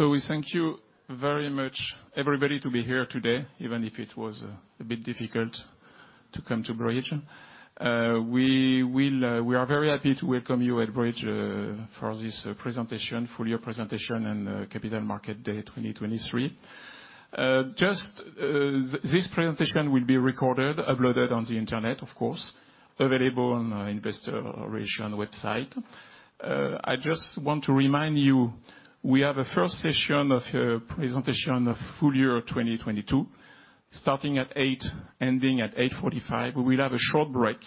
We thank you very much everybody to be here today, even if it was a bit difficult to come to Bridge. We will, we are very happy to welcome you at Bridge for this presentation, full year presentation and Capital Market Day 2023. Just, this presentation will be recorded, uploaded on the internet, of course, available on investor relations website. I just want to remind you, we have a first session of a presentation of full year 2022, starting at 8:00, ending at 8:45. We will have a short break.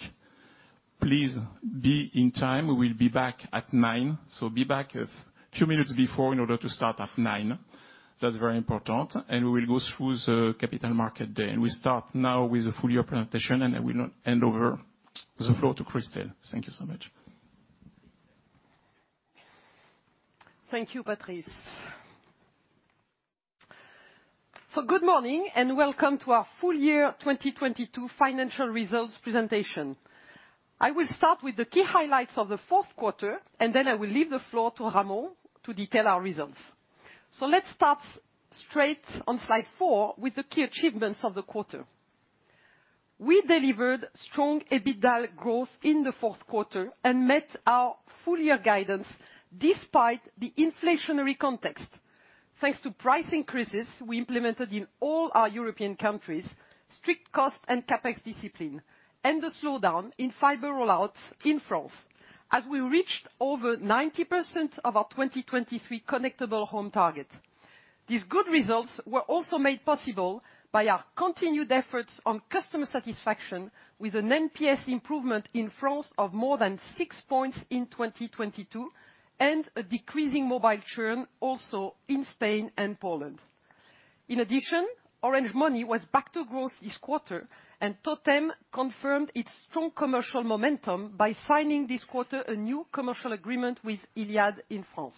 Please be in time. We will be back at nine, so be back a few minutes before in order to start at nine. That's very important, and we will go through the Capital Market Day. We start now with the full year presentation. I will now hand over the floor to Christine. Thank you so much. Thank you, Patrice. Good morning, and welcome to our full year 2022 financial results presentation. I will start with the key highlights of the fourth quarter, and then I will leave the floor to Ramon to detail our results. Let's start straight on slide four with the key achievements of the quarter. We delivered strong EBITDA growth in the fourth quarter and met our full year guidance despite the inflationary context. Thanks to price increases we implemented in all our European countries, strict cost and CapEx discipline, and the slowdown in fiber roll-outs in France, as we reached over 90% of our 2023 connectable home target. These good results were also made possible by our continued efforts on customer satisfaction with an NPS improvement in France of more than 6 points in 2022, and a decreasing mobile churn also in Spain and Poland. In addition, Orange Money was back to growth this quarter, and TOTEM confirmed its strong commercial momentum by signing this quarter a new commercial agreement with iliad in France.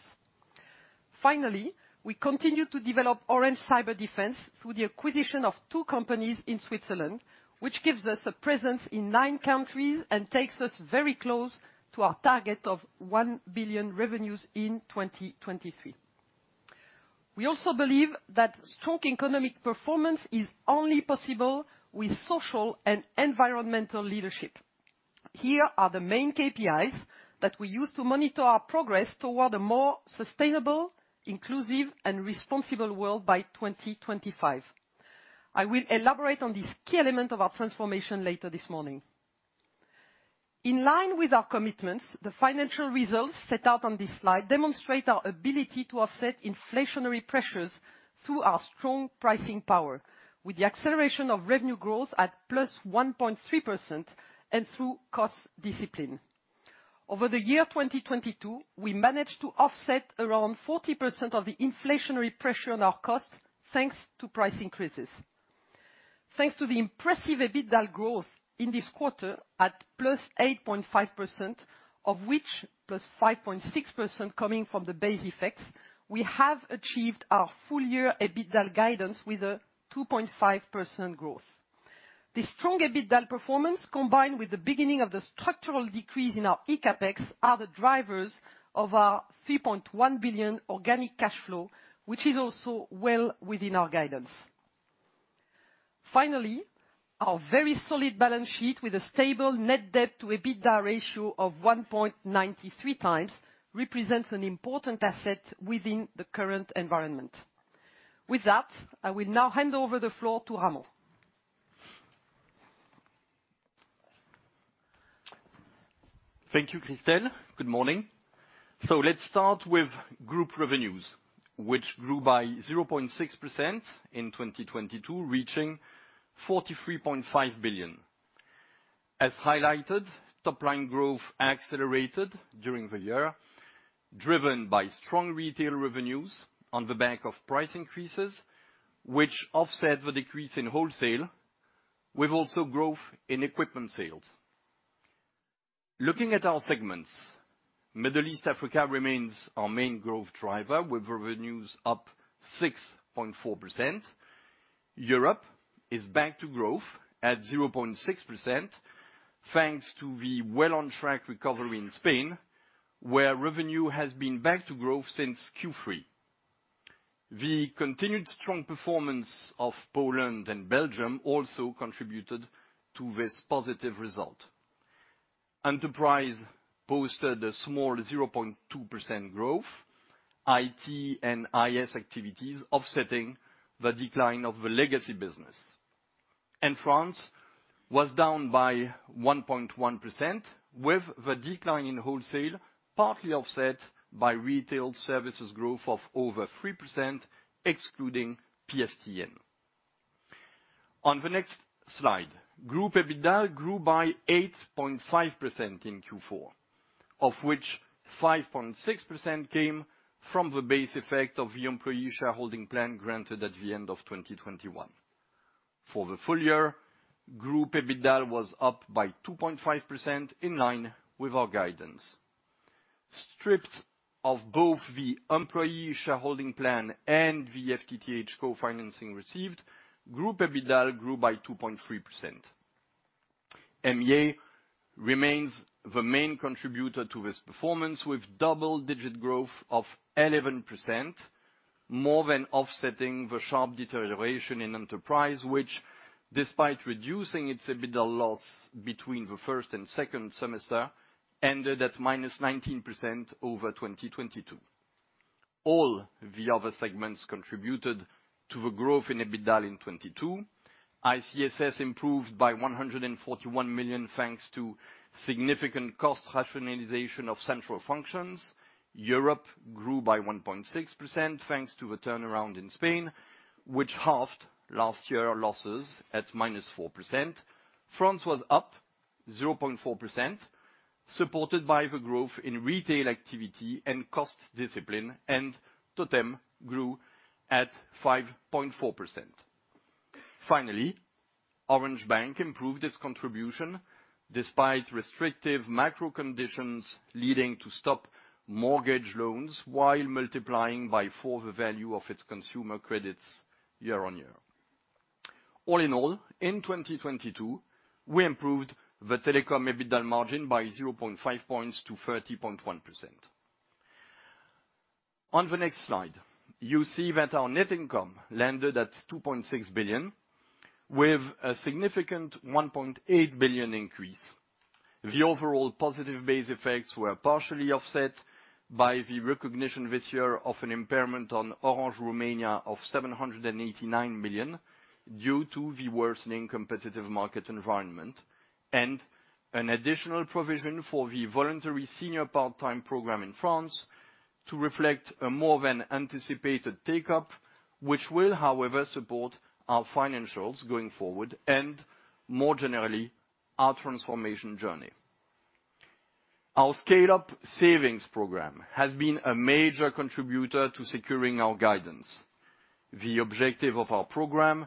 Finally, we continue to develop Orange Cyberdefense through the acquisition of two companies in Switzerland, which gives us a presence in nine countries and takes us very close to our target of 1 billion revenues in 2023. We also believe that strong economic performance is only possible with social and environmental leadership. Here are the main KPIs that we use to monitor our progress toward a more sustainable, inclusive, and responsible world by 2025. I will elaborate on this key element of our transformation later this morning. In line with our commitments, the financial results set out on this slide demonstrate our ability to offset inflationary pressures through our strong pricing power, with the acceleration of revenue growth at +1.3% and through cost discipline. Over the year 2022, we managed to offset around 40% of the inflationary pressure on our costs, thanks to price increases. Thanks to the impressive EBITDA growth in this quarter at +8.5%, of which +5.6% coming from the base effects, we have achieved our full year EBITDA guidance with a 2.5% growth. This strong EBITDA performance, combined with the beginning of the structural decrease in our eCapEx, are the drivers of our 3.1 billion organic cash flow, which is also well within our guidance. Finally, our very solid balance sheet with a stable net debt to EBITDA ratio of 1.93x represents an important asset within the current environment. With that, I will now hand over the floor to Ramon. Thank you, Christine. Good morning. Let's start with group revenues, which grew by 0.6% in 2022, reaching 43.5 billion. As highlighted, top line growth accelerated during the year, driven by strong retail revenues on the back of price increases, which offset the decrease in wholesale, with also growth in equipment sales. Looking at our segments, Middle East Africa remains our main growth driver with revenues up 6.4%. Europe is back to growth at 0.6%, thanks to the well on track recovery in Spain, where revenue has been back to growth since Q3. The continued strong performance of Poland and Belgium also contributed to this positive result. Enterprise posted a small 0.2% growth, IT and IS activities offsetting the decline of the legacy business. France was down by 1.1%, with the decline in wholesale partly offset by retail services growth of over 3% excluding PSTN. On the next slide, group EBITDA grew by 8.5% in Q4, of which 5.6% came from the base effect of the employee shareholding plan granted at the end of 2021. For the full year, group EBITDA was up by 2.5%, in line with our guidance. Stripped of both the employee shareholding plan and the FTTH co-financing received, group EBITDA grew by 2.3%. MEA remains the main contributor to this performance, with double-digit growth of 11%, more than offsetting the sharp deterioration in enterprise, which despite reducing its EBITDA loss between the first and second semester, ended at minus 19% over 2022. All the other segments contributed to the growth in EBITDA in 2022. ICSS improved by 141 million, thanks to significant cost rationalization of central functions. Europe grew by 1.6%, thanks to a turnaround in Spain, which halved last year losses at -4%. France was up 0.4%, supported by the growth in retail activity and cost discipline. TOTEM grew at 5.4%. Finally, Orange Bank improved its contribution despite restrictive macro conditions leading to stop mortgage loans while multiplying by four the value of its consumer credits year-on-year. All in all, in 2022, we improved the telecom EBITDA margin by 0.5 points to 30.1%. On the next slide, you see that our net income landed at 2.6 billion with a significant 1.8 billion increase. The overall positive base effects were partially offset by the recognition this year of an impairment on Orange Romania of 789 million due to the worsening competitive market environment. An additional provision for the voluntary senior part-time program in France to reflect a more than anticipated take-up, which will, however, support our financials going forward and more generally, our transformation journey. Our Scale Up savings program has been a major contributor to securing our guidance. The objective of our program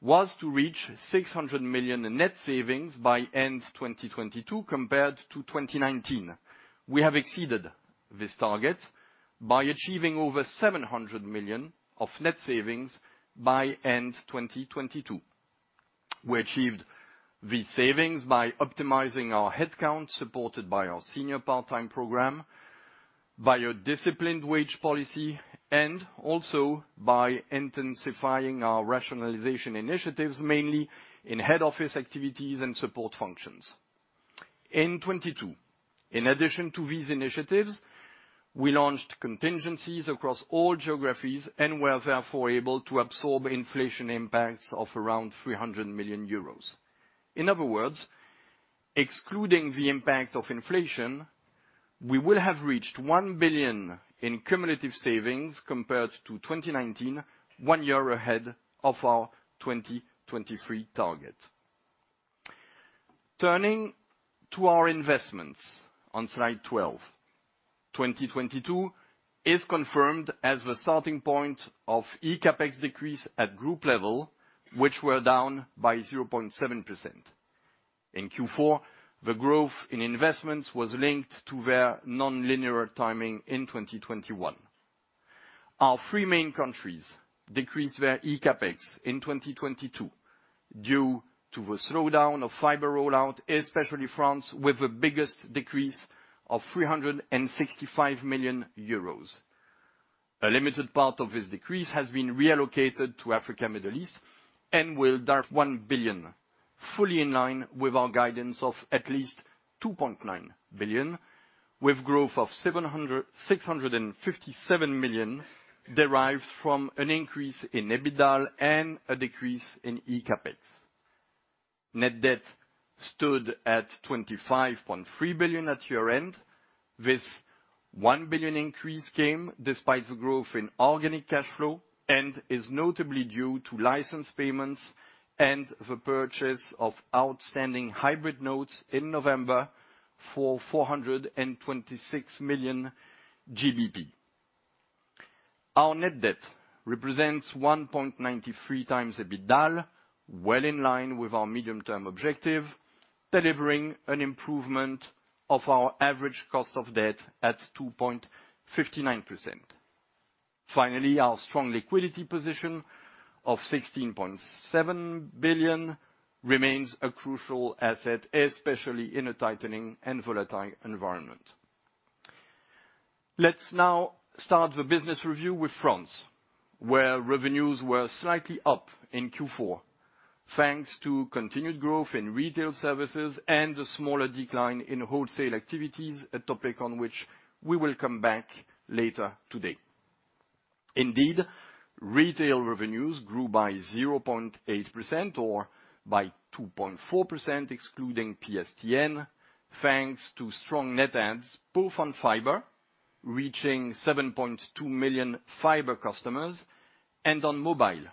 was to reach 600 million in net savings by end 2022 compared to 2019. We have exceeded this target by achieving over 700 million of net savings by end 2022. We achieved these savings by optimizing our headcount, supported by our senior part-time program, by a disciplined wage policy, and also by intensifying our rationalization initiatives, mainly in head office activities and support functions. In 2022, in addition to these initiatives, we launched contingencies across all geographies and were therefore able to absorb inflation impacts of around 300 million euros. In other words, excluding the impact of inflation, we will have reached 1 billion in cumulative savings compared to 2019, one year ahead of our 2023 target. Turning to our investments on slide 12. 2022 is confirmed as the starting point of eCapEx decrease at group level, which were down by 0.7%. In Q4, the growth in investments was linked to their nonlinear timing in 2021. Our three main countries decreased their eCapEx in 2022 due to the slowdown of fiber rollout, especially France, with the biggest decrease of 365 million euros. A limited part of this decrease has been reallocated to Africa, Middle East and will drive 1 billion, fully in line with our guidance of at least 2.9 billion, with growth of 657 million derived from an increase in EBITDA and a decrease in eCapEx. Net debt stood at 25.3 billion at year-end. This 1 billion increase came despite the growth in organic cash flow and is notably due to license payments and the purchase of outstanding hybrid notes in November for GBP 426 million. Our net debt represents 1.93x EBITDA, well in line with our medium-term objective, delivering an improvement of our average cost of debt at 2.59%. Our strong liquidity position of 16.7 billion remains a crucial asset, especially in a tightening and volatile environment. Let's now start the business review with France, where revenues were slightly up in Q4, thanks to continued growth in retail services and a smaller decline in wholesale activities, a topic on which we will come back later today. Indeed, retail revenues grew by 0.8% or by 2.4% excluding PSTN, thanks to strong net adds both on fiber, reaching 7.2 million fiber customers, and on mobile,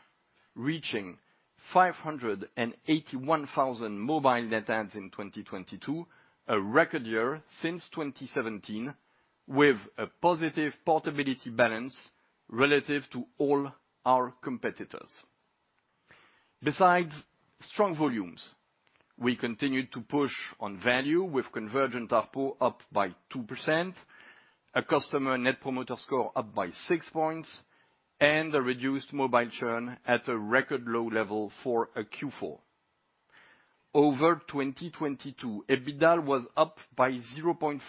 reaching 581,000 mobile net adds in 2022, a record year since 2017, with a positive portability balance relative to all our competitors. Besides strong volumes, we continued to push on value with convergent ARPU up by 2%. A customer net promoter score up by 6 points, and a reduced mobile churn at a record low level for a Q4. Over 2022, EBITDA was up by 0.4%,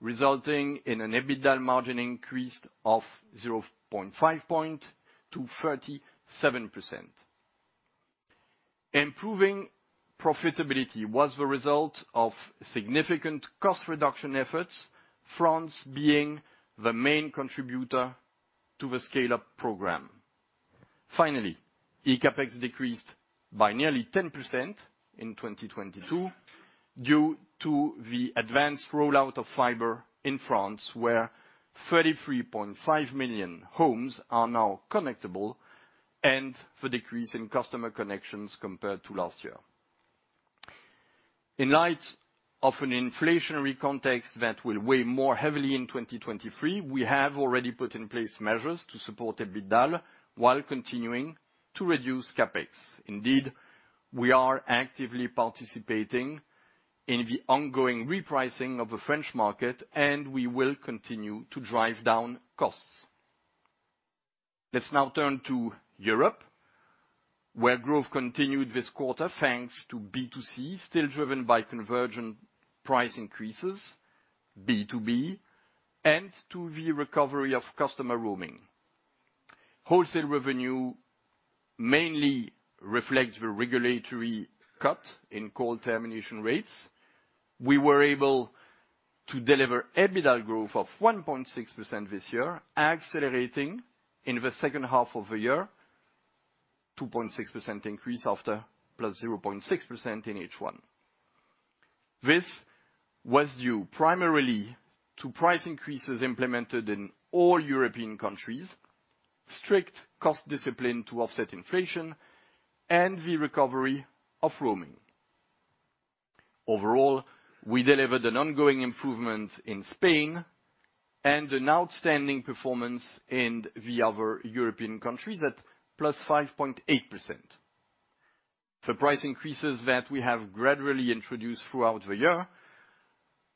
resulting in an EBITDA margin increase of 0.5 point to 37%. Improving profitability was the result of significant cost reduction efforts, France being the main contributor to the Scale Up program. eCapEx decreased by nearly 10% in 2022 due to the advanced rollout of fiber in France, where 33.5 million homes are now connectable, and the decrease in customer connections compared to last year. In light of an inflationary context that will weigh more heavily in 2023, we have already put in place measures to support EBITDA while continuing to reduce CapEx. We are actively participating in the ongoing repricing of the French market, and we will continue to drive down costs. Let's now turn to Europe, where growth continued this quarter, thanks to B2C, still driven by convergent price increases, B2B, and to the recovery of customer roaming. Wholesale revenue mainly reflects the regulatory cut in call termination rates. We were able to deliver EBITDA growth of 1.6% this year, accelerating in the second half of the year, 2.6% increase after +0.6% in H1. This was due primarily to price increases implemented in all European countries, strict cost discipline to offset inflation, and the recovery of roaming. Overall, we delivered an ongoing improvement in Spain and an outstanding performance in the other European countries at +5.8%. The price increases that we have gradually introduced throughout the year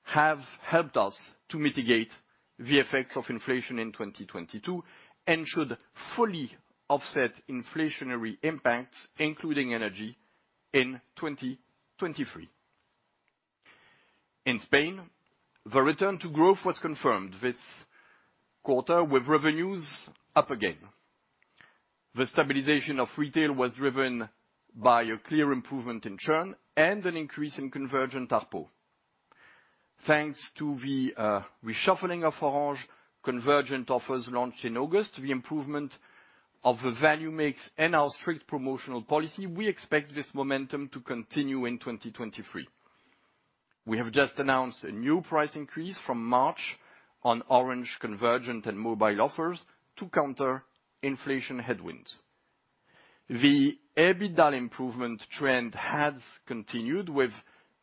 have helped us to mitigate the effects of inflation in 2022 and should fully offset inflationary impacts, including energy in 2023. In Spain, the return to growth was confirmed this quarter with revenues up again. The stabilization of retail was driven by a clear improvement in churn and an increase in convergent ARPU. Thanks to the reshuffling of Orange convergent offers launched in August, the improvement of the value mix and our strict promotional policy, we expect this momentum to continue in 2023. We have just announced a new price increase from March on Orange convergent and mobile offers to counter inflation headwinds. The EBITDA improvement trend has continued with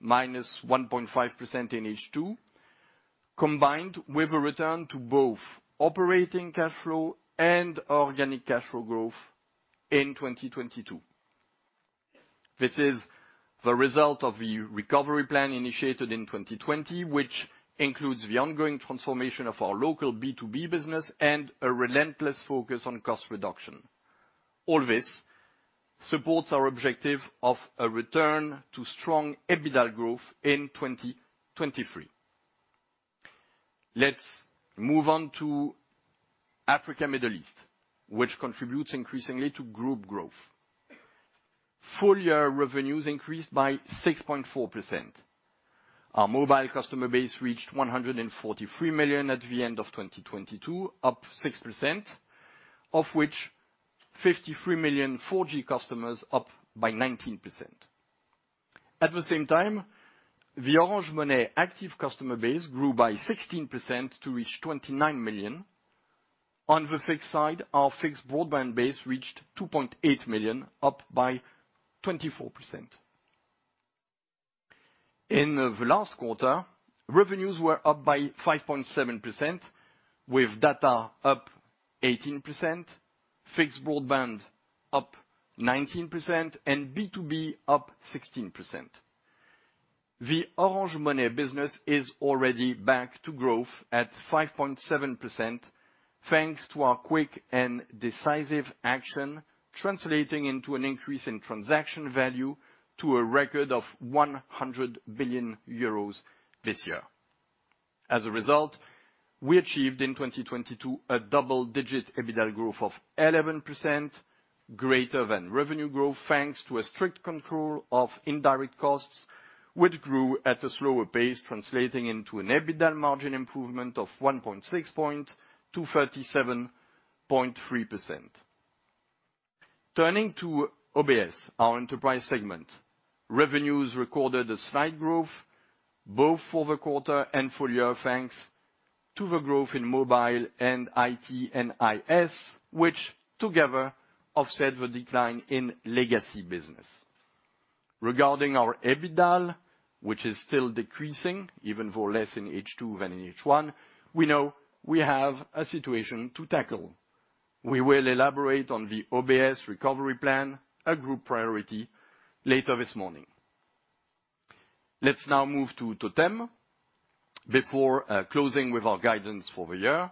-1.5% in H2, combined with a return to both operating cash flow and organic cash flow growth in 2022. This is the result of the recovery plan initiated in 2020, which includes the ongoing transformation of our local B2B business and a relentless focus on cost reduction. All this supports our objective of a return to strong EBITDA growth in 2023. Let's move on to Africa, Middle East, which contributes increasingly to group growth. Full year revenues increased by 6.4%. Our mobile customer base reached 143 million at the end of 2022, up 6%, of which 53 million 4G customers up by 19%. At the same time, the Orange Money active customer base grew by 16% to reach 29 million. On the fixed side, our fixed broadband base reached 2.8 million, up by 24%. In the last quarter, revenues were up by 5.7%, with data up 18%, fixed broadband up 19%, and B2B up 16%. The Orange Money business is already back to growth at 5.7%, thanks to our quick and decisive action, translating into an increase in transaction value to a record of 100 billion euros this year. As a result, we achieved in 2022 a double-digit EBITDA growth of 11%, greater than revenue growth, thanks to a strict control of indirect costs, which grew at a slower pace, translating into an EBITDA margin improvement of 1.6 point to 37.3%. Turning to OBS, our enterprise segment. Revenues recorded a slight growth both for the quarter and full year, thanks to the growth in mobile and IT and IS, which together offset the decline in legacy business. Regarding our EBITDA, which is still decreasing, even though less in H2 than in H1, we know we have a situation to tackle. We will elaborate on the OBS recovery plan, a group priority, later this morning. Let's now move to TOTEM before closing with our guidance for the year.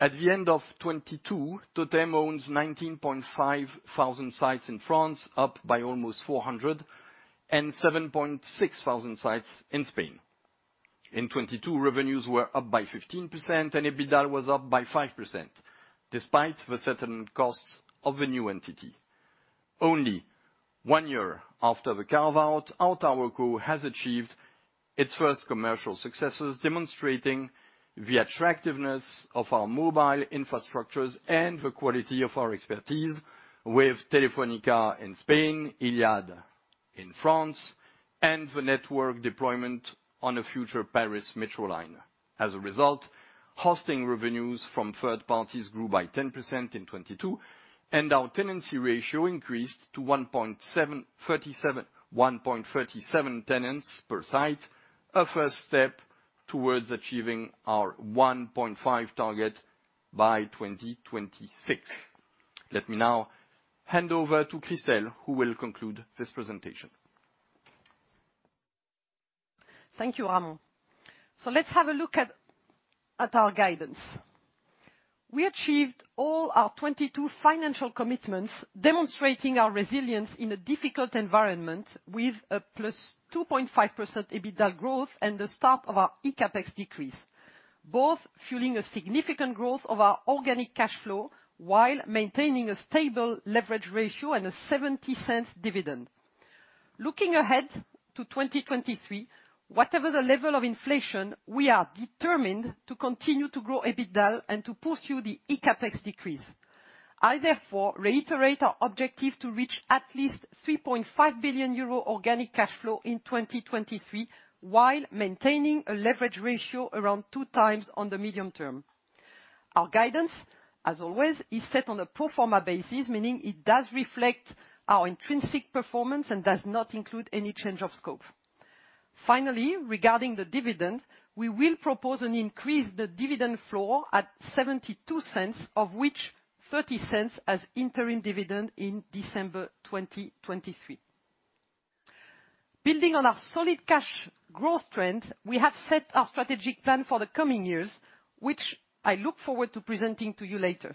At the end of 2022, TOTEM owns 19,500 sites in France, up by almost 400, and 7,600 sites in Spain. In 2022, revenues were up by 15% and EBITDA was up by 5%, despite the certain costs of the new entity. Only one year after the carve-out, our TowerCo has achieved its first commercial successes, demonstrating the attractiveness of our mobile infrastructures and the quality of our expertise with Telefónica in Spain, iliad in France, and the network deployment on the future Paris Metro line. Result, hosting revenues from third parties grew by 10% in 2022, and our tenancy ratio increased to 1.737, 1.37 tenants per site, a first step towards achieving our 1.5 target by 2026. Let me now hand over to Christel, who will conclude this presentation. Thank you, Ramon. Let's have a look at our guidance. We achieved all our 2022 financial commitments, demonstrating our resilience in a difficult environment with a plus 2.5% EBITDA growth and the start of our eCapEx decrease, both fueling a significant growth of our organic cash flow while maintaining a stable leverage ratio and a 0.70 dividend. Looking ahead to 2023, whatever the level of inflation, we are determined to continue to grow EBITDA and to pursue the eCapEx decrease. I therefore reiterate our objective to reach at least 3.5 billion euro organic cash flow in 2023, while maintaining a leverage ratio around 2 times on the medium term. Our guidance, as always, is set on a pro forma basis, meaning it does reflect our intrinsic performance and does not include any change of scope. Finally, regarding the dividend, we will propose and increase the dividend flow at 0.72, of which 0.30 as interim dividend in December 2023. Building on our solid cash growth trend, we have set our strategic plan for the coming years, which I look forward to presenting to you later.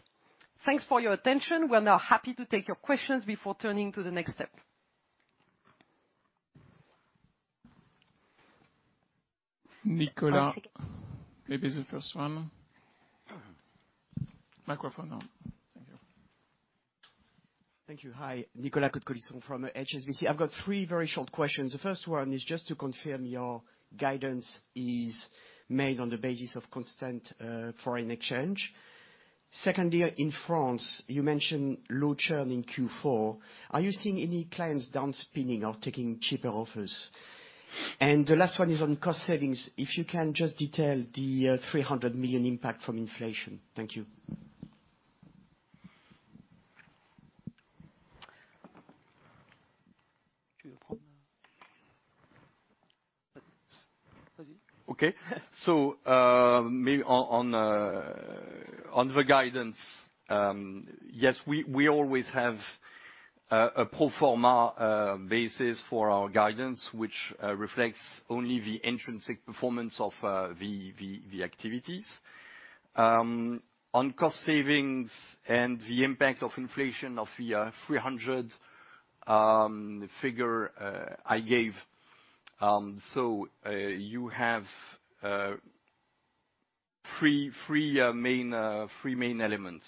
Thanks for your attention. We are now happy to take your questions before turning to the next step. Nicolas, maybe the first one. Microphone on. Thank you. Thank you. Hi, Nicolas Cote-Colisson from HSBC. I've got three very short questions. The first one is just to confirm your guidance is made on the basis of constant foreign exchange. Secondly, in France, you mentioned low churn in Q4. Are you seeing any clients downspinning or taking cheaper offers? The last one is on cost savings, if you can just detail the 300 million impact from inflation. Thank you. Okay. On the guidance, yes, we always have a pro forma basis for our guidance, which reflects only the intrinsic performance of the activities. On cost savings and the impact of inflation of the 300 figure I gave, you have three main elements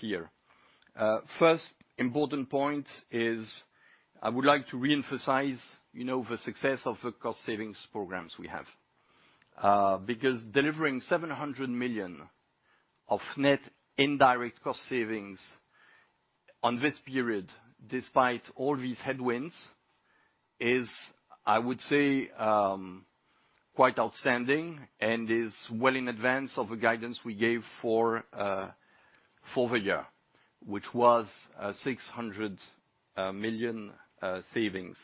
here. First important point is I would like to reemphasize, you know, the success of the cost savings programs we have, because delivering 700 million of net indirect cost savings on this period, despite all these headwinds, is, I would say, quite outstanding and is well in advance of the guidance we gave for the year, which was 600 million savings.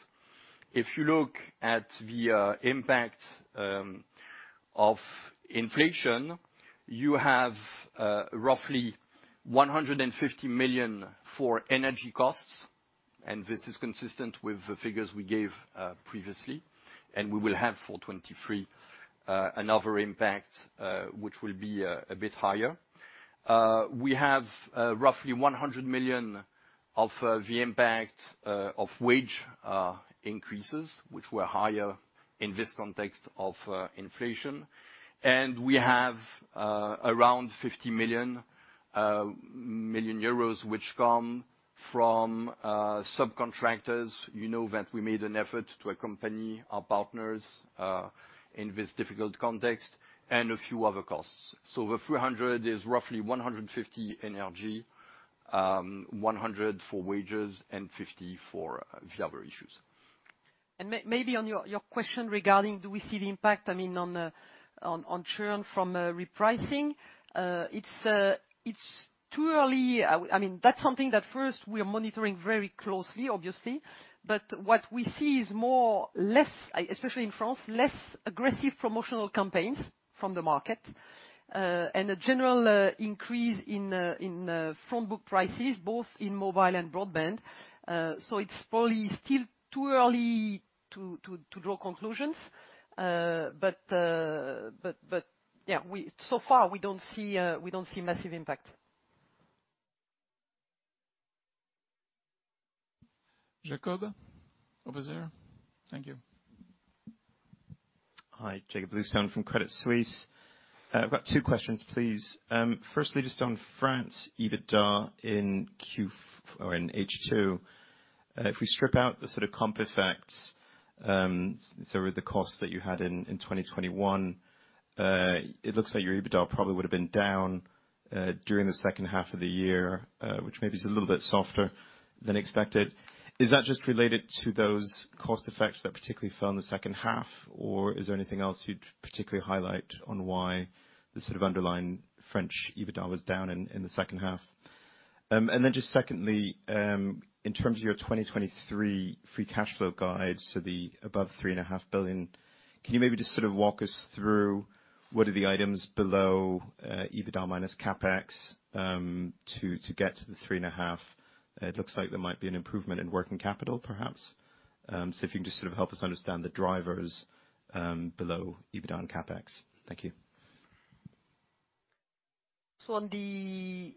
If you look at the impact of inflation, you have roughly 150 million for energy costs, and this is consistent with the figures we gave previously. We will have for 2023 another impact which will be a bit higher. We have roughly 100 million of the impact of wage increases, which were higher in this context of inflation. We have around 50 million euros which come from subcontractors. You know that we made an effort to accompany our partners in this difficult context and a few other costs. The 300 million is roughly 150 million energy, 100 million for wages and 50 million for the other issues. Maybe on your question regarding do we see the impact, I mean, on churn from repricing, it's too early. I mean, that's something that first we are monitoring very closely, obviously. What we see is more, less, especially in France, less aggressive promotional campaigns from the market. A general increase in phone book prices, both in mobile and broadband. It's probably still too early to draw conclusions, but yeah, so far, we don't see massive impact. Jacob, over there. Thank you. Hi, Jakob Bluestone from Credit Suisse. I've got two questions, please. Firstly, just on France EBITDA in H2. If we strip out the sort of comp effects, so with the costs that you had in 2021, it looks like your EBITDA probably would've been down during the second half of the year, which maybe is a little bit softer than expected. Is that just related to those cost effects that particularly fell in the second half? Or is there anything else you'd particularly highlight on why the sort of underlying French EBITDA was down in the second half? Then just secondly, in terms of your 2023 free cash flow guide, the above three and a half billion, can you maybe just sort of walk us through what are the items below EBITDA minus CapEx to get to the three and a half? It looks like there might be an improvement in working capital, perhaps. If you can just sort of help us understand the drivers below EBITDA and CapEx. Thank you. On the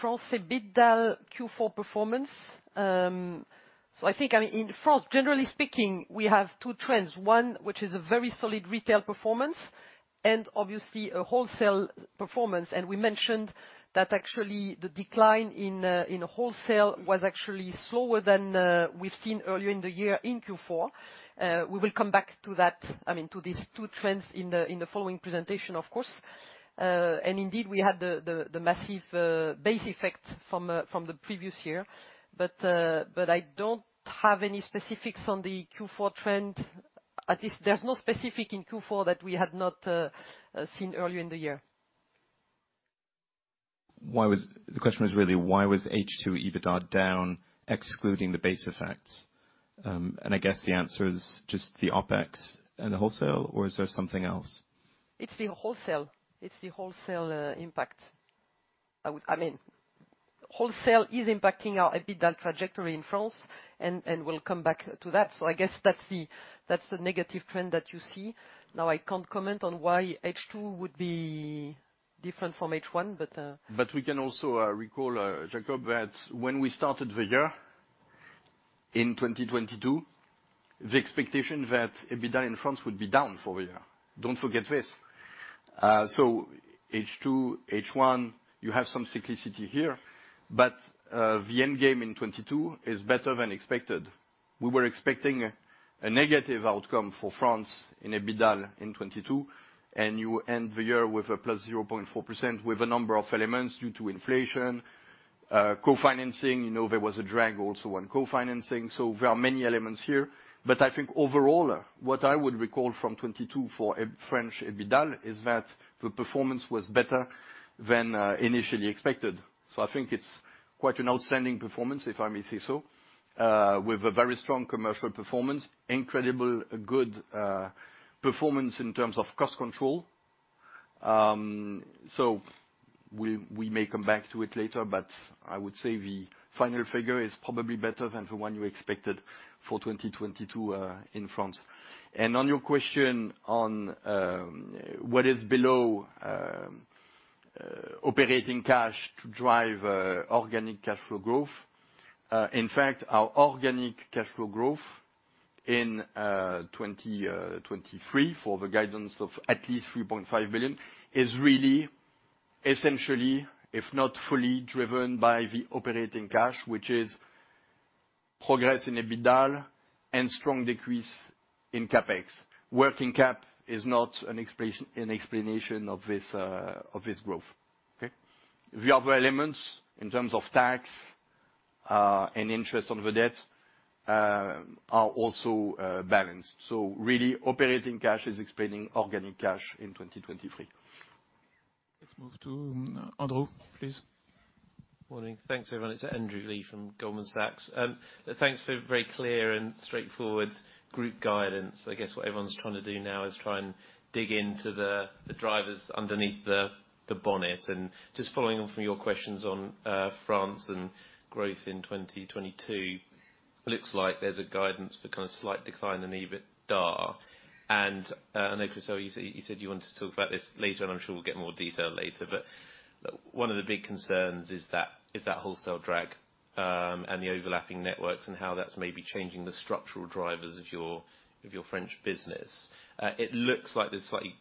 France EBITDA Q4 performance, I think, I mean, in France, generally speaking, we have two trends. One, which is a very solid retail performance, and obviously a wholesale performance. We mentioned that actually the decline in wholesale was actually slower than we've seen earlier in the year in Q4. We will come back to that, I mean, to these two trends in the following presentation, of course. Indeed, we had the massive base effect from the previous year. I don't have any specifics on the Q4 trend. At least there's no specific in Q4 that we had not seen earlier in the year. The question was really why was H2 EBITDA down excluding the base effects? I guess the answer is just the OpEx and the wholesale, or is there something else? It's the wholesale. It's the wholesale, impact. I mean, wholesale is impacting our EBITDA trajectory in France, and we'll come back to that. I guess that's the, that's the negative trend that you see. I can't comment on why H2 would be different from H1, but. We can also recall, Jakob, that when we started the year in 2022, the expectation that EBITDA in France would be down for the year. Don't forget this. H2, H1, you have some cyclicity here, but the end game in 22 is better than expected. We were expecting a negative outcome for France in EBITDA in 22, and you end the year with a +0.4% with a number of elements due to inflation, co-financing. You know, there was a drag also on co-financing. There are many elements here, but I think overall, what I would recall from 22 for a French EBITDA is that the performance was better than initially expected. I think it's quite an outstanding performance, if I may say so, with a very strong commercial performance, incredibly good performance in terms of cost control. We may come back to it later, but I would say the final figure is probably better than the one you expected for 2022 in France. On your question on what is below operating cash to drive organic cash flow growth. In fact, our organic cash flow growth in 2023 for the guidance of at least 3.5 billion is really essentially, if not fully driven by the operating cash, which is progress in EBITDA and strong decrease in CapEx. Working cap is not an explanation of this growth. Okay? The other elements in terms of tax, and interest on the debt, are also, balanced. Really operating cash is explaining organic cash in 2023. Let's move to Andrew, please. Morning. Thanks, everyone. It's Andrew Lee from Goldman Sachs. Thanks for very clear and straightforward group guidance. I guess what everyone's trying to do now is try and dig into the drivers underneath the bonnet. Just following on from your questions on France and growth in 2022, looks like there's a guidance for kinda slight decline in EBITDA. I know, Christophe, you said you wanted to talk about this later, and I'm sure we'll get more detail later, but one of the big concerns is that wholesale drag and the overlapping networks and how that's maybe changing the structural drivers of your French business. It looks like there's slightly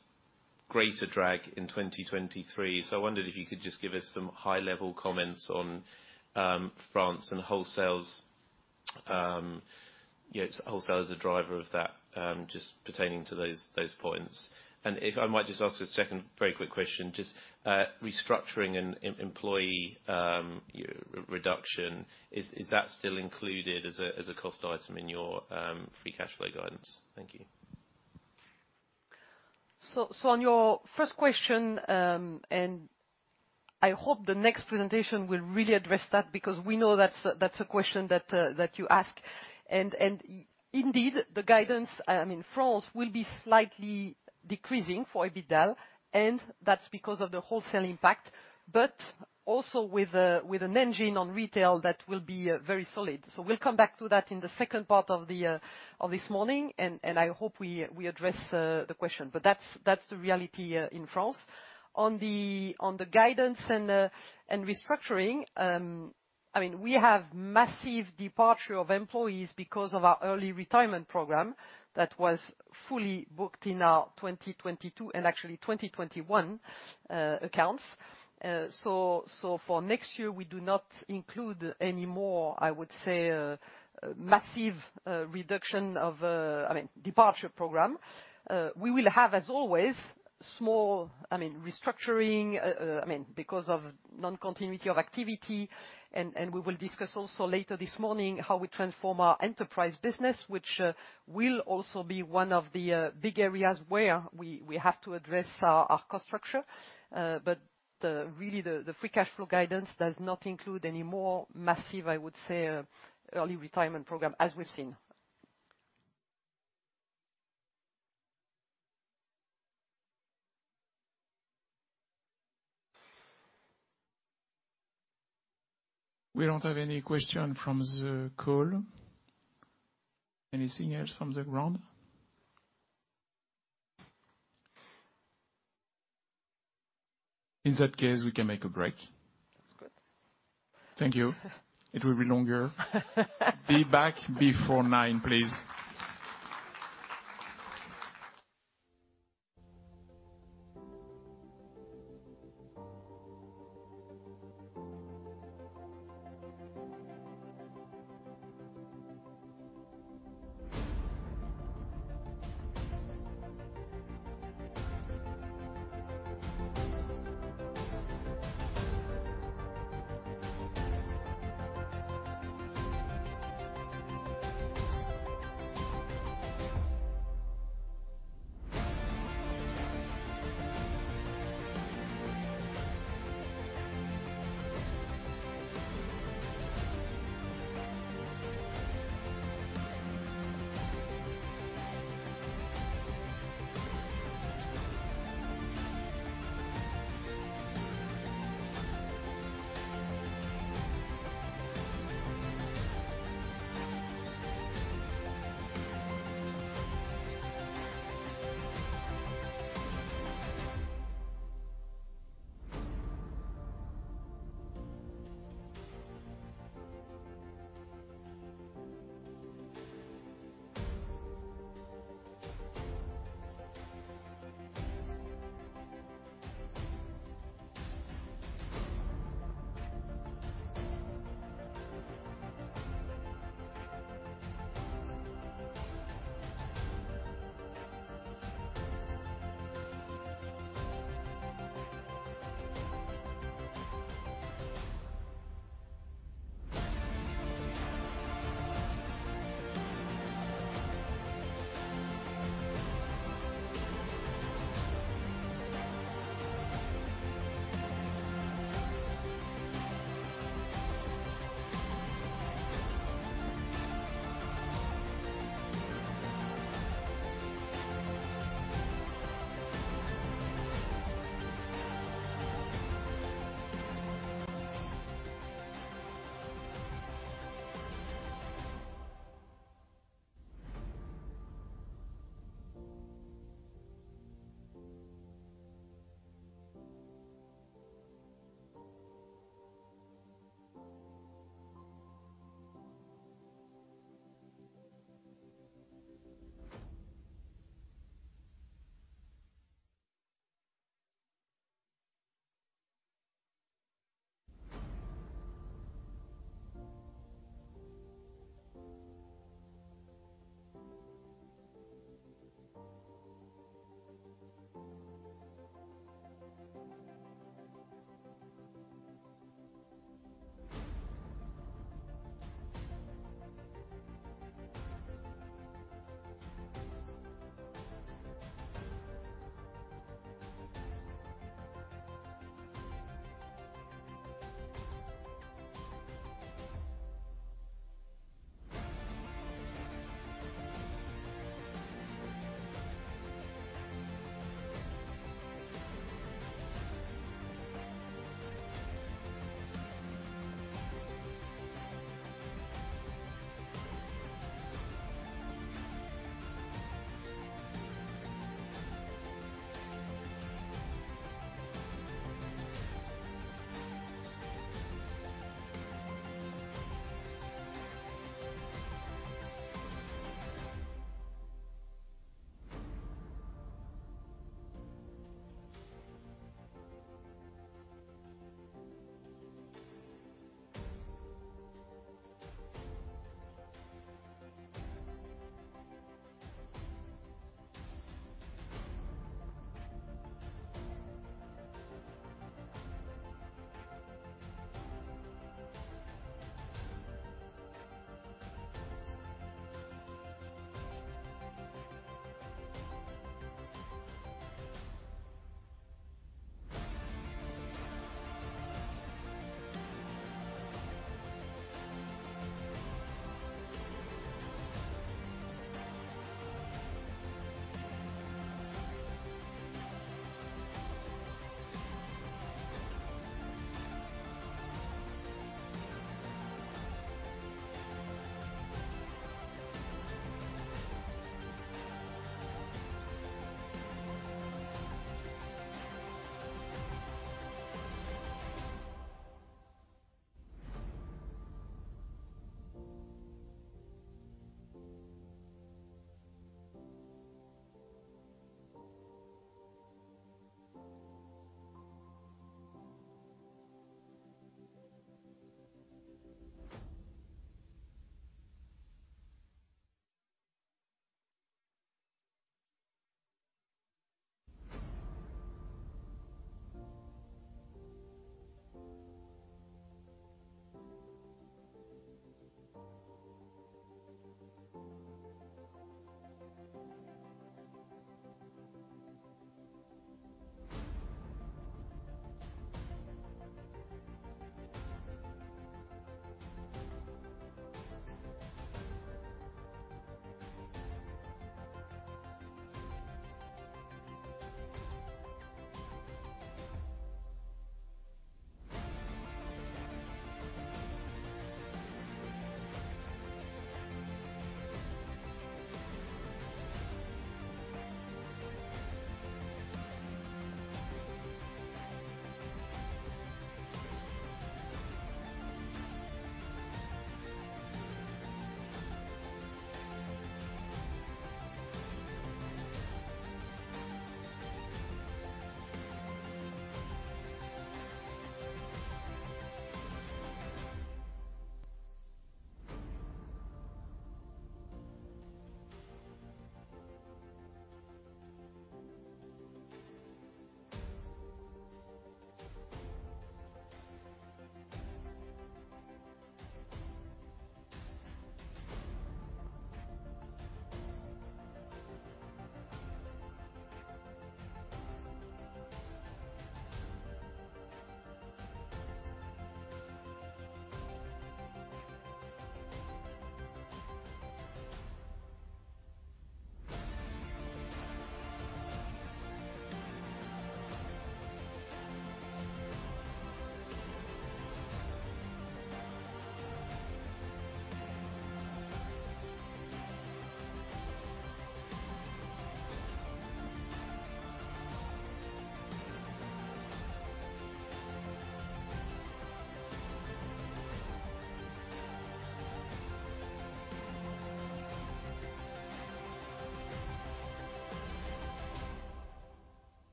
greater drag in 2023. I wondered if you could just give us some high level comments on France and wholesales, you know, wholesale as a driver of that, just pertaining to those points. If I might just ask a second very quick question, just restructuring and employee reduction, is that still included as a cost item in your free cash flow guidance? Thank you. On your first question, and I hope the next presentation will really address that because we know that's a question that you ask. Indeed, the guidance in France will be slightly decreasing for EBITDA, and that's because of the wholesale impact. Also with an engine on retail that will be very solid. We'll come back to that in the second part of this morning, and I hope we address the question. That's the reality in France. On the guidance and restructuring, I mean, we have massive departure of employees because of our early retirement program that was fully booked in our 2022, and actually 2021 accounts. For next year, we do not include any more, I would say, massive reduction of... I mean, departure program. We will have, as always, small, I mean, restructuring, I mean, because of non-continuity of activity. We will discuss also later this morning how we transform our enterprise business, which will also be one of the big areas where we have to address our cost structure. The, really, the free cash flow guidance does not include any more massive, I would say, early retirement program as we've seen. We don't have any question from the call. Anything else from the ground? In that case, we can make a break. That's good. Thank you. It will be longer. Be back before nine, please.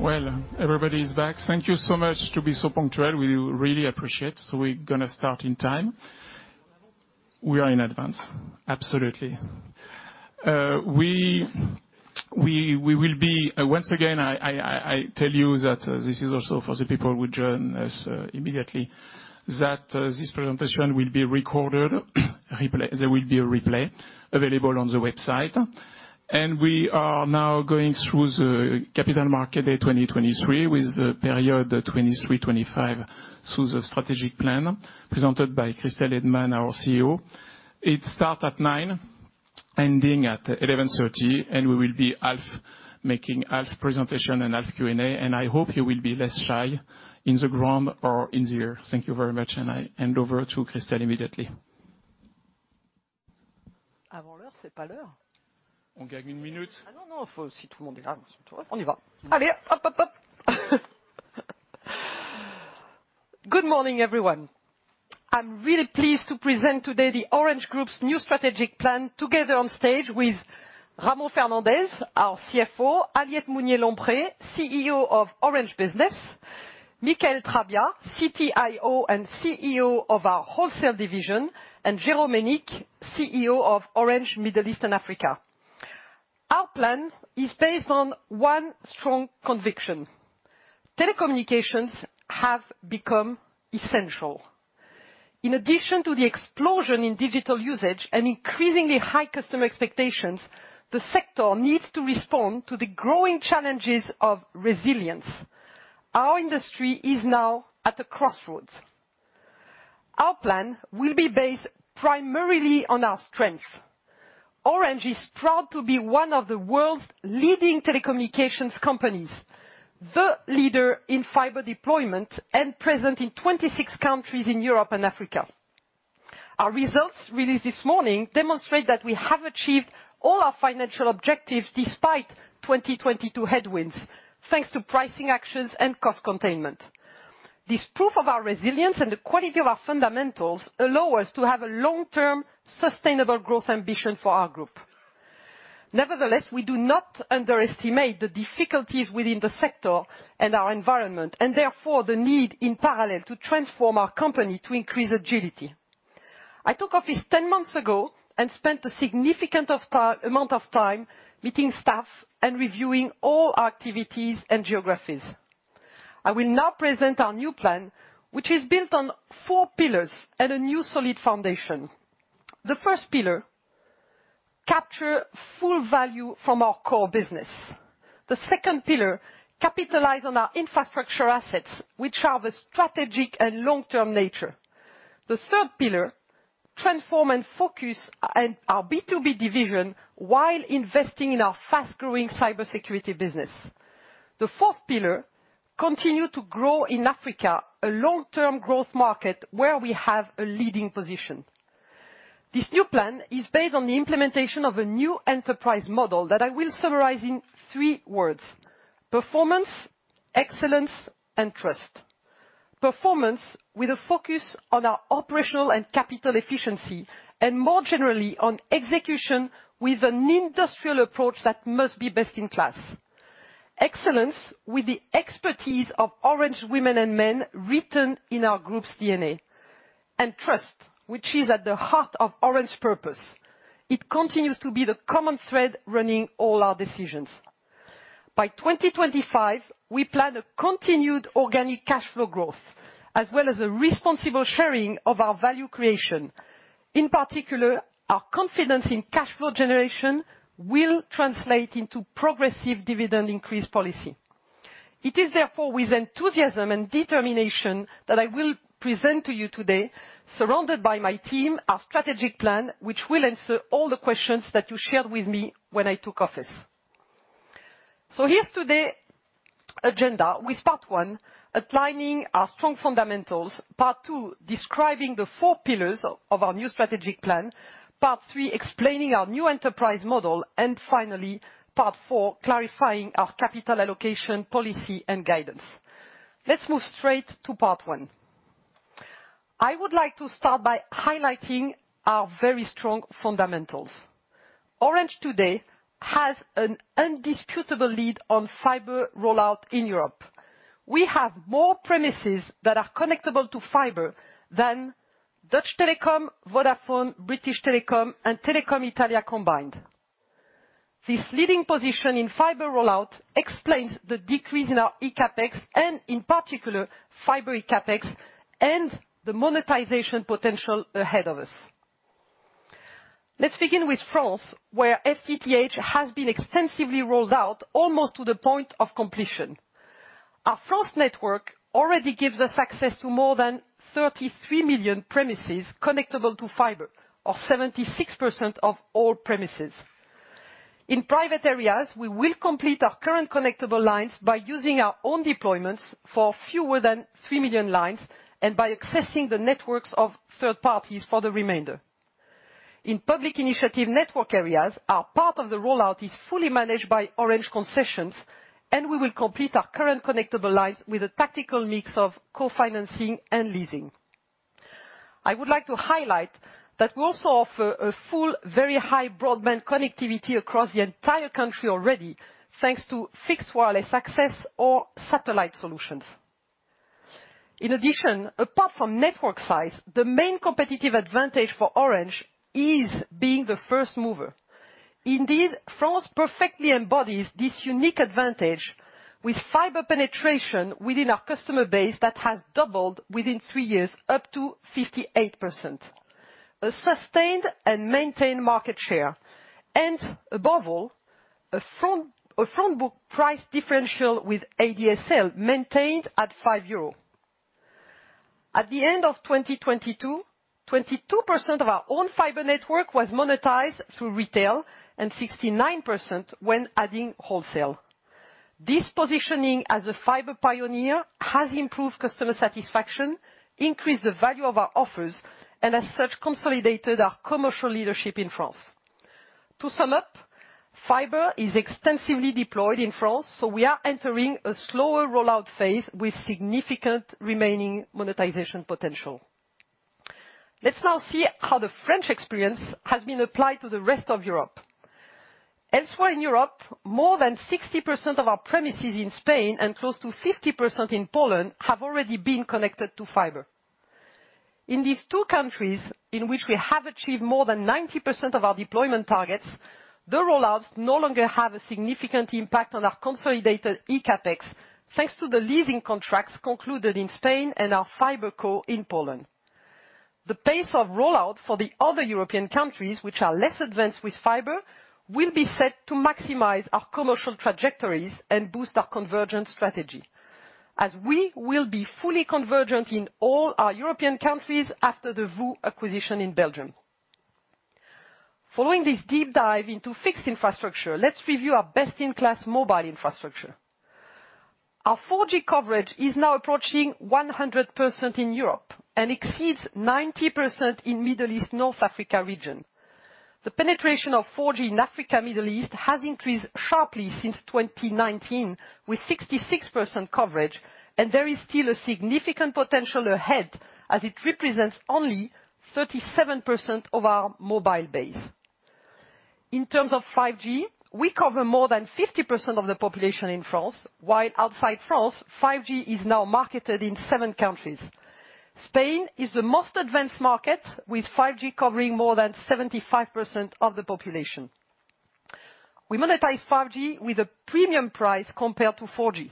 Well, everybody is back. Thank you so much to be so punctual. We really appreciate. We're going to start in time. We are in advance, absolutely. Once again, I tell you that this is also for the people who join us immediately, that this presentation will be recorded. There will be a replay available on the website. We are now going through the Capital Market Day 2023, with the period 2023-2025 through the strategic plan presented by Christel Heydemann, our CEO. It starts at 9:00 A.M., ending at 11:30 A.M. We will be making half presentation and half Q&A. I hope you will be less shy in the ground or in the air. Thank you very much. I hand over to Christel immediately. Good morning, everyone. I'm really pleased to present today the Orange Group's new strategic plan together on stage with Ramon Fernandez, our CFO, Aliette Mousnier-Lompré, CEO of Orange Business, Michaël Trabbia, CTIO and CEO of our Wholesale division, and Jérôme Hénique, CEO of Orange Middle East and Africa. Our plan is based on one strong conviction. Telecommunications have become essential. In addition to the explosion in digital usage and increasingly high customer expectations, the sector needs to respond to the growing challenges of resilience. Our industry is now at a crossroads. Our plan will be based primarily on our strength. Orange is proud to be one of the world's leading telecommunications companies, the leader in fiber deployment and present in 26 countries in Europe and Africa. Our results released this morning demonstrate that we have achieved all our financial objectives despite 2022 headwinds, thanks to pricing actions and cost containment. This proof of our resilience and the quality of our fundamentals allow us to have a long-term sustainable growth ambition for our group. Nevertheless, we do not underestimate the difficulties within the sector and our environment, and therefore, the need in parallel to transform our company to increase agility. I took office ten months ago and spent a significant amount of time meeting staff and reviewing all our activities and geographies. I will now present our new plan, which is built on four pillars and a new solid foundation. The first pillar, capture full value from our core business. The second pillar, capitalize on our infrastructure assets, which are the strategic and long-term nature. The third pillar, transform and focus on our B2B division while investing in our fast-growing cybersecurity business. The fourth pillar, continue to grow in Africa, a long-term growth market where we have a leading position. This new plan is based on the implementation of a new enterprise model that I will summarize in three words: performance, excellence, and trust. Performance with a focus on our operational and capital efficiency, and more generally, on execution with an industrial approach that must be best in class. Excellence with the expertise of Orange women and men written in our group's DNA. Trust, which is at the heart of Orange purpose. It continues to be the common thread running all our decisions. By 2025, we plan a continued organic cash flow growth, as well as a responsible sharing of our value creation. In particular, our confidence in cash flow generation will translate into progressive dividend increase policy. It is therefore with enthusiasm and determination that I will present to you today, surrounded by my team, our strategic plan, which will answer all the questions that you shared with me when I took office. Here's today agenda with part one, outlining our strong fundamentals, part two, describing the four pillars of our new strategic plan, part three, explaining our new enterprise model, and finally, part four, clarifying our capital allocation policy and guidance. Let's move straight to part one. I would like to start by highlighting our very strong fundamentals. Orange today has an indisputable lead on fiber rollout in Europe. We have more premises that are connectable to fiber than Deutsche Telekom, Vodafone, British Telecom, and Telecom Italia combined. This leading position in fiber rollout explains the decrease in our eCapEx, and in particular, fiber eCapEx and the monetization potential ahead of us. Let's begin with France, where FTTH has been extensively rolled out almost to the point of completion. Our first network already gives us access to more than 33 million premises connectable to fiber, or 76% of all premises. In private areas, we will complete our current connectable lines by using our own deployments for fewer than 3 million lines, and by accessing the networks of third parties for the remainder. In public initiative network areas, our part of the rollout is fully managed by Orange Concessions, and we will complete our current connectable lines with a tactical mix of co-financing and leasing. I would like to highlight that we also offer a full very high broadband connectivity across the entire country already, thanks to fixed wireless access or satellite solutions. In addition, apart from network size, the main competitive advantage for Orange is being the first mover. Indeed, France perfectly embodies this unique advantage with fiber penetration within our customer base that has doubled within three years up to 58%. A sustained and maintained market share, and above all, a front book price differential with ADSL maintained at 5 euro. At the end of 2022, 22% of our own fiber network was monetized through retail, and 69% when adding wholesale. This positioning as a fiber pioneer has improved customer satisfaction, increased the value of our offers, and as such, consolidated our commercial leadership in France. To sum up, fiber is extensively deployed in France. We are entering a slower rollout phase with significant remaining monetization potential. Let's now see how the French experience has been applied to the rest of Europe. Elsewhere in Europe, more than 60% of our premises in Spain and close to 50% in Poland have already been connected to fiber. In these two countries, in which we have achieved more than 90% of our deployment targets, the rollouts no longer have a significant impact on our consolidated eCapEx, thanks to the leasing contracts concluded in Spain and our fiber co in Poland. The pace of rollout for the other European countries which are less advanced with fiber will be set to maximize our commercial trajectories and boost our convergent strategy, as we will be fully convergent in all our European countries after the VOO acquisition in Belgium. Following this deep dive into fixed infrastructure, let's review our best-in-class mobile infrastructure. Our 4G coverage is now approaching 100% in Europe and exceeds 90% in Middle East, North Africa region. The penetration of 4G in Africa, Middle East has increased sharply since 2019, with 66% coverage, and there is still a significant potential ahead as it represents only 37% of our mobile base. In terms of 5G, we cover more than 50% of the population in France, while outside France, 5G is now marketed in 7 countries. Spain is the most advanced market with 5G covering more than 75% of the population. We monetize 5G with a premium price compared to 4G.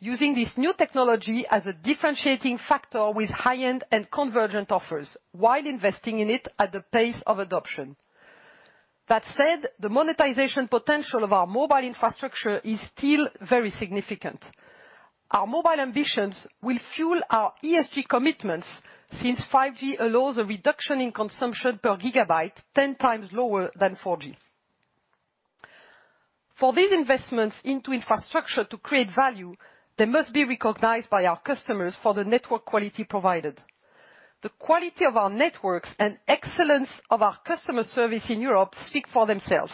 Using this new technology as a differentiating factor with high-end and convergent offers while investing in it at the pace of adoption. That said, the monetization potential of our mobile infrastructure is still very significant. Our mobile ambitions will fuel our ESG commitments since 5G allows a reduction in consumption per gigabyte 10 times lower than 4G. For these investments into infrastructure to create value, they must be recognized by our customers for the network quality provided. The quality of our networks and excellence of our customer service in Europe speak for themselves.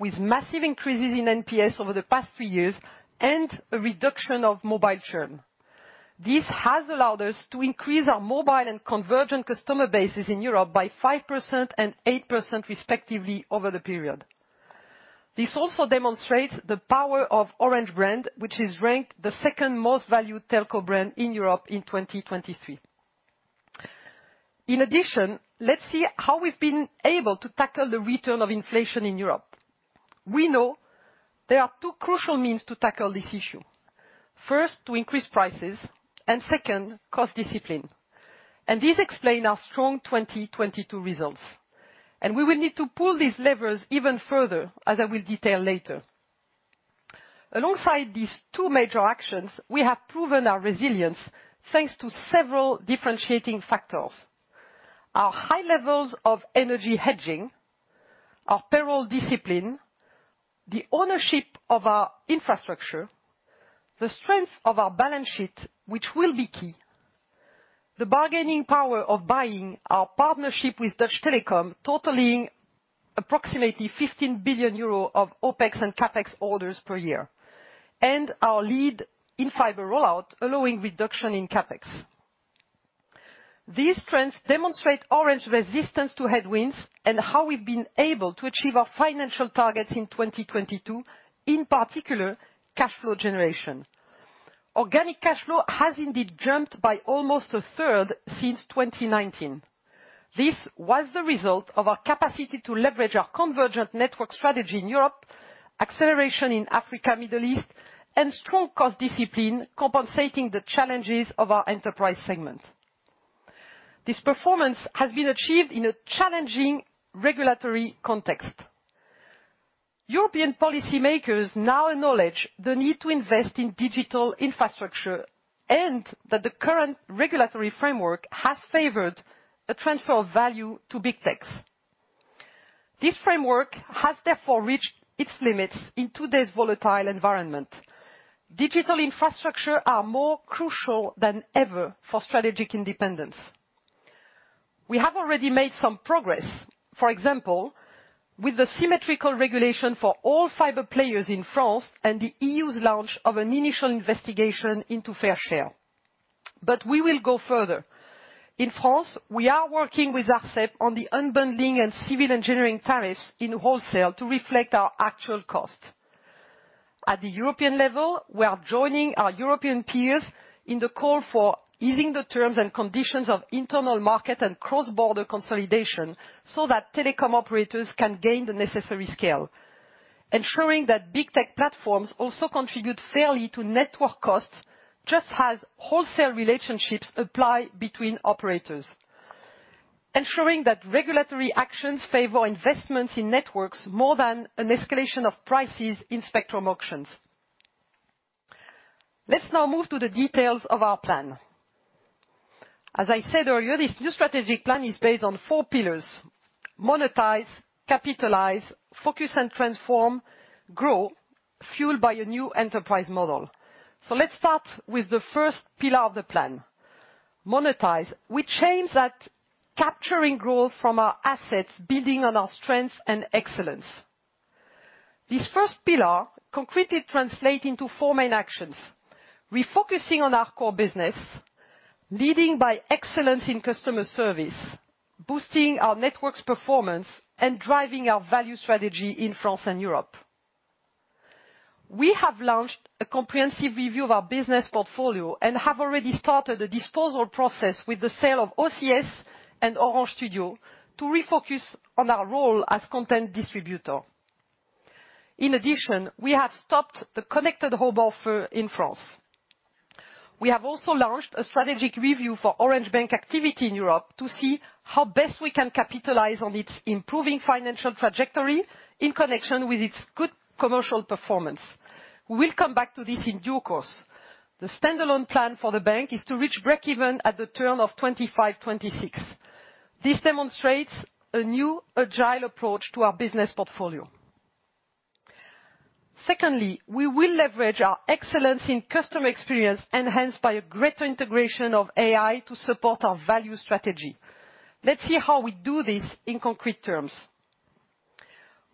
With massive increases in NPS over the past three years and a reduction of mobile churn. This has allowed us to increase our mobile and convergent customer bases in Europe by 5% and 8% respectively over the period. This also demonstrates the power of Orange brand, which is ranked the 2nd most valued telco brand in Europe in 2023. In addition, let's see how we've been able to tackle the return of inflation in Europe. We know there are two crucial means to tackle this issue. First, to increase prices, and second, cost discipline. This explain our strong 2022 results. We will need to pull these levers even further, as I will detail later. Alongside these two major actions, we have proven our resilience thanks to several differentiating factors. Our high levels of energy hedging, our payroll discipline, the ownership of our infrastructure. The strength of our balance sheet, which will be key. The bargaining power of buying our partnership with Deutsche Telekom, totaling approximately 15 billion euro of OpEx and CapEx orders per year, and our lead in fiber rollout, allowing reduction in CapEx. These trends demonstrate Orange resistance to headwinds and how we've been able to achieve our financial targets in 2022, in particular, cash flow generation. Organic cash flow has indeed jumped by almost a third since 2019. This was the result of our capacity to leverage our convergent network strategy in Europe, acceleration in Africa, Middle East, and strong cost discipline compensating the challenges of our enterprise segment. This performance has been achieved in a challenging regulatory context. European policymakers now acknowledge the need to invest in digital infrastructure, and that the current regulatory framework has favored a transfer of value to big techs. This framework has therefore reached its limits in today's volatile environment. Digital infrastructure are more crucial than ever for strategic independence. We have already made some progress, for example, with the symmetrical regulation for all fiber players in France and the EU's launch of an initial investigation into fair share. We will go further. In France, we are working with Arcep on the unbundling and civil engineering tariffs in wholesale to reflect our actual cost. At the European level, we are joining our European peers in the call for easing the terms and conditions of internal market and cross-border consolidation so that telecom operators can gain the necessary scale. Ensuring that big tech platforms also contribute fairly to network costs, just as wholesale relationships apply between operators. Ensuring that regulatory actions favor investments in networks more than an escalation of prices in spectrum auctions. Let's now move to the details of our plan. As I said earlier, this new strategic plan is based on four pillars: Monetize, capitalize, focus and transform, grow, fueled by a new enterprise model. Let's start with the first pillar of the plan. Monetize, which aims at capturing growth from our assets, building on our strengths and excellence. This first pillar concretely translate into four main actions: Refocusing on our core business, Leading by excellence in customer service, Boosting our network's performance, and Driving our value strategy in France and Europe. We have launched a comprehensive review of our business portfolio and have already started a disposal process with the sale of OCS and Orange Studio to refocus on our role as content distributor. In addition, we have stopped the connected hub offer in France. We have also launched a strategic review for Orange Bank activity in Europe to see how best we can capitalize on its improving financial trajectory in connection with its good commercial performance. We'll come back to this in due course. The standalone plan for the bank is to reach break even at the turn of 2025, 2026. This demonstrates a new agile approach to our business portfolio. Secondly, we will leverage our excellence in customer experience, enhanced by a greater integration of AI to support our value strategy. Let's see how we do this in concrete terms.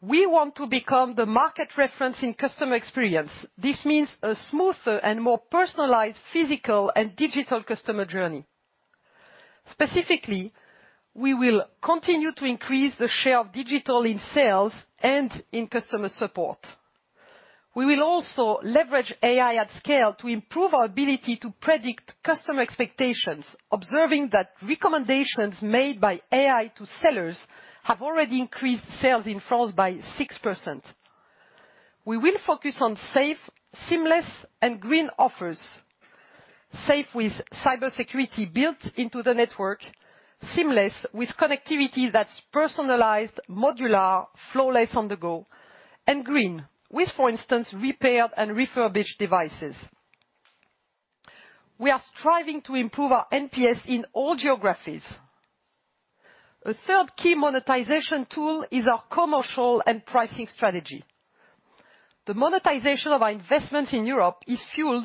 We want to become the market reference in customer experience. This means a smoother and more personalized physical and digital customer journey. Specifically, we will continue to increase the share of digital in sales and in customer support. We will also leverage AI at scale to improve our ability to predict customer expectations. Observing that recommendations made by AI to sellers have already increased sales in France by 6%. We will focus on safe, seamless, and green offers. Safe with cybersecurity built into the network. Seamless with connectivity that's personalized, modular, flawless on the go. Green with, for instance, repaired and refurbished devices. We are striving to improve our NPS in all geographies. A third key monetization tool is our commercial and pricing strategy. The monetization of our investments in Europe is fueled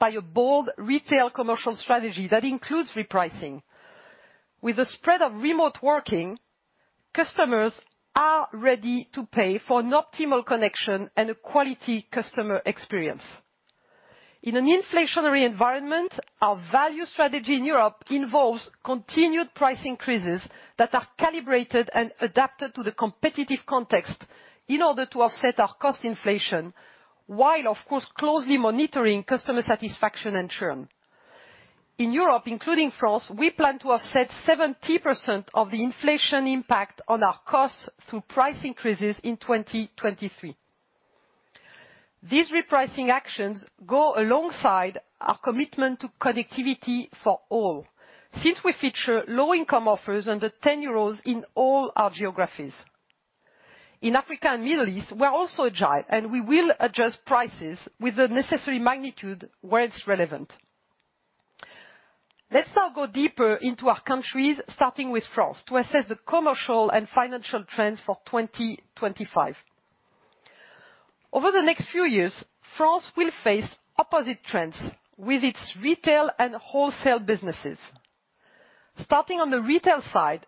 by a bold retail commercial strategy that includes repricing. With the spread of remote working, customers are ready to pay for an optimal connection and a quality customer experience. In an inflationary environment, our value strategy in Europe involves continued price increases that are calibrated and adapted to the competitive context in order to offset our cost inflation while of course, closely monitoring customer satisfaction and churn. In Europe, including France, we plan to offset 70% of the inflation impact on our costs through price increases in 2023. These repricing actions go alongside our commitment to connectivity for all. Since we feature low income offers under 10 euros in all our geographies. In Africa and Middle East, we're also agile, and we will adjust prices with the necessary magnitude where it's relevant. Let's now go deeper into our countries, starting with France, to assess the commercial and financial trends for 2025. Over the next few years, France will face opposite trends with its retail and wholesale businesses. Starting on the retail side,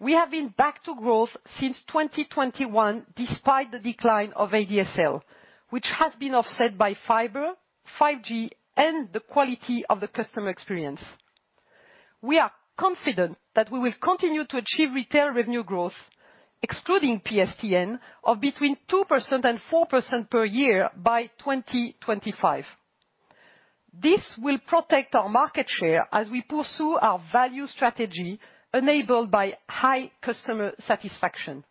we have been back to growth since 2021 despite the decline of ADSL, which has been offset by fiber, 5G, and the quality of the customer experience. We are confident that we will continue to achieve retail revenue growth, excluding PSTN, of between 2% and 4% per year by 2025. This will protect our market share as we pursue our value strategy enabled by high customer satisfaction.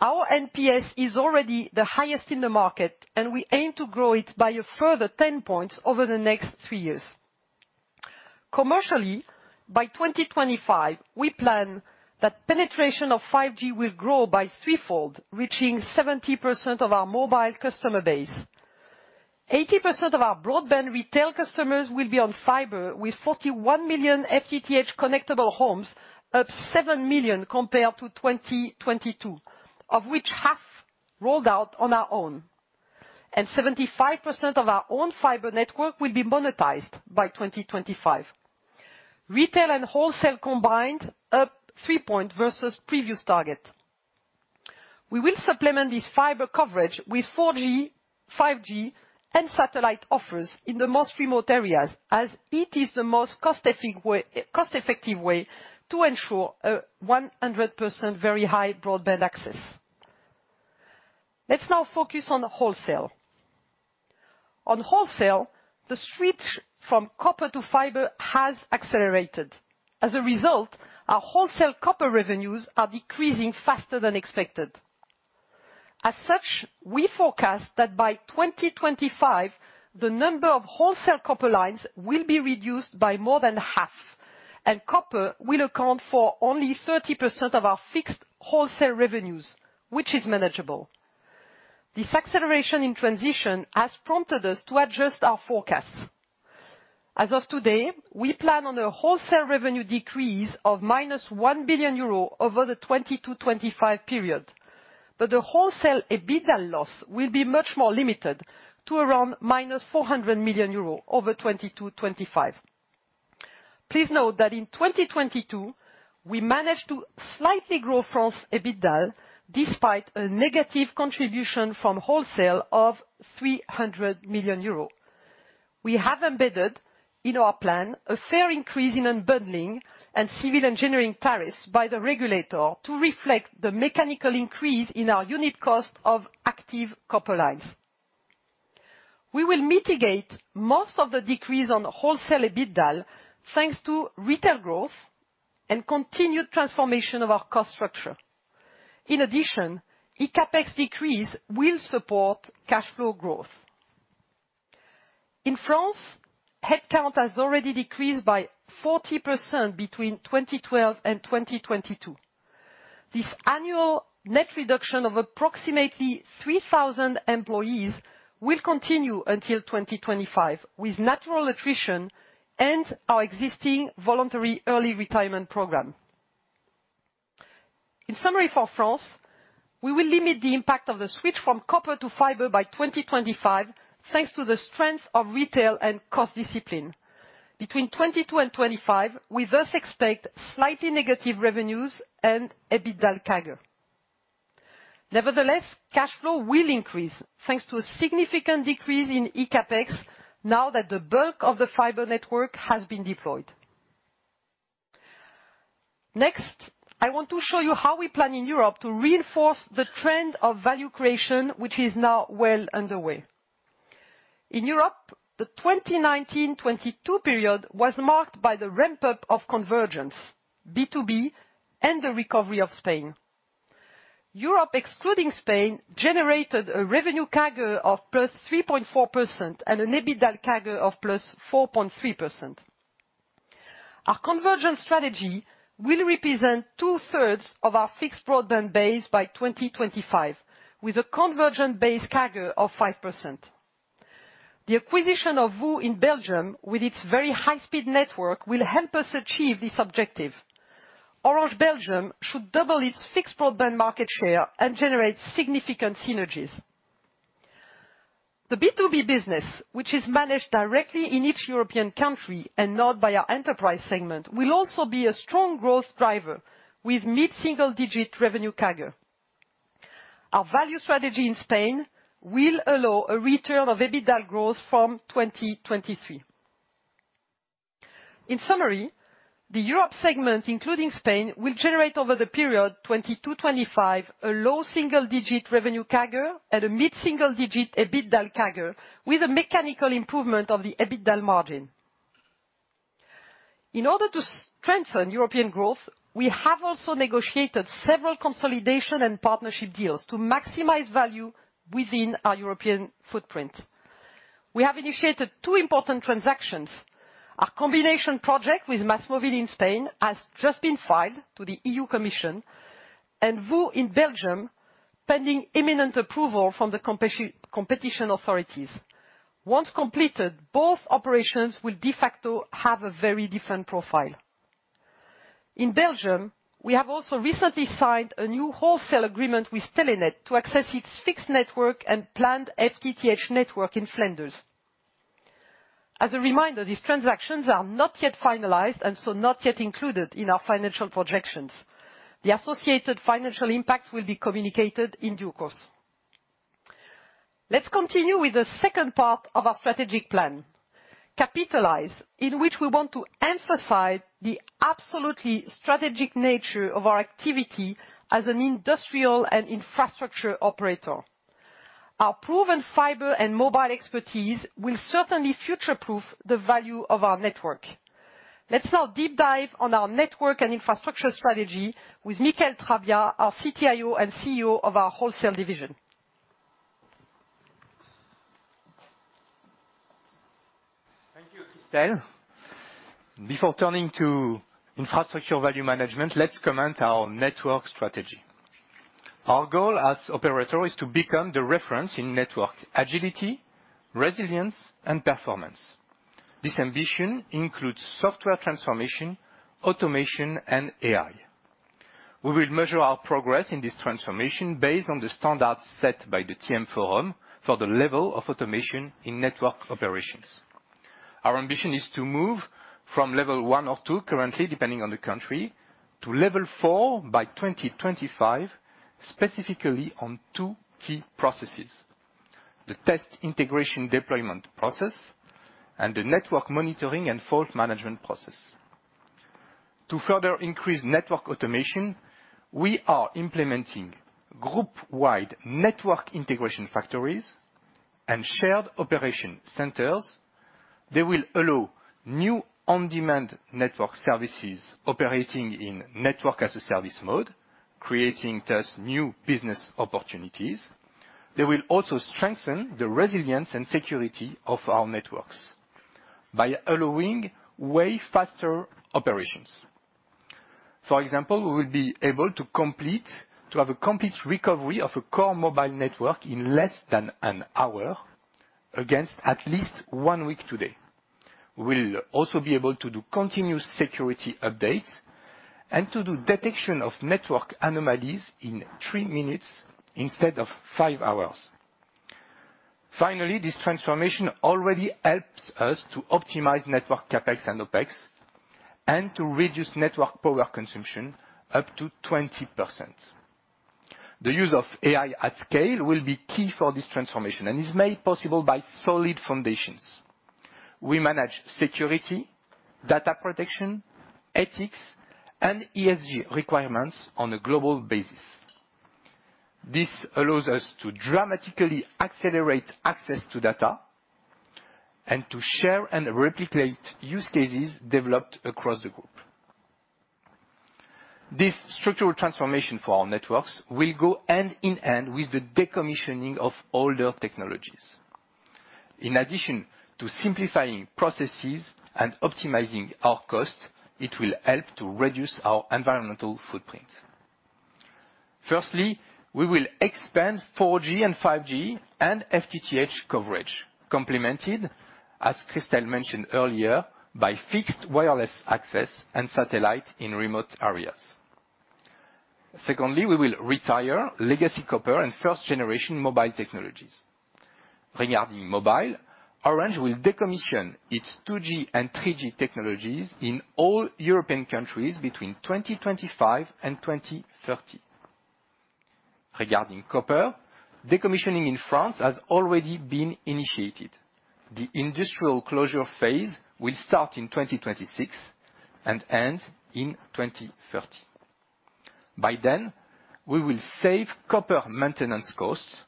Our NPS is already the highest in the market, and we aim to grow it by a further 10 points over the next 3 years. Commercially, by 2025, we plan that penetration of 5G will grow by threefold, reaching 70% of our mobile customer base. 80% of our broadband retail customers will be on fiber with 41 million FTTH connectable homes, up 7 million compared to 2022, of which half rolled out on our own. 75% of our own fiber network will be monetized by 2025. Retail and wholesale combined up 3 point versus previous target. We will supplement this fiber coverage with 4G, 5G, and satellite offers in the most remote areas as it is the most cost-effective way to ensure a 100% very high broadband access. Let's now focus on wholesale. On wholesale, the switch from copper to fiber has accelerated. Our wholesale copper revenues are decreasing faster than expected. We forecast that by 2025, the number of wholesale copper lines will be reduced by more than half, and copper will account for only 30% of our fixed wholesale revenues, which is manageable. This acceleration in transition has prompted us to adjust our forecasts. We plan on a wholesale revenue decrease of -1 billion euro over the 2020-2025 period. The wholesale EBITDA loss will be much more limited to around -400 million euro over 2020-2025. Please note that in 2022, we managed to slightly grow France EBITDA despite a negative contribution from wholesale of 300 million euros. We have embedded in our plan a fair increase in unbundling and civil engineering tariffs by the regulator to reflect the mechanical increase in our unit cost of active copper lines. We will mitigate most of the decrease on wholesale EBITDA thanks to retail growth and continued transformation of our cost structure. In addition, CapEx decrease will support cash flow growth. In France, headcount has already decreased by 40% between 2012 and 2022. This annual net reduction of approximately 3,000 employees will continue until 2025 with natural attrition and our existing voluntary early retirement program. In summary for France, we will limit the impact of the switch from copper to fiber by 2025 thanks to the strength of retail and cost discipline. Between 2022 and 2025, we thus expect slightly negative revenues and EBITDA CAGR. Nevertheless, cash flow will increase thanks to a significant decrease in eCapEx now that the bulk of the fiber network has been deployed. I want to show you how we plan in Europe to reinforce the trend of value creation, which is now well underway. In Europe, the 2019/2022 period was marked by the ramp-up of convergence, B2B, and the recovery of Spain. Europe, excluding Spain, generated a revenue CAGR of +3.4% and an EBITDA CAGR of +4.3%. Our convergence strategy will represent two-thirds of our fixed broadband base by 2025, with a convergent base CAGR of 5%. The acquisition of VOO in Belgium with its very high speed network will help us achieve this objective. Orange Belgium should double its fixed broadband market share and generate significant synergies. The B2B business, which is managed directly in each European country and not by our enterprise segment, will also be a strong growth driver with mid-single digit revenue CAGR. Our value strategy in Spain will allow a return of EBITDA growth from 2023. In summary, the Europe segment, including Spain, will generate over the period 2022-2025 a low single digit revenue CAGR and a mid-single digit EBITDA CAGR with a mechanical improvement of the EBITDA margin. In order to strengthen European growth, we have also negotiated several consolidation and partnership deals to maximize value within our European footprint. We have initiated two important transactions. A combination project with MásMóvil in Spain has just been filed to the EU Commission and VOO in Belgium, pending imminent approval from the competition authorities. Once completed, both operations will de facto have a very different profile. In Belgium, we have also recently signed a new wholesale agreement with Telenet to access its fixed network and planned FTTH network in Flanders. As a reminder, these transactions are not yet finalized and so not yet included in our financial projections. The associated financial impacts will be communicated in due course. Let's continue with the second part of our strategic plan, Capitalize, in which we want to emphasize the absolutely strategic nature of our activity as an industrial and infrastructure operator. Our proven fiber and mobile expertise will certainly future-proof the value of our network. Let's now deep dive on our network and infrastructure strategy with Michaël Trabbia, our CTIO and CEO of our wholesale division. Thank you, Christel. Before turning to infrastructure value management, let's comment our network strategy. Our goal as operator is to become the reference in network agility, resilience, and performance. This ambition includes software transformation, automation, and AI. We will measure our progress in this transformation based on the standards set by the TM Forum for the level of automation in network operations. Our ambition is to move from level one or two currently, depending on the country, to level four by 2025, specifically on two key processes: the test integration deployment process and the network monitoring and fault management process. To further increase network automation, we are implementing group-wide network integration factories and shared operation centers. They will allow new on-demand network services operating in network as a service mode, creating new business opportunities. They will also strengthen the resilience and security of our networks by allowing way faster operations. For example, we will be able to have a complete recovery of a core mobile network in less than 1 hour, against at least one week today. We'll also be able to do continuous security updates and to do detection of network anomalies in three minutes instead of five hours. Finally, this transformation already helps us to optimize network CapEx and OpEx and to reduce network power consumption up to 20%. The use of AI at scale will be key for this transformation and is made possible by solid foundations. We manage security, data protection, ethics, and ESG requirements on a global basis. This allows us to dramatically accelerate access to data and to share and replicate use cases developed across the group. This structural transformation for our networks will go hand in hand with the decommissioning of older technologies. In addition to simplifying processes and optimizing our costs, it will help to reduce our environmental footprint. Firstly, we will expand 4G and 5G and FTTH coverage, complemented, as Christel mentioned earlier, by fixed wireless access and satellite in remote areas. Secondly, we will retire legacy copper and first generation mobile technologies. Regarding mobile, Orange will decommission its 2G and 3G technologies in all European countries between 2025 and 2030. Regarding copper, decommissioning in France has already been initiated. The industrial closure phase will start in 2026 and end in 2030. By then, we will save copper maintenance costs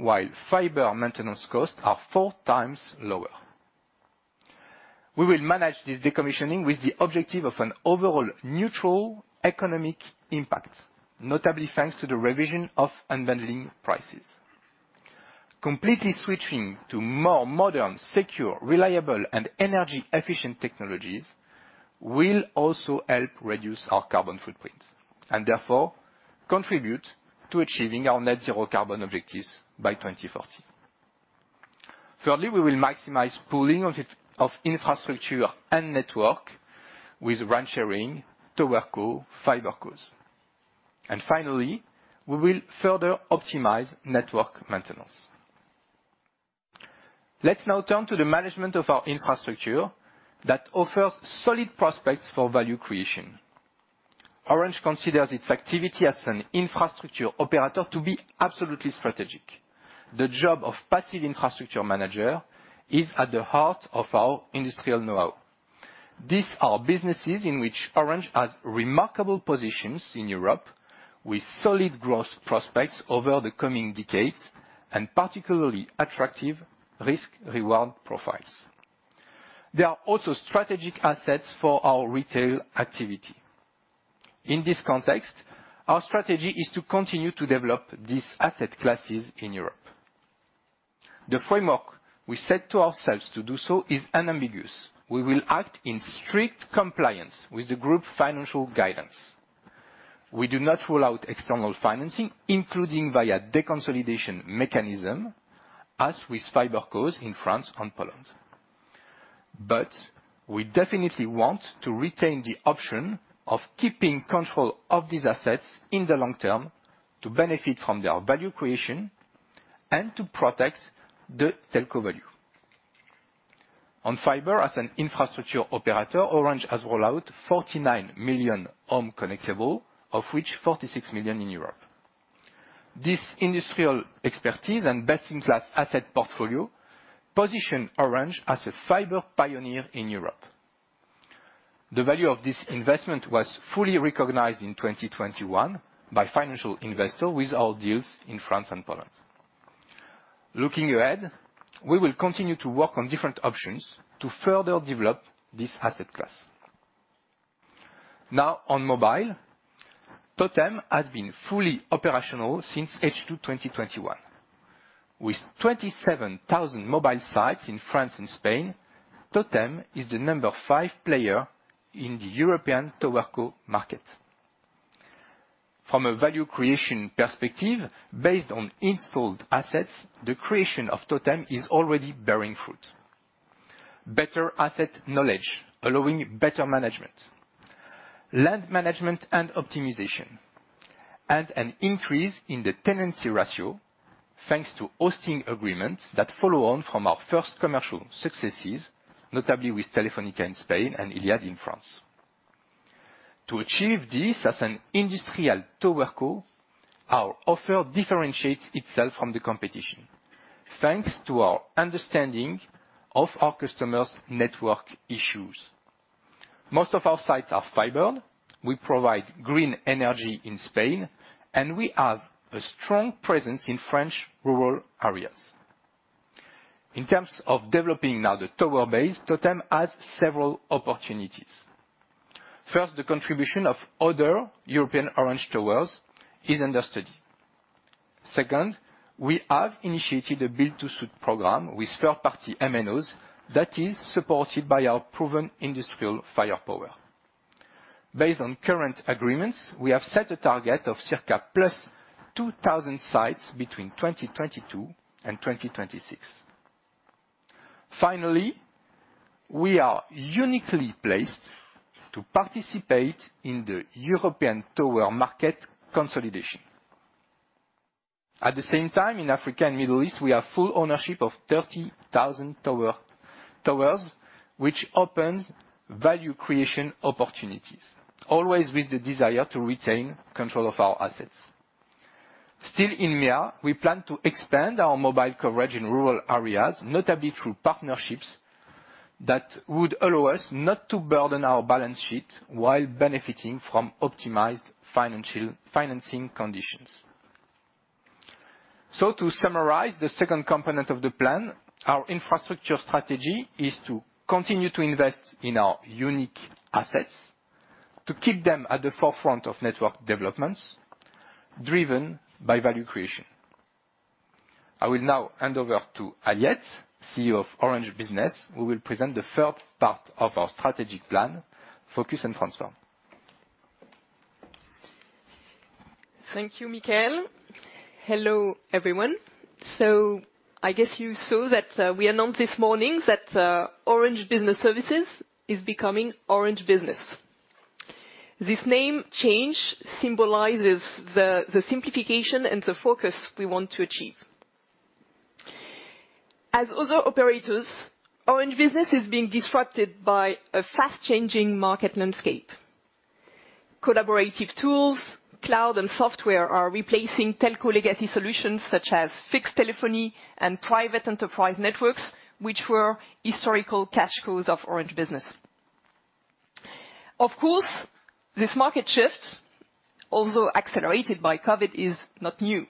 while fiber maintenance costs are four times lower. We will manage this decommissioning with the objective of an overall neutral economic impact, notably thanks to the revision of unbundling prices. Completely switching to more modern, secure, reliable, and energy-efficient technologies will also help reduce our carbon footprint and therefore contribute to achieving our Net Zero Carbon objectives by 2030. Thirdly, we will maximize pooling of IT, of infrastructure and network with ramp sharing, TowerCo, fiber cos. Finally, we will further optimize network maintenance. Let's now turn to the management of our infrastructure that offers solid prospects for value creation. Orange considers its activity as an infrastructure operator to be absolutely strategic. The job of passive infrastructure manager is at the heart of our industrial know-how. These are businesses in which Orange has remarkable positions in Europe, with solid growth prospects over the coming decades, and particularly attractive risk-reward profiles. There are also strategic assets for our retail activity. In this context, our strategy is to continue to develop these asset classes in Europe. The framework we set to ourselves to do so is unambiguous. We will act in strict compliance with the group financial guidance. We do not rule out external financing, including via deconsolidation mechanism, as with fiber cos in France and Poland. We definitely want to retain the option of keeping control of these assets in the long term to benefit from their value creation and to protect the telco value. On fiber as an infrastructure operator, Orange has rolled out 49 million home connectable, of which 46 million in Europe. This industrial expertise and best-in-class asset portfolio position Orange as a fiber pioneer in Europe. The value of this investment was fully recognized in 2021 by financial investor with our deals in France and Poland. Looking ahead, we will continue to work on different options to further develop this asset class. On mobile, TOTEM has been fully operational since H2 2021. With 27,000 mobile sites in France and Spain, TOTEM is the number five player in the European tower co market. From a value creation perspective based on installed assets, the creation of TOTEM is already bearing fruit. Better asset knowledge allowing better management, land management and optimization, and an increase in the tenancy ratio, thanks to hosting agreements that follow on from our first commercial successes, notably with Telefónica in Spain and iliad in France. To achieve this as an industrial tower co, our offer differentiates itself from the competition, thanks to our understanding of our customers' network issues. Most of our sites are fiber. We provide green energy in Spain, we have a strong presence in French rural areas. In terms of developing now the tower base, TOTEM has several opportunities. First, the contribution of other European Orange towers is under study. Second, we have initiated a build-to-suit program with third-party MNOs that is supported by our proven industrial firepower. Based on current agreements, we have set a target of circa plus 2,000 sites between 2022 and 2026. We are uniquely placed to participate in the European tower market consolidation. At the same time, in Africa and Middle East, we have full ownership of 30,000 towers, which opens value creation opportunities, always with the desire to retain control of our assets. Still in MEA, we plan to expand our mobile coverage in rural areas, notably through partnerships that would allow us not to burden our balance sheet while benefiting from optimized financing conditions. To summarize the second component of the plan, our infrastructure strategy is to continue to invest in our unique assets, to keep them at the forefront of network developments driven by value creation. I will now hand over to Aliette, CEO of Orange Business, who will present the third part of our strategic plan, Focus and Transform. Thank you, Michaël. Hello, everyone. I guess you saw that we announced this morning that Orange Business Services is becoming Orange Business. This name change symbolizes the simplification and the focus we want to achieve. As other operators, Orange Business is being disrupted by a fast-changing market landscape. Collaborative tools, cloud and software are replacing telco legacy solutions such as fixed telephony and private enterprise networks, which were historical cash cows of Orange Business. Of course, this market shift, although accelerated by COVID, is not new.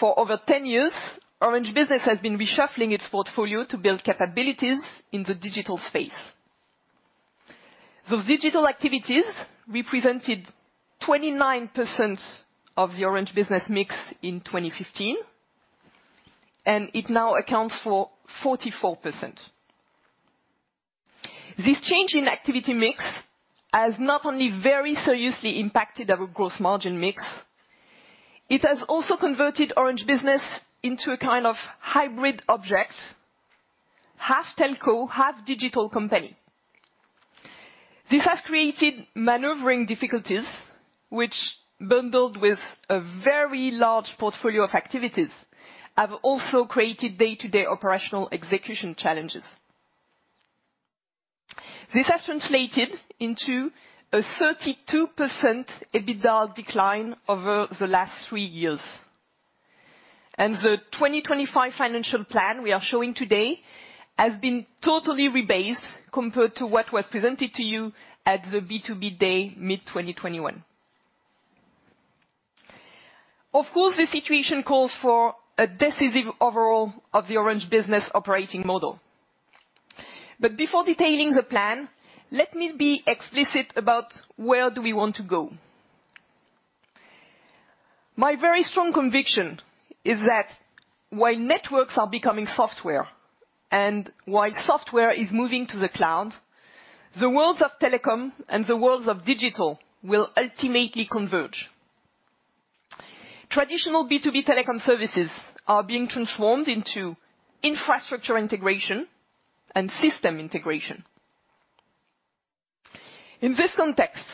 For over 10 years, Orange Business has reshuffling its portfolio to build capabilities in the digital space. Those digital activities represented 29% of the Orange Business mix in 2015, and it now accounts for 44%. This change in activity mix has not only very seriously impacted our gross margin mix, it has also converted Orange Business into a kind of hybrid object, half telco, half digital company. This has created maneuvering difficulties, which bundled with a very large portfolio of activities, have also created day-to-day operational execution challenges. This has translated into a 32% EBITDA decline over the last 3 years. The 2025 financial plan we are showing today has been totally rebased compared to what was presented to you at the B2B day, mid-2021. Of course, the situation calls for a decisive overhaul of the Orange Business operating model. Before detailing the plan, let me be explicit about where do we want to go. My very strong conviction is that while networks are becoming software, and while software is moving to the cloud, the worlds of telecom and the worlds of digital will ultimately converge. Traditional B2B telecom services are being transformed into infrastructure integration and system integration. In this context,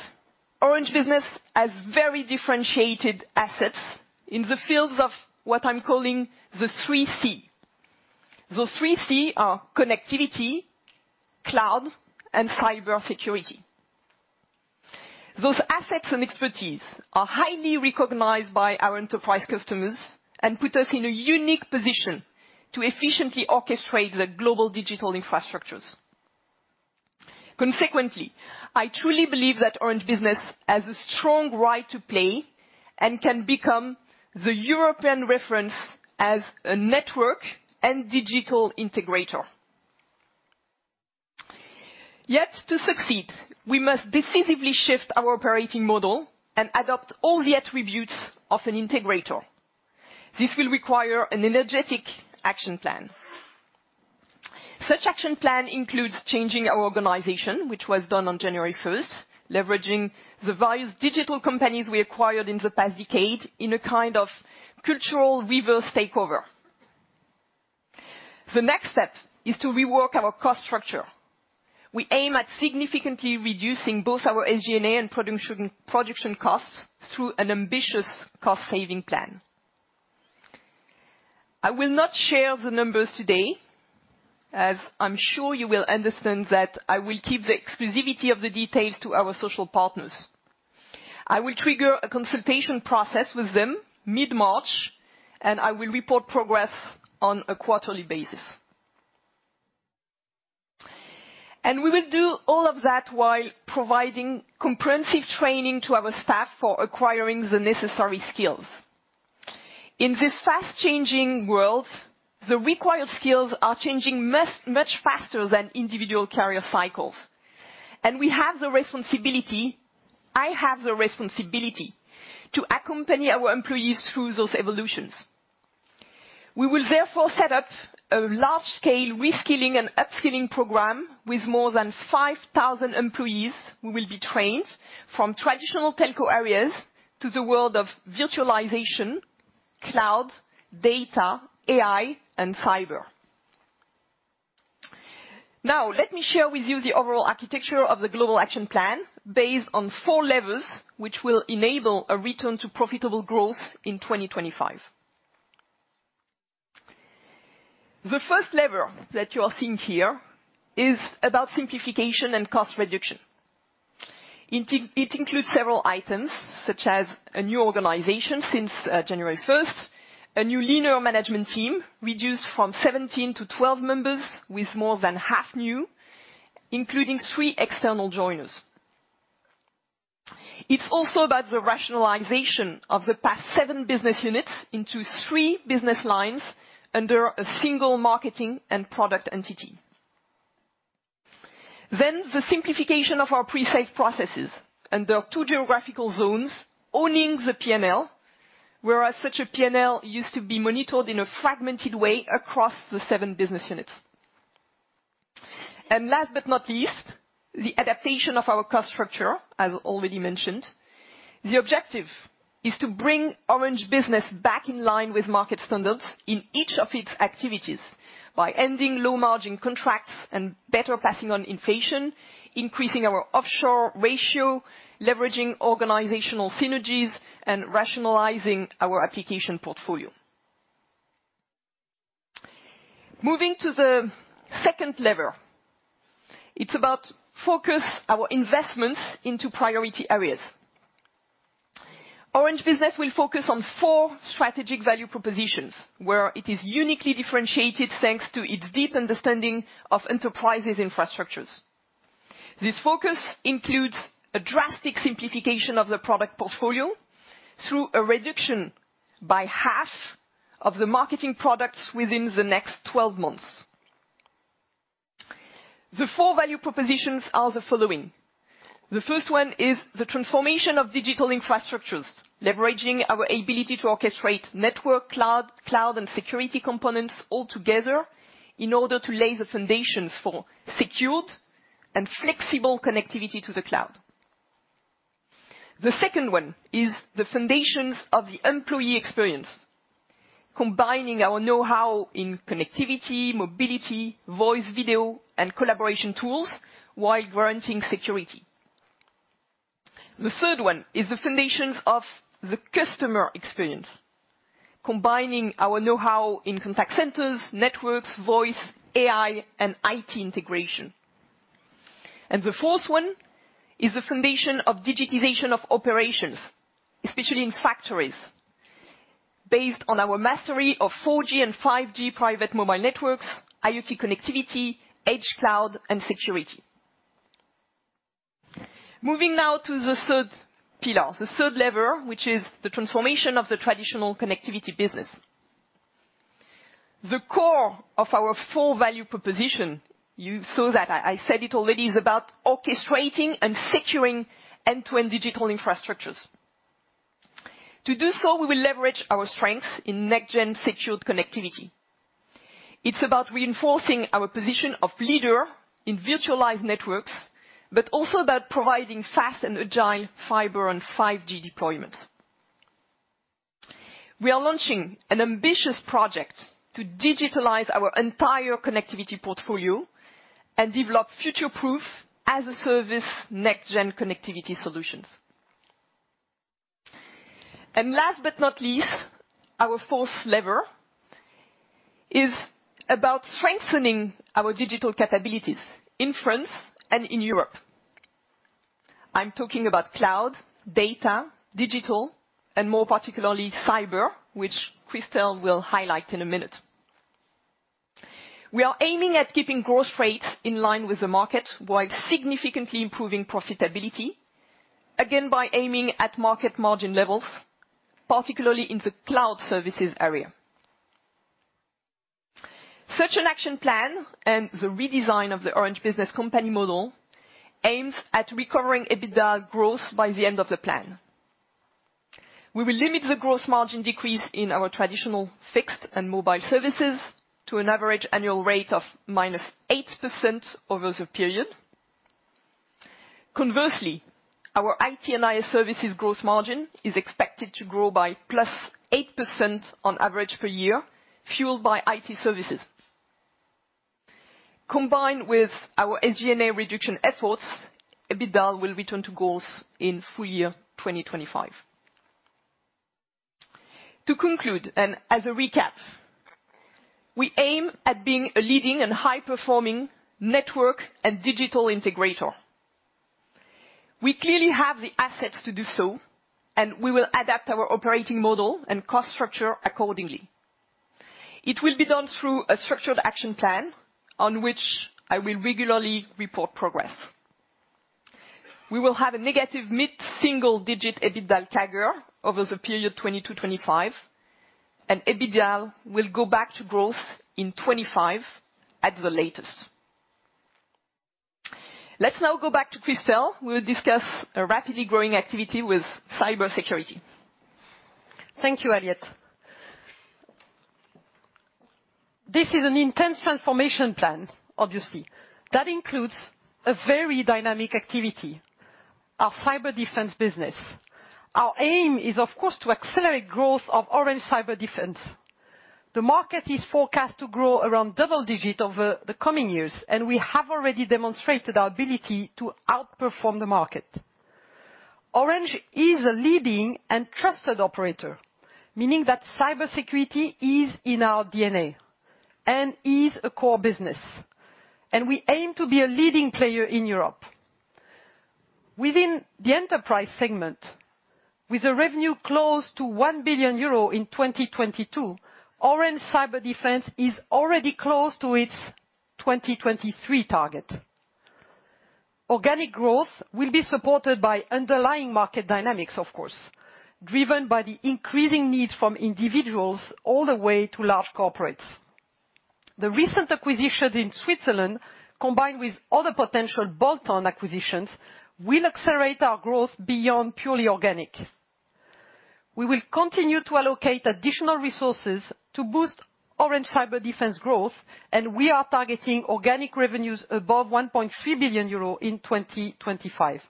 Orange Business has very differentiated assets in the fields of what I'm calling the three C. The three C are connectivity, cloud, and cybersecurity. Those assets and expertise are highly recognized by our enterprise customers and put us in a unique position to efficiently orchestrate the global digital infrastructures. Consequently, I truly believe that Orange Business has a strong right to play and can become the European reference as a network and digital integrator. Yet to succeed, we must decisively shift our operating model and adopt all the attributes of an integrator. This will require an energetic action plan. Such action plan includes changing our organization, which was done on January first, leveraging the various digital companies we acquired in the past decade in a kind of cultural reverse takeover. The next step is to rework our cost structure. We aim at significantly reducing both our SG&A and production costs through an ambitious cost-saving plan. I will not share the numbers today, as I'm sure you will understand that I will keep the exclusivity of the details to our social partners. I will trigger a consultation process with them mid-March, and I will report progress on a quarterly basis. We will do all of that while providing comprehensive training to our staff for acquiring the necessary skills. In this fast-changing world, the required skills are changing much faster than individual career cycles. We have the responsibility, I have the responsibility, to accompany our employees through those evolutions. We will therefore set up a large-scale reskilling and upskilling program with more than 5,000 employees who will be trained from traditional telco areas to the world of virtualization, cloud, data, AI, and cyber. Let me share with you the overall architecture of the global action plan based on four levers, which will enable a return to profitable growth in 2025. The first lever that you are seeing here is about simplification and cost reduction. It includes several items, such as a new organization since January 1st, a new linear management team reduced from 17 members to 12 members with more than half new, including three external joiners. It's also about the rationalization of the past seven business units into three business lines under a single marketing and product entity. The simplification of our pre-sales processes under two geographical zones owning the P&L, whereas such a P&L used to be monitored in a fragmented way across the seven business units. Last but not least, the adaptation of our cost structure, as already mentioned. The objective is to bring Orange Business back in line with market standards in each of its activities by ending low-margin contracts and better passing on inflation, increasing our offshore ratio, leveraging organizational synergies, and rationalizing our application portfolio. Moving to the second lever. It's about focus our investments into priority areas. Orange Business will focus on 4 strategic value propositions where it is uniquely differentiated thanks to its deep understanding of enterprises' infrastructures. This focus includes a drastic simplification of the product portfolio through a reduction by half of the marketing products within the next 12 months. The four value propositions are the following. The first one is the transformation of digital infrastructures, leveraging our ability to orchestrate network, cloud and security components all together in order to lay the foundations for secured and flexible connectivity to the cloud. The second one is the foundations of the employee experience, combining our know-how in connectivity, mobility, voice, video, and collaboration tools while granting security. The third one is the foundations of the customer experience, combining our know-how in contact centers, networks, voice, AI, and IT integration. The fourth one is the foundation of digitization of operations, especially in factories, based on our mastery of 4G and 5G private mobile networks, IoT connectivity, edge cloud and security. Moving now to the third pillar, the third lever, which is the transformation of the traditional connectivity business. The core of our full value proposition, you saw that I said it already, is about orchestrating and securing end-to-end digital infrastructures. To do so, we will leverage our strengths in next-gen secured connectivity. It's about reinforcing our position of leader in virtualized networks, but also about providing fast and agile fiber and 5G deployments. We are launching an ambitious project to digitalize our entire connectivity portfolio and develop future-proof as-a-service next-gen connectivity solutions. Last but not least, our fourth lever is about strengthening our digital capabilities in France and in Europe. I'm talking about cloud, data, digital, and more particularly cyber, which Christel will highlight in a minute. We are aiming at keeping growth rates in line with the market while significantly improving profitability, again, by aiming at market margin levels, particularly in the cloud services area. Such an action plan and the redesign of the Orange Business company model aims at recovering EBITDA growth by the end of the plan. We will limit the growth margin decrease in our traditional fixed and mobile services to an average annual rate of -8% over the period. Conversely, our IT and IS services growth margin is expected to grow by +8% on average per year, fueled by IT services. Combined with our SG&A reduction efforts, EBITDA will return to growth in full year 2025. To conclude, as a recap, we aim at being a leading and high-performing network and digital integrator. We clearly have the assets to do so. We will adapt our operating model and cost structure accordingly. It will be done through a structured action plan on which I will regularly report progress. We will have a negative mid-single digit EBITDA CAGR over the period 2022-2025, and EBITDA will go back to growth in 2025 at the latest. Let's now go back to Christel, who will discuss a rapidly growing activity with cybersecurity. Thank you, Aliette. This is an intense transformation plan, obviously, that includes a very dynamic activity, our cyberdefense business. Our aim is, of course, to accelerate growth of Orange Cyberdefense. The market is forecast to grow around double-digit over the coming years, and we have already demonstrated our ability to outperform the market. Orange is a leading and trusted operator, meaning that cybersecurity is in our DNA and is a core business, and we aim to be a leading player in Europe. Within the enterprise segment, with a revenue close to 1 billion euro in 2022, Orange Cyberdefense is already close to its 2023 target. Organic growth will be supported by underlying market dynamics, of course, driven by the increasing needs from individuals all the way to large corporates. The recent acquisition in Switzerland, combined with other potential bolt-on acquisitions, will accelerate our growth beyond purely organic. We will continue to allocate additional resources to boost Orange Cyberdefense growth. We are targeting organic revenues above 1.3 billion euro in 2025.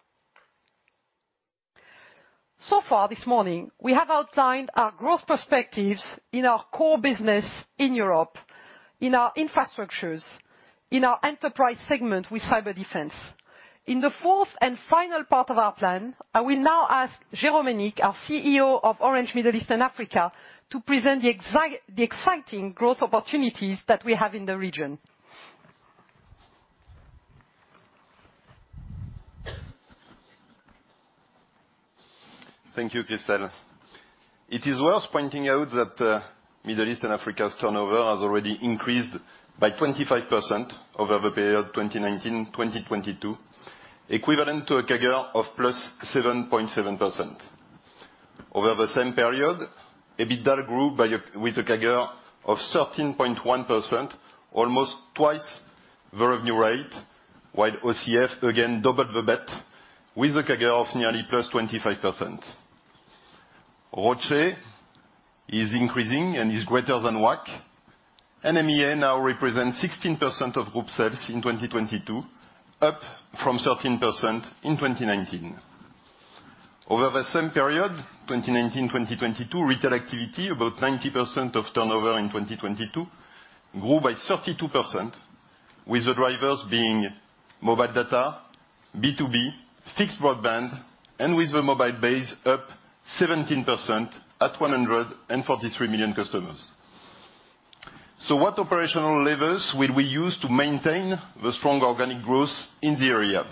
Far this morning, we have outlined our growth perspectives in our core business in Europe, in our infrastructures, in our enterprise segment with Cyberdefense. In the fourth and final part of our plan, I will now ask Jérôme Hénique, our CEO of Orange Middle East and Africa, to present the exciting growth opportunities that we have in the region. Thank you, Christel. It is worth pointing out that Middle East and Africa's turnover has already increased by 25% over the period 2019-2022, equivalent to a CAGR of +7.7%. Over the same period, EBITDA grew with a CAGR of 13.1%, almost twice the revenue rate, while OCF again doubled the bet with a CAGR of nearly +25%. ROCE is increasing and is greater than WACC. MEA now represents 16% of group sales in 2022, up from 13% in 2019. Over the same period, 2019-2022, retail activity, about 90% of turnover in 2022, grew by 32%, with the drivers being mobile data, B2B, fixed broadband, and with the mobile base up 17% at 143 million customers. What operational levers will we use to maintain the strong organic growth in the area?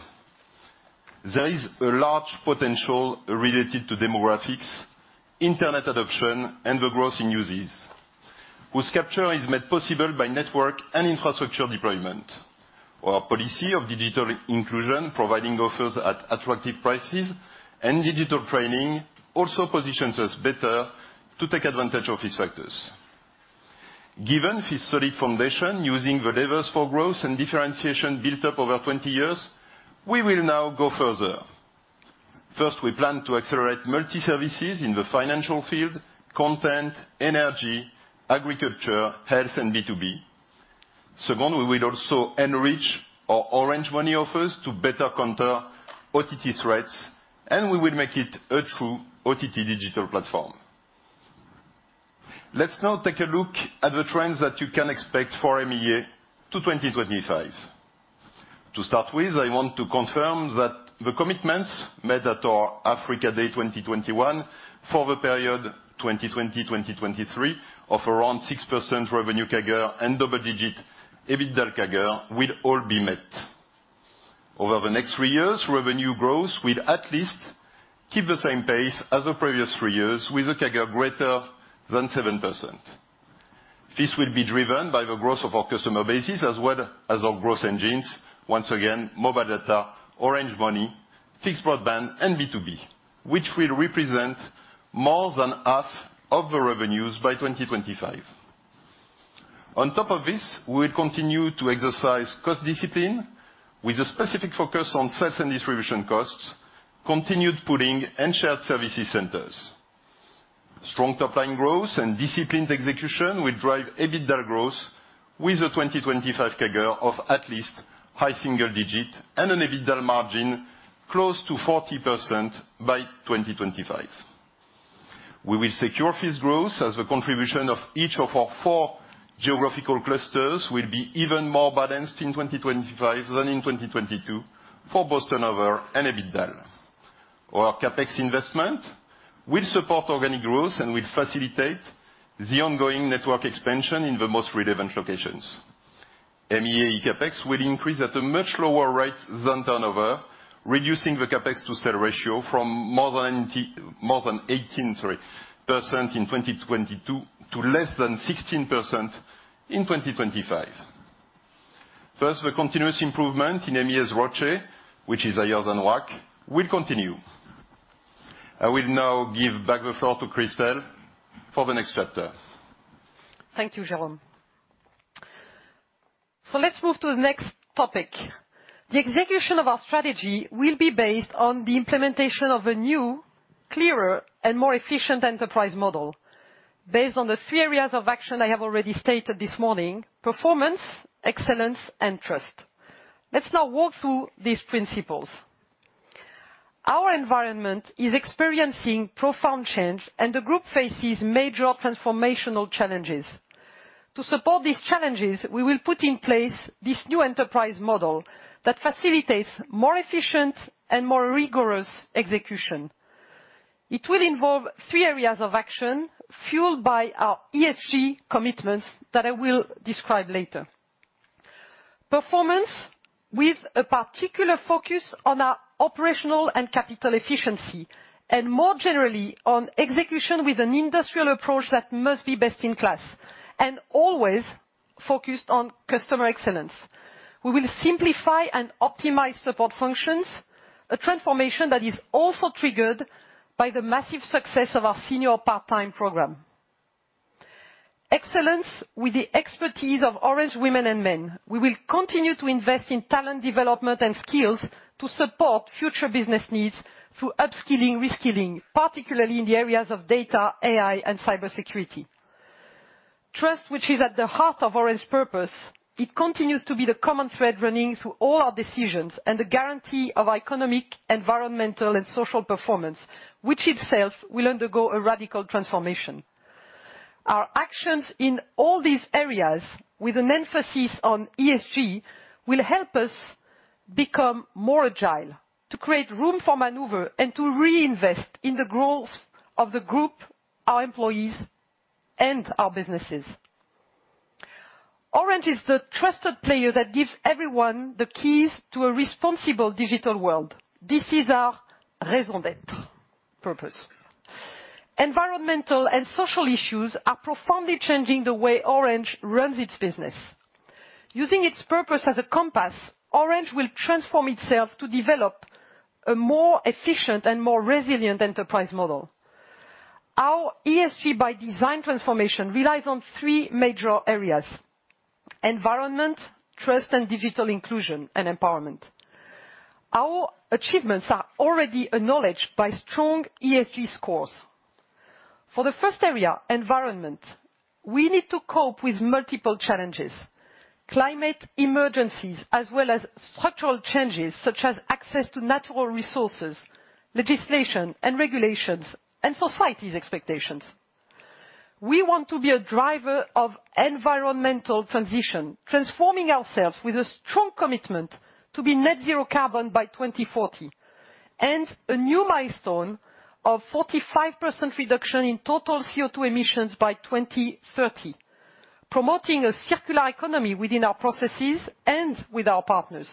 There is a large potential related to demographics, internet adoption, and the growth in uses, whose capture is made possible by network and infrastructure deployment. Our policy of digital inclusion, providing offers at attractive prices and digital training, also positions us better to take advantage of these factors. Given this solid foundation, using the levers for growth and differentiation built up over 20 years, we will now go further. First, we plan to accelerate multi-services in the financial field, content, energy, agriculture, health and B2B. Second, we will also enrich our Orange Money offers to better counter OTT threats, and we will make it a true OTT digital platform. Let's now take a look at the trends that you can expect for MEA to 2025. To start with, I want to confirm that the commitments made at our Africa Day 2021 for the period 2020-2023 of around 6% revenue CAGR and double digit EBITDA CAGR will all be met. Over the next three years, revenue growth will at least keep the same pace as the previous three years with a CAGR greater than 7%. This will be driven by the growth of our customer bases as well as our growth engines, once again, mobile data, Orange Money, fixed broadband and B2B, which will represent more than half of the revenues by 2025. On top of this, we'll continue to exercise cost discipline with a specific focus on sales and distribution costs, continued pooling, and shared services centers. Strong top-line growth and disciplined execution will drive EBITDA growth with a 2025 CAGR of at least high single digit and an EBITDA margin close to 40% by 2025. We will secure this growth as the contribution of each of our four geographical clusters will be even more balanced in 2025 than in 2022 for both turnover and EBITDA. Our CapEx investment will support organic growth and will facilitate the ongoing network expansion in the most relevant locations. MEA CapEx will increase at a much lower rate than turnover, reducing the CapEx to sales ratio from more than 18% in 2022 to less than 16% in 2025. Thus, the continuous improvement in MEA's ROCE, which is higher than WACC, will continue. I will now give back the floor to Christel for the next chapter. Thank you, Jerome. Let's move to the next topic. The execution of our strategy will be based on the implementation of a new, clearer and more efficient enterprise model based on the three areas of action I have already stated this morning: performance, excellence, and trust. Let's now walk through these principles. Our environment is experiencing profound change, and the group faces major transformational challenges. To support these challenges, we will put in place this new enterprise model that facilitates more efficient and more rigorous execution. It will involve three areas of action fueled by our ESG commitments that I will describe later. Performance with a particular focus on our operational and capital efficiency, and more generally, on execution with an industrial approach that must be best in class and always focused on customer excellence. We will simplify and optimize support functions, a transformation that is also triggered by the massive success of our senior part-time program. Excellence with the expertise of Orange women and men. We will continue to invest in talent development and skills to support future business needs through upskilling, reskilling, particularly in the areas of data, AI, and cybersecurity. Trust, which is at the heart of Orange purpose, it continues to be the common thread running through all our decisions and the guarantee of economic, environmental, and social performance, which itself will undergo a radical transformation. Our actions in all these areas, with an emphasis on ESG, will help us become more agile, to create room for maneuver and to reinvest in the growth of the group, our employees, and our businesses. Orange is the trusted player that gives everyone the keys to a responsible digital world. This is our raison d'être, purpose. Environmental and social issues are profoundly changing the way Orange runs its business. Using its purpose as a compass, Orange will transform itself to develop a more efficient and more resilient enterprise model. Our ESG by design transformation relies on three major areas: environment, trust, and digital inclusion and empowerment. Our achievements are already acknowledged by strong ESG scores. For the first area, environment, we need to cope with multiple challenges, climate emergencies, as well as structural changes such as access to natural resources, legislation and regulations, and society's expectations. We want to be a driver of environmental transition, transforming ourselves with a strong commitment to be Net Zero Carbon by 2040, and a new milestone of 45% reduction in total CO2 emissions by 2030, promoting a circular economy within our processes and with our partners.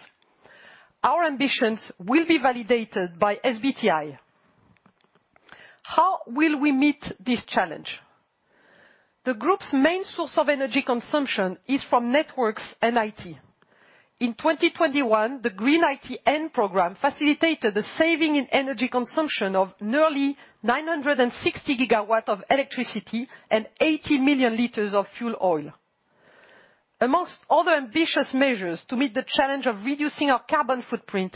Our ambitions will be validated by SBTi. How will we meet this challenge? The group's main source of energy consumption is from networks and IT. In 2021, the Green ITN program facilitated the saving in energy consumption of nearly 960 GW of electricity and 80 million liters of fuel oil. Amongst other ambitious measures to meet the challenge of reducing our carbon footprint,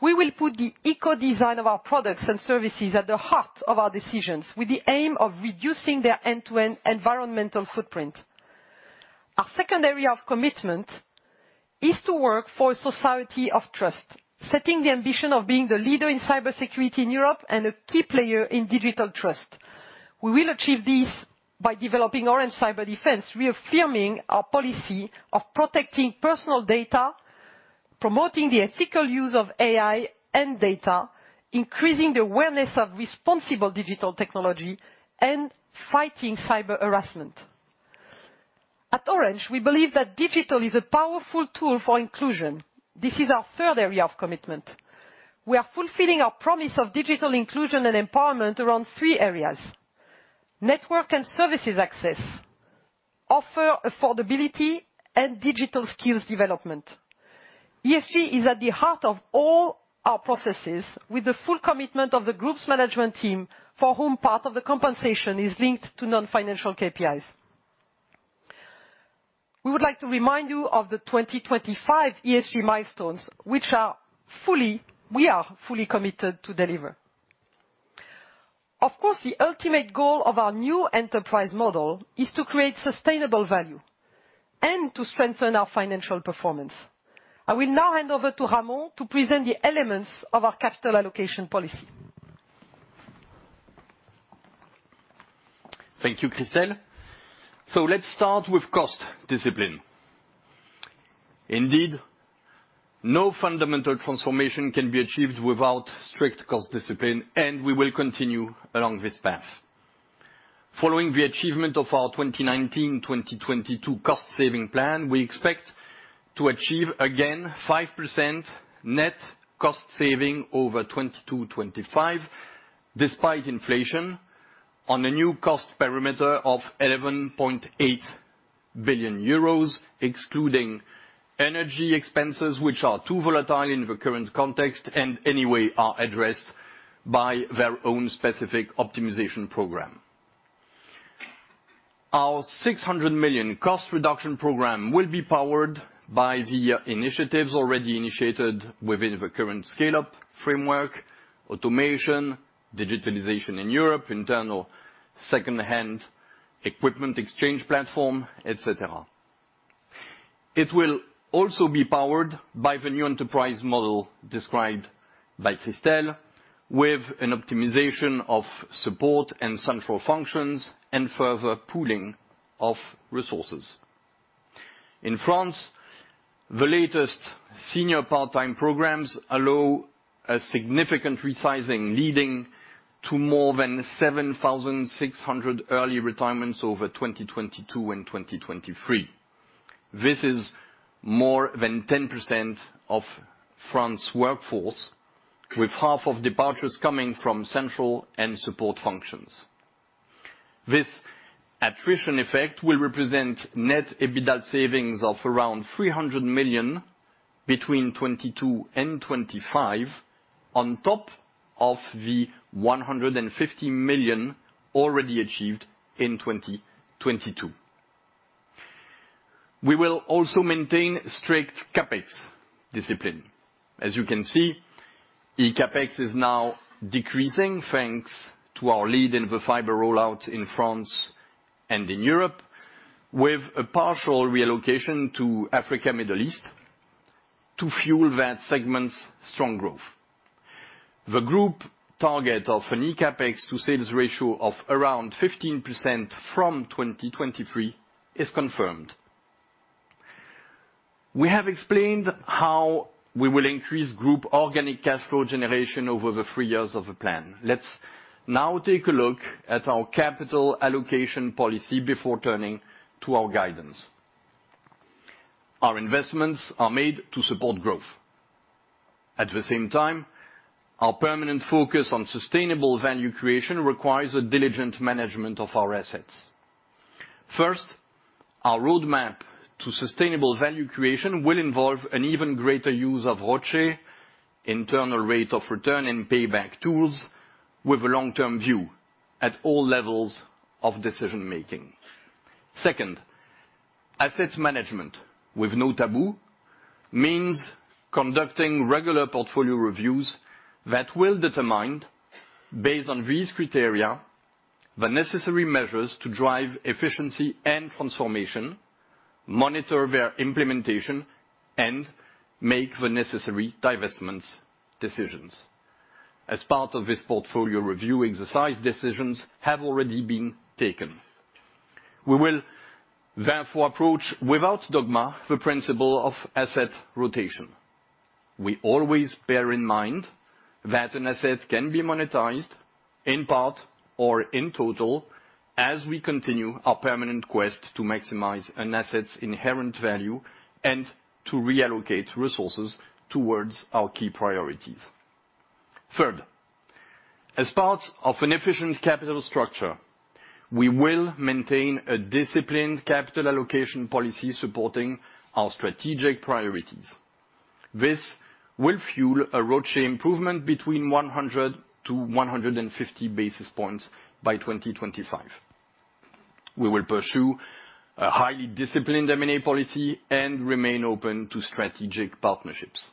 we will put the eco design of our products and services at the heart of our decisions, with the aim of reducing their end-to-end environmental footprint. Our second area of commitment is to work for a society of trust, setting the ambition of being the leader in cybersecurity in Europe and a key player in digital trust. We will achieve this by developing Orange Cyberdefense, reaffirming our policy of protecting personal data, promoting the ethical use of AI and data, increasing the awareness of responsible digital technology, and fighting cyber harassment. At Orange, we believe that digital is a powerful tool for inclusion. This is our third area of commitment. We are fulfilling our promise of digital inclusion and empowerment around three areas. Network and services access, offer affordability, and digital skills development. ESG is at the heart of all our processes with the full commitment of the group's management team, for whom part of the compensation is linked to non-financial KPIs. We would like to remind you of the 2025 ESG milestones, which we are fully committed to deliver. Of course, the ultimate goal of our new enterprise model is to create sustainable value and to strengthen our financial performance. I will now hand over to Ramon to present the elements of our capital allocation policy. Thank you, Christel. Let's start with cost discipline. Indeed, no fundamental transformation can be achieved without strict cost discipline, and we will continue along this path. Following the achievement of our 2019, 2022 cost saving plan, we expect to achieve again 5% net cost saving over 2022, 2025, despite inflation on a new cost perimeter of 11.8 billion euros, excluding energy expenses which are too volatile in the current context, and anyway are addressed by their own specific optimization program. Our 600 million cost reduction program will be powered by the initiatives already initiated within the current Scale Up framework, automation, digitalization in Europe, internal second-hand equipment exchange platform, et cetera. It will also be powered by the new enterprise model described by Christel with an optimization of support and central functions and further pooling of resources. In France, the latest senior part-time programs allow a significant resizing, leading to more than 7,600 early retirements over 2022 and 2023. This is more than 10% of France workforce, with half of departures coming from central and support functions. This attrition effect will represent net EBITDA savings of around 300 million between 2022 and 2025 on top of the 150 million already achieved in 2022. We will also maintain strict CapEx discipline. As you can see, eCapEx is now decreasing thanks to our lead in the fiber rollout in France and in Europe, with a partial reallocation to Africa, Middle East to fuel that segment's strong growth. The group target of an eCapEx to sales ratio of around 15% from 2023 is confirmed. We have explained how we will increase group organic cash flow generation over the three years of the plan. Let's now take a look at our capital allocation policy before turning to our guidance. Our investments are made to support growth. At the same time, our permanent focus on sustainable value creation requires a diligent management of our assets. First, our roadmap to sustainable value creation will involve an even greater use of ROCE, internal rate of return, and payback tools with a long-term view at all levels of decision-making. Second, assets management with no taboo means conducting regular portfolio reviews that will determine, based on these criteria, the necessary measures to drive efficiency and transformation, monitor their implementation, and make the necessary divestments decisions. As part of this portfolio review exercise, decisions have already been taken. We will therefore approach without dogma the principle of asset rotation. We always bear in mind that an asset can be monetized in part or in total as we continue our permanent quest to maximize an asset's inherent value and to reallocate resources towards our key priorities. Third, as part of an efficient capital structure, we will maintain a disciplined capital allocation policy supporting our strategic priorities. This will fuel a ROCE improvement between 100 basis points-150 basis points by 2025. We will pursue a highly disciplined M&A policy and remain open to strategic partnerships.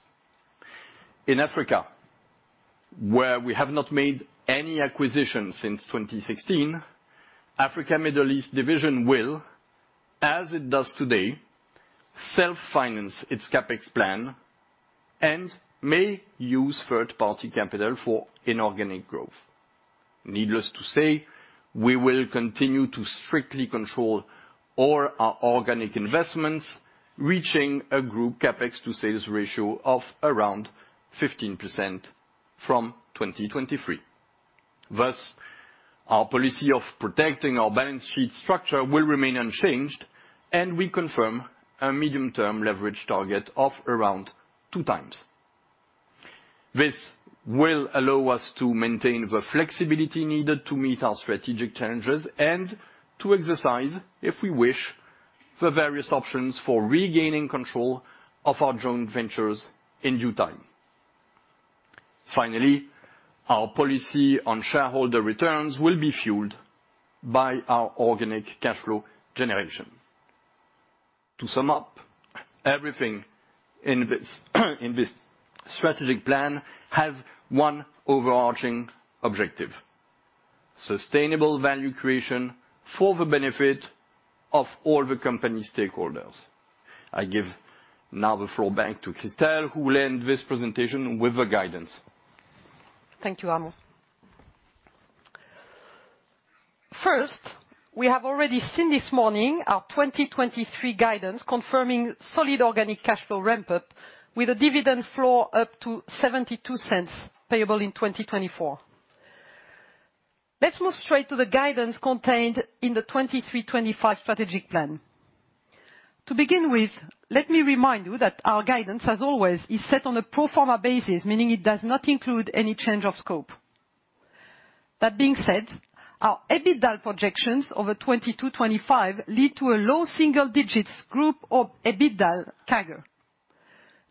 In Africa, where we have not made any acquisitions since 2016, Africa, Middle East division will, as it does today, self-finance its CapEx plan and may use third-party capital for inorganic growth. Needless to say, we will continue to strictly control all our organic investments, reaching a group CapEx to sales ratio of around 15% from 2023. Our policy of protecting our balance sheet structure will remain unchanged, and we confirm a medium-term leverage target of around 2x. This will allow us to maintain the flexibility needed to meet our strategic challenges and to exercise, if we wish, the various options for regaining control of our joint ventures in due time. Our policy on shareholder returns will be fueled by our organic cash flow generation. Everything in this strategic plan have one overarching objective: sustainable value creation for the benefit of all the company stakeholders. I give now the floor back to Christel, who will end this presentation with the guidance. Thank you, Ramon. First, we have already seen this morning our 2023 guidance confirming solid organic cash flow ramp-up with a dividend floor up to 0.72 payable in 2024. Let's move straight to the guidance contained in the 2023-2025 strategic plan. To begin with, let me remind you that our guidance, as always, is set on a pro forma basis, meaning it does not include any change of scope. That being said, our EBITDA projections over 2022-2025 lead to a low single-digit group EBITDA CAGR,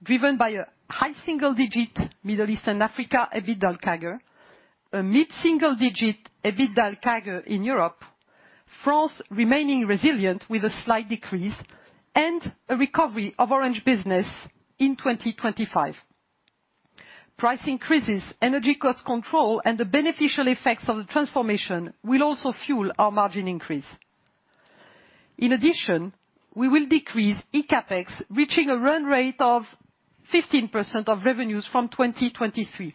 driven by a high single-digit Middle East and Africa EBITDA CAGR, a mid-single-digit EBITDA CAGR in Europe, France remaining resilient with a slight decrease, and a recovery of Orange Business in 2025. Price increases, energy cost control, and the beneficial effects of the transformation will also fuel our margin increase. In addition, we will decrease eCapEx, reaching a run rate of 15% of revenues from 2023.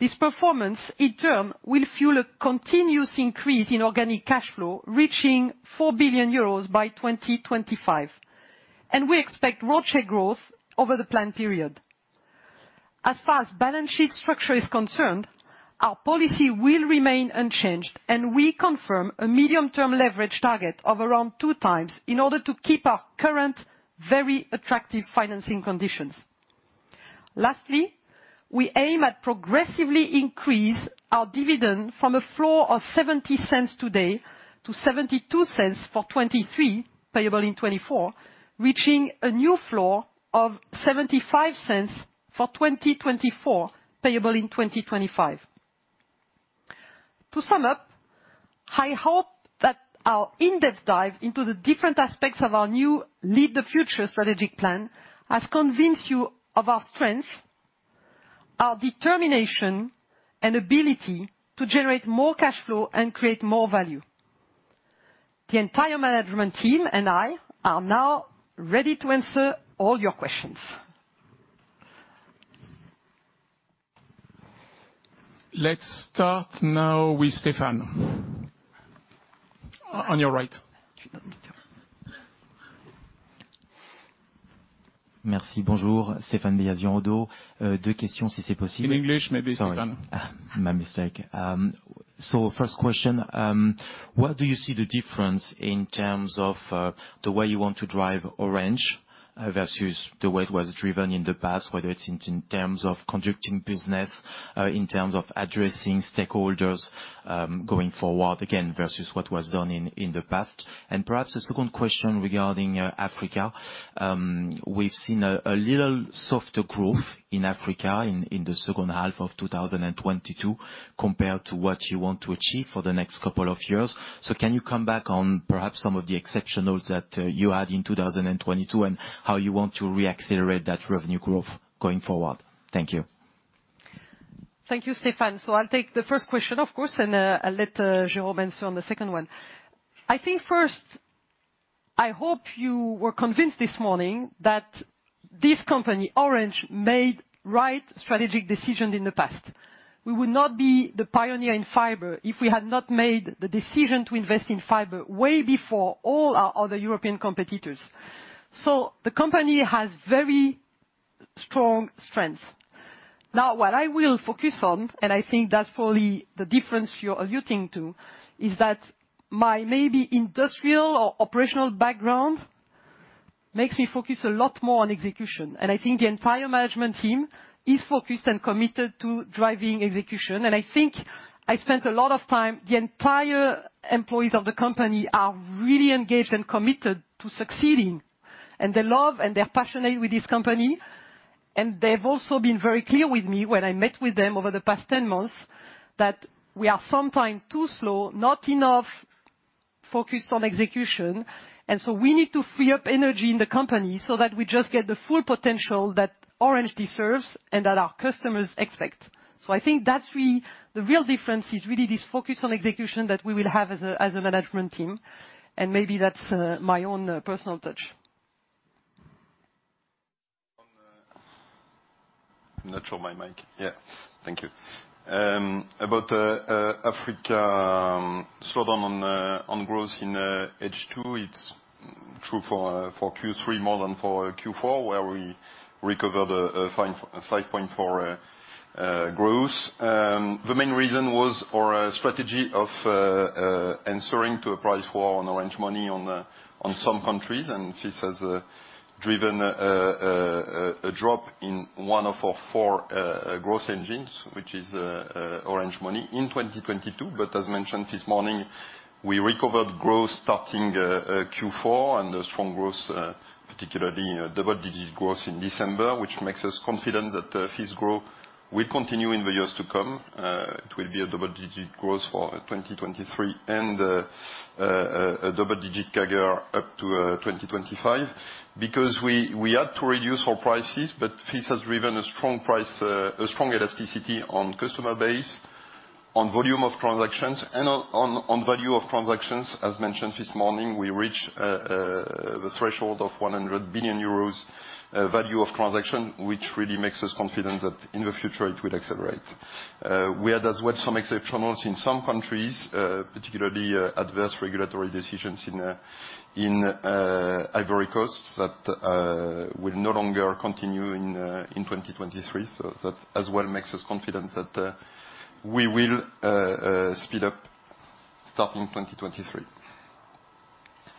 This performance in turn will fuel a continuous increase in organic cash flow, reaching 4 billion euros by 2025. We expect ROCE growth over the plan period. As far as balance sheet structure is concerned, our policy will remain unchanged, and we confirm a medium-term leverage target of around 2x in order to keep our current very attractive financing conditions. Lastly, we aim at progressively increase our dividend from a floor of 0.70 today to 0.72 for 2023, payable in 2024, reaching a new floor of 0.75 for 2024, payable in 2025. To sum up, I hope that our in-depth dive into the different aspects of our new Lead the Future strategic plan has convinced you of our strength, our determination, and ability to generate more cash flow and create more value. The entire management team and I are now ready to answer all your questions. Let's start now with Stephan. On your right. Merci. Bonjour. Stephan, the question In English maybe, Stephan. Sorry. My mistake. First question. Where do you see the difference in terms of, the way you want to drive Orange versus the way it was driven in the past, whether it's in terms of conducting business, in terms of addressing stakeholders, going forward, again, versus what was done in the past. Perhaps a second question regarding Africa. We've seen a little softer growth in Africa in the second half of 2022 compared to what you want to achieve for the next couple of years. Can you come back on perhaps some of the exceptionals that you had in 2022, and how you want to re-accelerate that revenue growth going forward? Thank you. Thank you, Stephan. I'll take the first question, of course, and I'll let Jerome answer on the second one. I think first, I hope you were convinced this morning that this company, Orange, made right strategic decisions in the past. We would not be the pioneer in fiber if we had not made the decision to invest in fiber way before all our other European competitors. The company has very strong strengths. Now, what I will focus on, and I think that's probably the difference you're alluding to, is that my maybe industrial or operational background makes me focus a lot more on execution. I think the entire management team is focused and committed to driving execution. The entire employees of the company are really engaged and committed to succeeding. They love and they're passionate with this company, they've also been very clear with me when I met with them over the past 10 months that we are sometimes too slow, not enough focused on execution. We need to free up energy in the company so that we just get the full potential that Orange deserves and that our customers expect. I think that's really the real difference is really this focus on execution that we will have as a, as a management team, and maybe that's my own personal touch. Yeah. Thank you. About Africa, slowdown on growth in H2, it's true for Q3 more than for Q4, where we recovered 5.4% growth. The main reason was our strategy of answering to a price war on Orange Money on some countries, this has driven a drop in one of our four growth engines, which is Orange Money in 2022. As mentioned this morning, we recovered growth starting Q4 and a strong growth, particularly, you know, double-digit growth in December. Which makes us confident that this growth will continue in the years to come. It will be a double-digit growth for 2023 and a double-digit CAGR up to 2025. Because we had to reduce our prices, but this has driven a strong elasticity on customer base, on volume of transactions, and on value of transactions. As mentioned this morning, we reached the threshold of 100 billion euros value of transaction, which really makes us confident that in the future it will accelerate. We had as well some exceptionals in some countries, particularly adverse regulatory decisions in Ivory Coast that will no longer continue in 2023. That as well makes us confident that we will speed up starting 2023.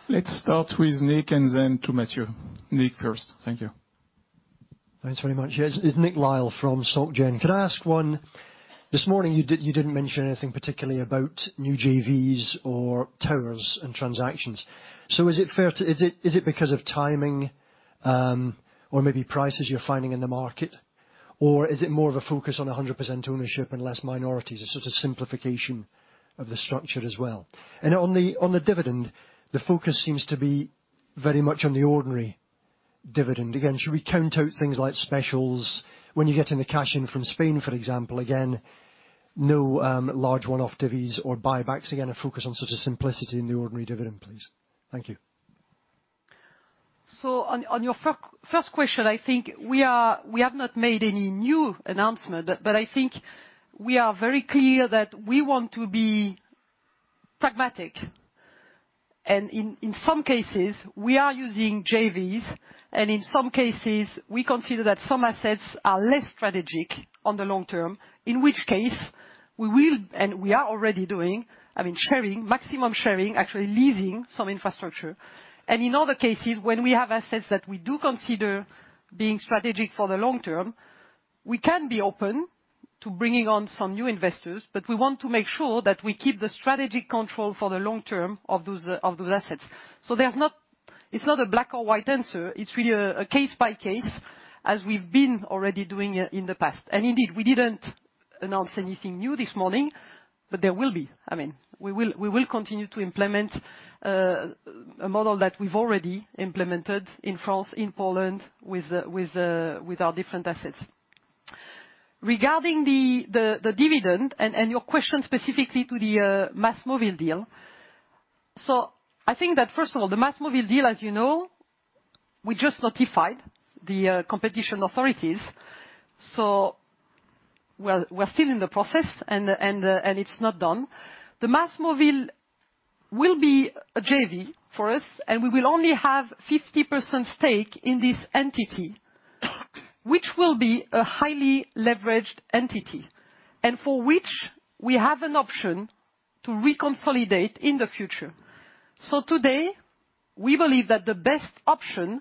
Let's start with Nick and then to Matthew. Nick first. Thank you. Thanks very much. Yes, it's Nick Lyle from SocGen. Can I ask one? This morning you didn't mention anything particularly about new JVs or towers and transactions. Is it because of timing, or maybe prices you're finding in the market? Is it more of a focus on 100% ownership and less minorities, a sort of simplification of the structure as well? On the dividend, the focus seems to be very much on the ordinary dividend. Should we count out things like specials when you're getting the cash in from Spain, for example? No, large one-off divvies or buybacks. A focus on sort of simplicity in the ordinary dividend, please. Thank you. On your first question, I think we are, we have not made any new announcement, but I think we are very clear that we want to be pragmatic. In some cases, we are using JVs, and in some cases, we consider that some assets are less strategic on the long term. In which case, we will, and we are already doing, I mean, sharing, maximum sharing, actually leasing some infrastructure. In other cases, when we have assets that we do consider being strategic for the long term, we can be open to bringing on some new investors. We want to make sure that we keep the strategic control for the long term of those, of those assets. It's not a black or white answer. It's really a case by case as we've been already doing it in the past. Indeed, we didn't announce anything new this morning, but there will be. I mean, we will continue to implement a model that we've already implemented in France, in Poland, with our different assets. Regarding the dividend and your question specifically to the MásMóvil deal, I think that first of all, the MásMóvil deal, as you know, we just notified the competition authorities. We're still in the process and it's not done. The MásMóvil will be a JV for us, and we will only have 50% stake in this entity, which will be a highly leveraged entity, and for which we have an option to reconsolidate in the future. Today, we believe that the best option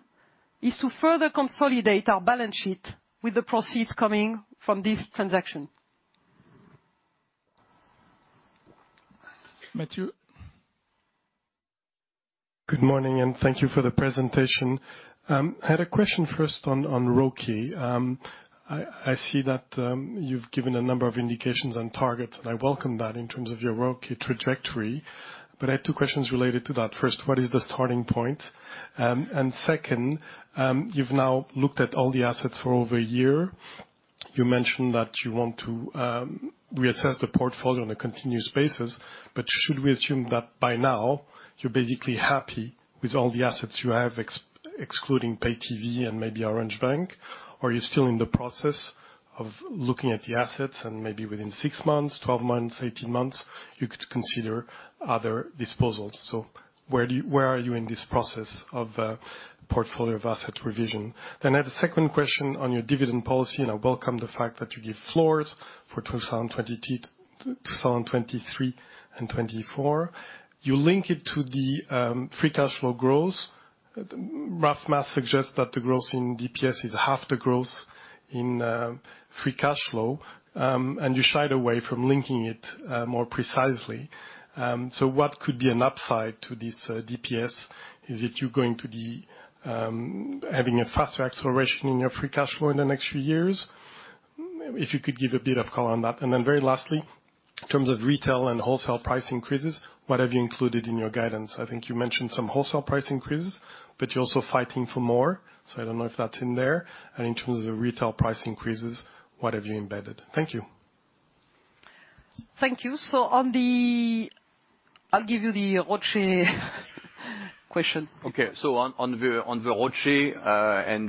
is to further consolidate our balance sheet with the proceeds coming from this transaction. Matthew. Good morning, thank you for the presentation. I had a question first on ROCE. I see that you've given a number of indications on targets, I welcome that in terms of your ROCE trajectory. I have 2 questions related to that. First, what is the starting point? Second, you've now looked at all the assets for over a year. You mentioned that you want to reassess the portfolio on a continuous basis. Should we assume that by now you're basically happy with all the assets you have, ex-excluding pay TV and maybe Orange Bank? Are you still in the process of looking at the assets and maybe within 6 months, 12 months, 18 months, you could consider other disposals. Where are you in this process of portfolio of asset revision? I have a second question on your dividend policy, and I welcome the fact that you give floors for 2022 to 2023 and 2024. You link it to the free cash flow growth. Rough math suggests that the growth in DPS is half the growth in free cash flow, and you shied away from linking it more precisely. What could be an upside to this DPS? Is it you're going to be having a faster acceleration in your free cash flow in the next few years? If you could give a bit of color on that. Very lastly, in terms of retail and wholesale price increases, what have you included in your guidance? I think you mentioned some wholesale price increases, but you're also fighting for more, so I don't know if that's in there. In terms of retail price increases, what have you embedded? Thank you. Thank you. I'll give you the ROCE question. Okay. On the ROCE,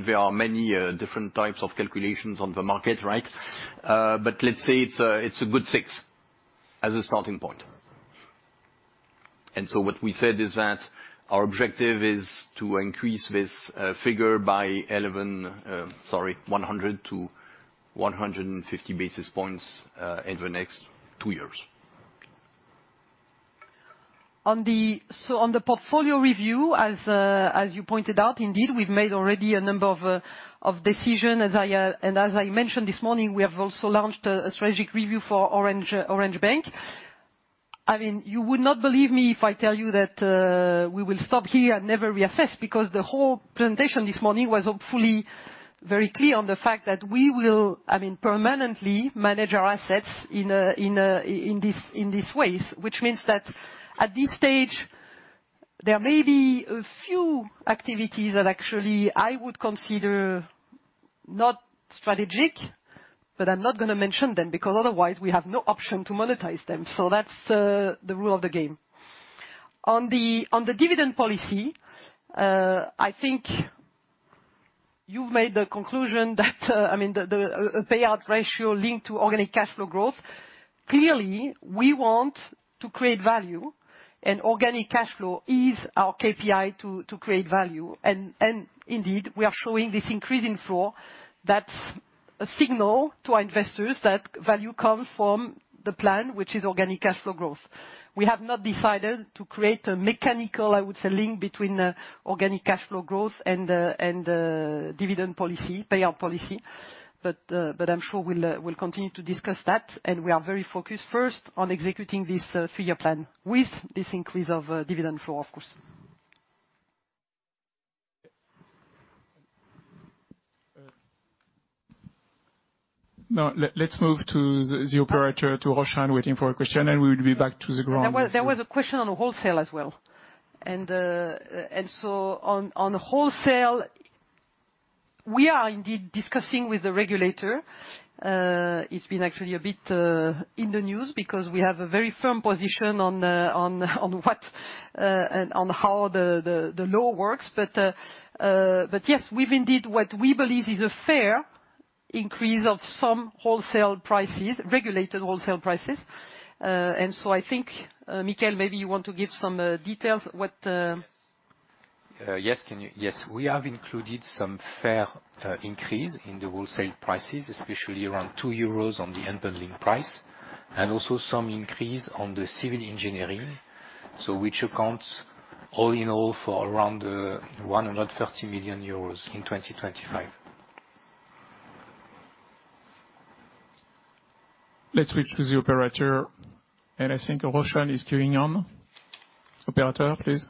there are many different types of calculations on the market, right? Let's say it's a good six as a starting point. What we said is that our objective is to increase this figure by 11, sorry, 100 basis points-150 basis points in the next two years. On the portfolio review, as you pointed out, indeed, we've made already a number of decision. As I and as I mentioned this morning, we have also launched a strategic review for Orange Bank. I mean, you would not believe me if I tell you that we will stop here and never reassess, because the whole presentation this morning was hopefully very clear on the fact that we will, I mean, permanently manage our assets in this, in these ways. Which means that at this stage, there may be a few activities that actually I would consider not strategic, but I'm not gonna mention them because otherwise we have no option to monetize them. That's the rule of the game. On the dividend policy, I think you've made the conclusion that, I mean, the payout ratio linked to organic cash flow growth. Clearly, we want to create value, and organic cash flow is our KPI to create value. Indeed, we are showing this increase in flow. That's a signal to our investors that value comes from the plan, which is organic cash flow growth. We have not decided to create a mechanical, I would say, link between organic cash flow growth and dividend policy, payout policy. I'm sure we'll continue to discuss that, and we are very focused first on executing this three-year plan with this increase of dividend flow, of course. Now, let's move to the operator to Roshan waiting for a question, and we will be back to the ground-. There was a question on wholesale as well. On wholesale, we are indeed discussing with the regulator. It's been actually a bit in the news because we have a very firm position on what and on how the law works. Yes, we've indeed what we believe is a fair increase of some wholesale prices, regulated wholesale prices. I think Michael, maybe you want to give some details. Yes, we have included some fair increase in the wholesale prices, especially around 2 euros on the unbundling price, and also some increase on the civil engineering, which accounts all in all for around 130 million euros in 2025. Let's switch to the operator. I think Roshan is queuing on. Operator, please.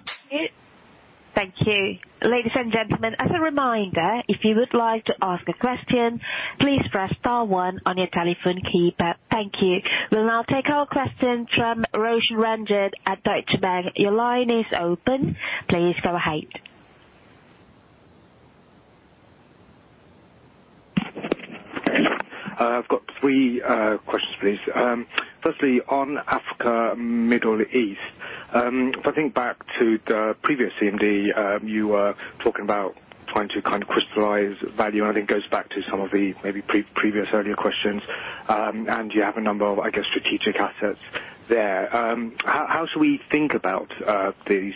Thank you. Ladies and gentlemen, as a reminder, if you would like to ask a question, please press star one on your telephone keypad. Thank you. We'll now take our question from Roshan Ranjit at Deutsche Bank. Your line is open. Please go ahead. I've got three questions, please. Firstly, on Africa, Middle East, if I think back to the previous CMD, you were talking about trying to kind of crystallize value. I think it goes back to some of the maybe earlier questions. You have a number of, I guess, strategic assets there. How should we think about these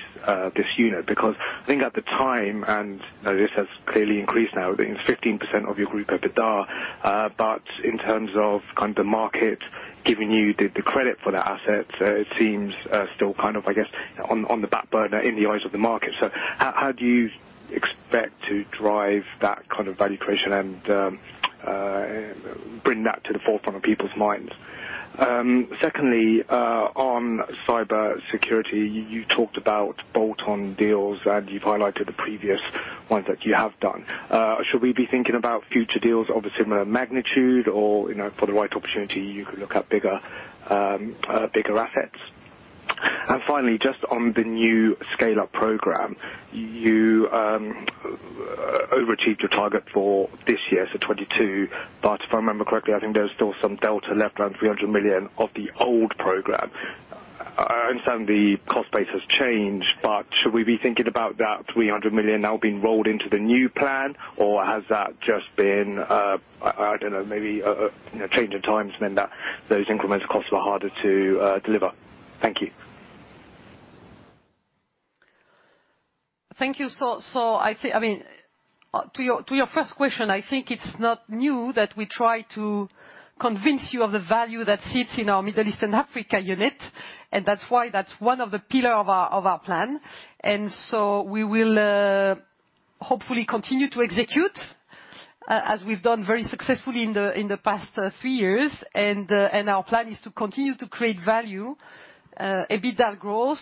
this unit? Because I think at the time, and this has clearly increased now, I think it's 15% of your group EBITDA. In terms of kind of the market giving you the credit for that asset, it seems still kind of, I guess, on the back burner in the eyes of the market. How do you expect to drive that kind of value creation and bring that to the forefront of people's minds? Secondly, on cybersecurity, you talked about bolt-on deals, and you've highlighted the previous ones that you have done. Should we be thinking about future deals of a similar magnitude or, you know, for the right opportunity, you could look at bigger assets? Finally, just on the new Scale Up program, you overachieved your target for this year, 2022. If I remember correctly, I think there's still some delta left, around 300 million of the old program. I understand the cost base has changed, but should we be thinking about that 300 million now being rolled into the new plan, or has that just been, I don't know, maybe, you know, change in times meant that those incremental costs were harder to deliver? Thank you. Thank you. I mean, to your first question, I think it's not new that we try to convince you of the value that sits in our Middle East and Africa unit, and that's why that's one of the pillar of our plan. We will hopefully continue to execute as we've done very successfully in the past three years. Our plan is to continue to create value, EBITDA growth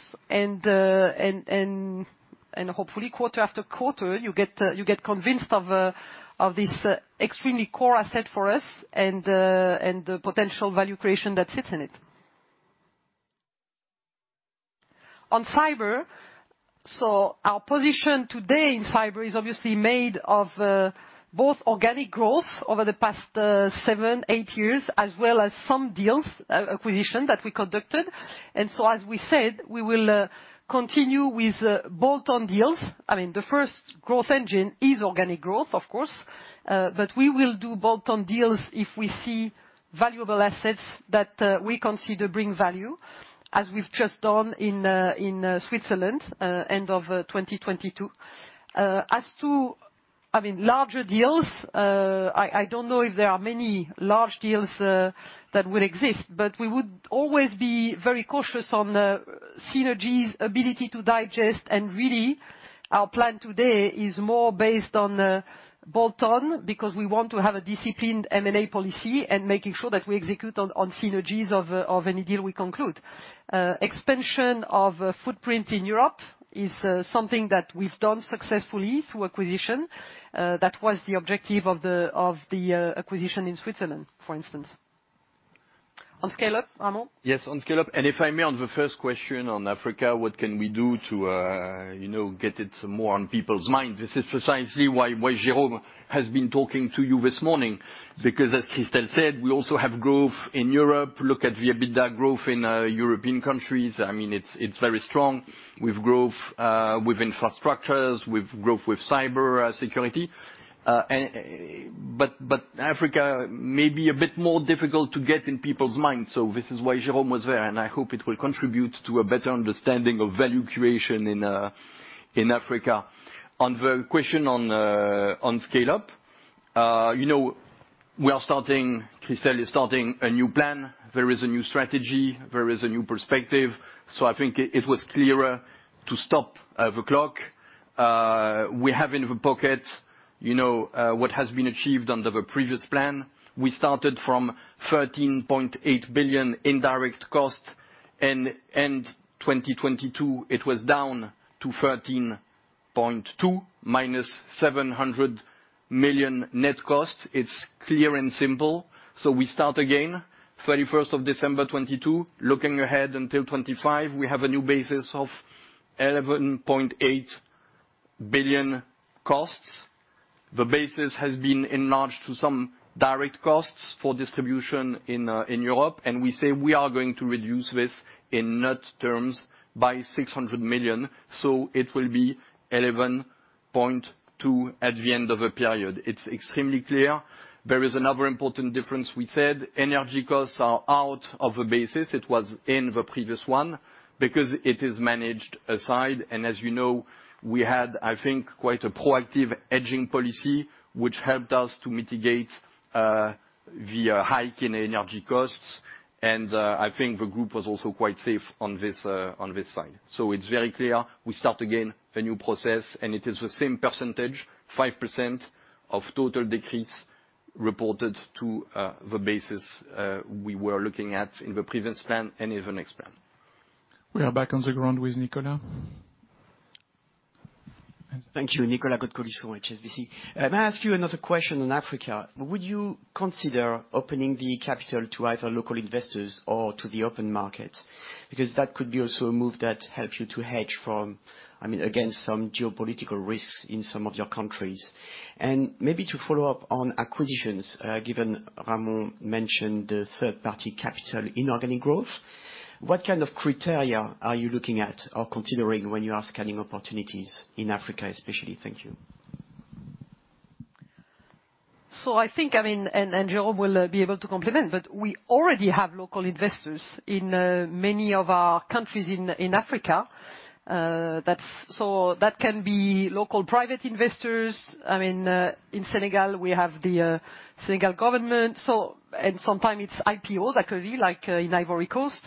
and hopefully quarter after quarter, you get convinced of this extremely core asset for us and the potential value creation that sits in it. On cyber, our position today in cyber is obviously made of both organic growth over the past seven, eight years, as well as some deals, acquisition that we conducted. As we said, we will continue with bolt-on deals. I mean, the first growth engine is organic growth, of course, but we will do bolt-on deals if we see valuable assets that we consider bring value, as we've just done in Switzerland end of 2022. As to, I mean, larger deals, I don't know if there are many large deals that will exist, but we would always be very cautious on the synergies ability to digest. Really, our plan today is more based on the bolt-on, because we want to have a disciplined M&A policy and making sure that we execute on synergies of any deal we conclude. Expansion of footprint in Europe is something that we've done successfully through acquisition. That was the objective of the acquisition in Switzerland, for instance. On Scale-Up, Ramon? Yes, on Scale Up. If I may, on the first question on Africa, what can we do to, you know, get it more on people's mind? This is precisely why Jerome has been talking to you this morning. As Christel said, we also have growth in Europe. Look at the EBITDA growth in European countries. I mean, it's very strong. We've growth with infrastructures, with growth with cyber security. Africa may be a bit more difficult to get in people's minds. This is why Jerome was there, and I hope it will contribute to a better understanding of value creation in Africa. On the question on Scale Up, you know, we are starting, Christel is starting a new plan. There is a new strategy. There is a new perspective. I think it was clearer to stop the clock. We have in the pocket, you know, what has been achieved under the previous plan. We started from 13.8 billion in direct costs. In end 2022, it was down to 13.2 billion minus 700 million net costs. It's clear and simple. We start again 31st of December 2022. Looking ahead until 2025, we have a new basis of 11.8 billion costs. The basis has been enlarged to some direct costs for distribution in Europe. We say we are going to reduce this in net terms by 600 million. It will be 11.2 billion at the end of a period. It's extremely clear. There is another important difference. We said energy costs are out of the basis. It was in the previous one because it is managed aside. As you know, we had, I think, quite a proactive hedging policy, which helped us to mitigate the hike in energy costs. I think the group was also quite safe on this, on this side. It's very clear we start again a new process, and it is the same percentage, 5% of total decrease reported to the basis we were looking at in the previous plan and in the next plan. We are back on the ground with Nicolas. Thank you. Nicolas Cote-Colisson from HSBC. May I ask you another question on Africa? Would you consider opening the capital to either local investors or to the open market? That could be also a move that helps you to hedge from, I mean, against some geopolitical risks in some of your countries. Maybe to follow up on acquisitions, given Ramon Fernandez mentioned the third-party capital inorganic growth, what kind of criteria are you looking at or considering when you are scanning opportunities in Africa especially? Thank you. I think, I mean, and Jerome will be able to complement, but we already have local investors in many of our countries in Africa. That can be local private investors. I mean, in Senegal, we have the Senegal government. Sometimes it's IPO that could be like in Ivory Coast.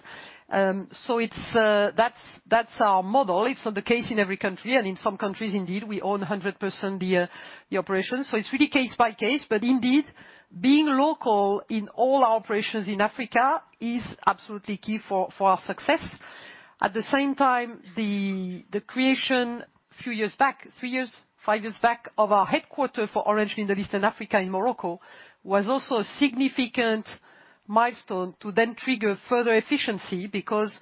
It's that's our model. It's not the case in every country. In some countries, indeed, we own 100% the operation. It's really case by case. Indeed, being local in all our operations in Africa is absolutely key for our success. At the same time, the creation few years back, three years, five years back, of our headquarter for Orange in the Eastern Africa, in Morocco, was also a significant milestone to then trigger further efficiency. Because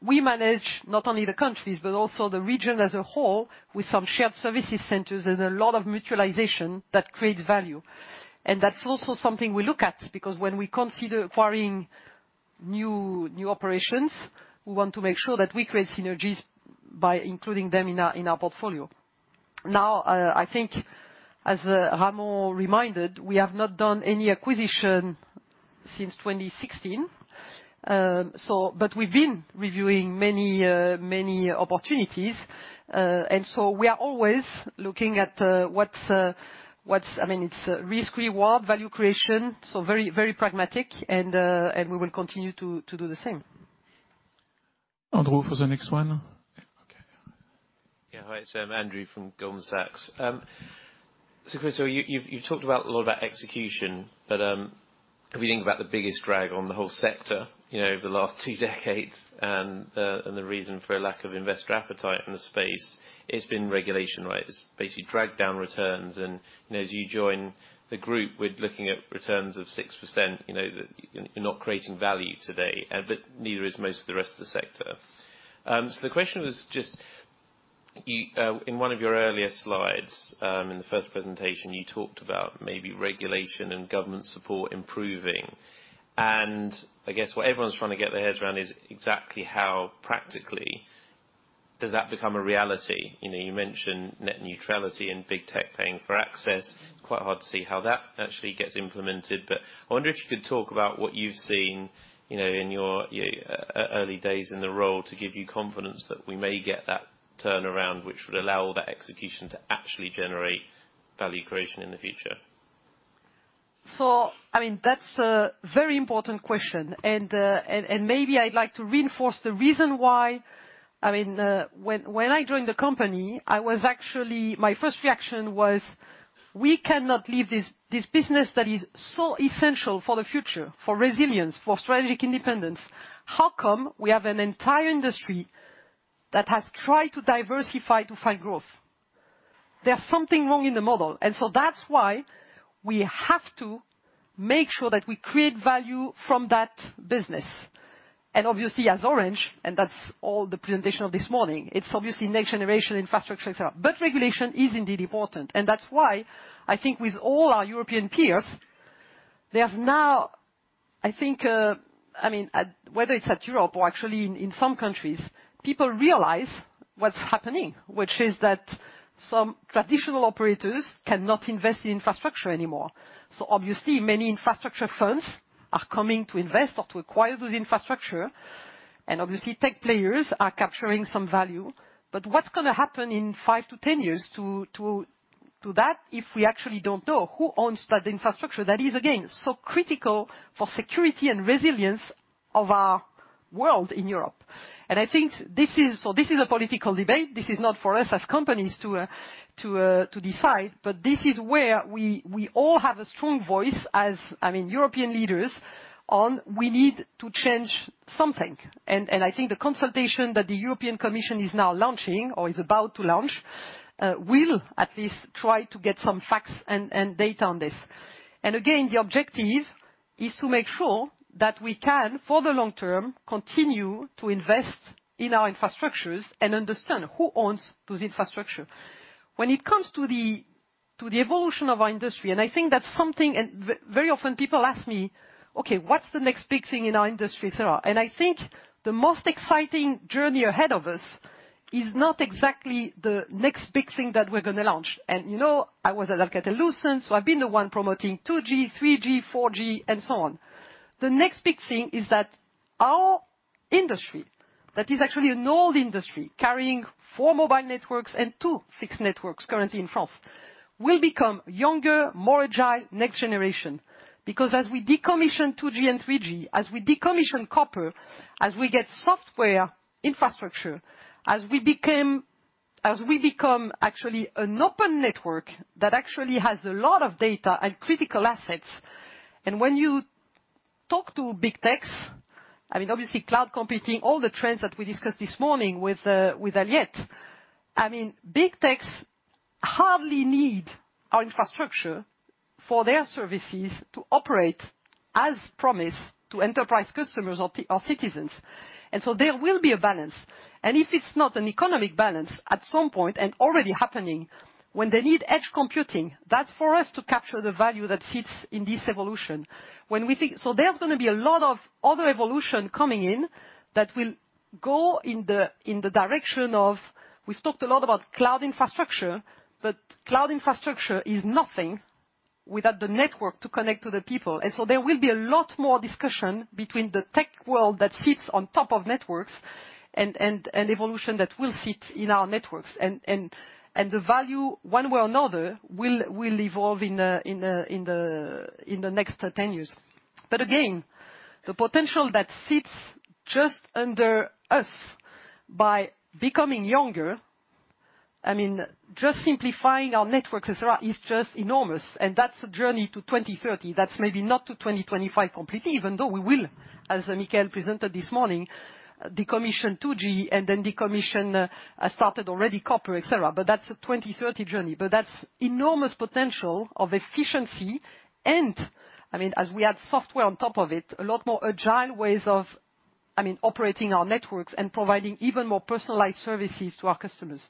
we manage not only the countries, but also the region as a whole, with some shared services centers and a lot of mutualization that creates value. That's also something we look at, because when we consider acquiring new operations, we want to make sure that we create synergies by including them in our portfolio. Now, I think as Ramon reminded, we have not done any acquisition since 2016. We've been reviewing many opportunities. We are always looking at, what's... I mean, it's risk reward, value creation, so very pragmatic, and we will continue to do the same. Andrew for the next one. Okay. Yeah. Hi, it's Andrew from Goldman Sachs. Christophe, you've talked about a lot about execution, but if we think about the biggest drag on the whole sector, you know, over the last two decades, and the reason for a lack of investor appetite in the space, it's been regulation, right? It's basically dragged down returns. You know, as you join the group, we're looking at returns of 6%. You know that you're not creating value today, but neither is most of the rest of the sector. The question was just, you, in one of your earlier slides, in the first presentation, you talked about maybe regulation and government support improving. I guess what everyone's trying to get their heads around is exactly how practically does that become a reality. You know, you mentioned net neutrality and big tech paying for access. Quite hard to see how that actually gets implemented. I wonder if you could talk about what you've seen, you know, in your early days in the role to give you confidence that we may get that turnaround, which would allow all that execution to actually generate value creation in the future. I mean, that's a very important question. Maybe I'd like to reinforce the reason why. I mean, when I joined the company, I was actually, my first reaction was, we cannot leave this business that is so essential for the future, for resilience, for strategic independence. How come we have an entire industry that has tried to diversify to find growth? There's something wrong in the model. That's why we have to make sure that we create value from that business. Obviously as Orange, and that's all the presentation of this morning, it's obviously next generation infrastructure itself. Regulation is indeed important. That's why I think with all our European peers, there's now, I think, I mean, whether it's at Europe or actually in some countries, people realize what's happening, which is that some traditional operators cannot invest in infrastructure anymore. Obviously many infrastructure funds are coming to invest or to acquire those infrastructure, and obviously tech players are capturing some value. What's gonna happen in five years to 10 years to that if we actually don't know who owns that infrastructure? That is again, so critical for security and resilience of our world in Europe. I think this is a political debate. This is not for us as companies to decide. This is where we all have a strong voice as, I mean, European leaders on we need to change something. I think the consultation that the European Commission is now launching or is about to launch will at least try to get some facts and data on this. Again, the objective is to make sure that we can, for the long term, continue to invest in our infrastructures and understand who owns those infrastructure. When it comes to the evolution of our industry, I think that's something. Very often people ask me, "Okay, what's the next big thing in our industry?" I think the most exciting journey ahead of us is not exactly the next big thing that we're gonna launch. You know, I was at Catalyson, so I've been the one promoting 2G, 3G, 4G and so on. The next big thing is that our industry, that is actually an old industry, carrying four mobile networks and two fixed networks currently in France, will become younger, more agile next-generation. As we decommission 2G and 3G, as we decommission copper, as we get software infrastructure, as we become actually an open network that actually has a lot of data and critical assets. When you talk to big techs, I mean, obviously cloud computing, all the trends that we discussed this morning with Aliette. I mean, big techs hardly need our infrastructure for their services to operate as promised to enterprise customers or citizens. There will be a balance. If it's not an economic balance, at some point, and already happening, when they need edge computing, that's for us to capture the value that sits in this evolution. There's going to be a lot of other evolution coming in that will go in the direction of. We've talked a lot about cloud infrastructure, but cloud infrastructure is nothing without the network to connect to the people. There will be a lot more discussion between the tech world that sits on top of networks and evolution that will sit in our networks. The value, one way or another, will evolve in the next 10 years. Again, the potential that sits just under us by becoming younger, I mean, just simplifying our network et cetera, is just enormous. That's a journey to 2030. That's maybe not to 2025 completely, even though we will, as Michael presented this morning, decommission 2G and then decommission, started already copper, et cetera. That's a 2030 journey. That's enormous potential of efficiency. I mean, as we add software on top of it, a lot more agile ways of, I mean, operating our networks and providing even more personalized services to our customers.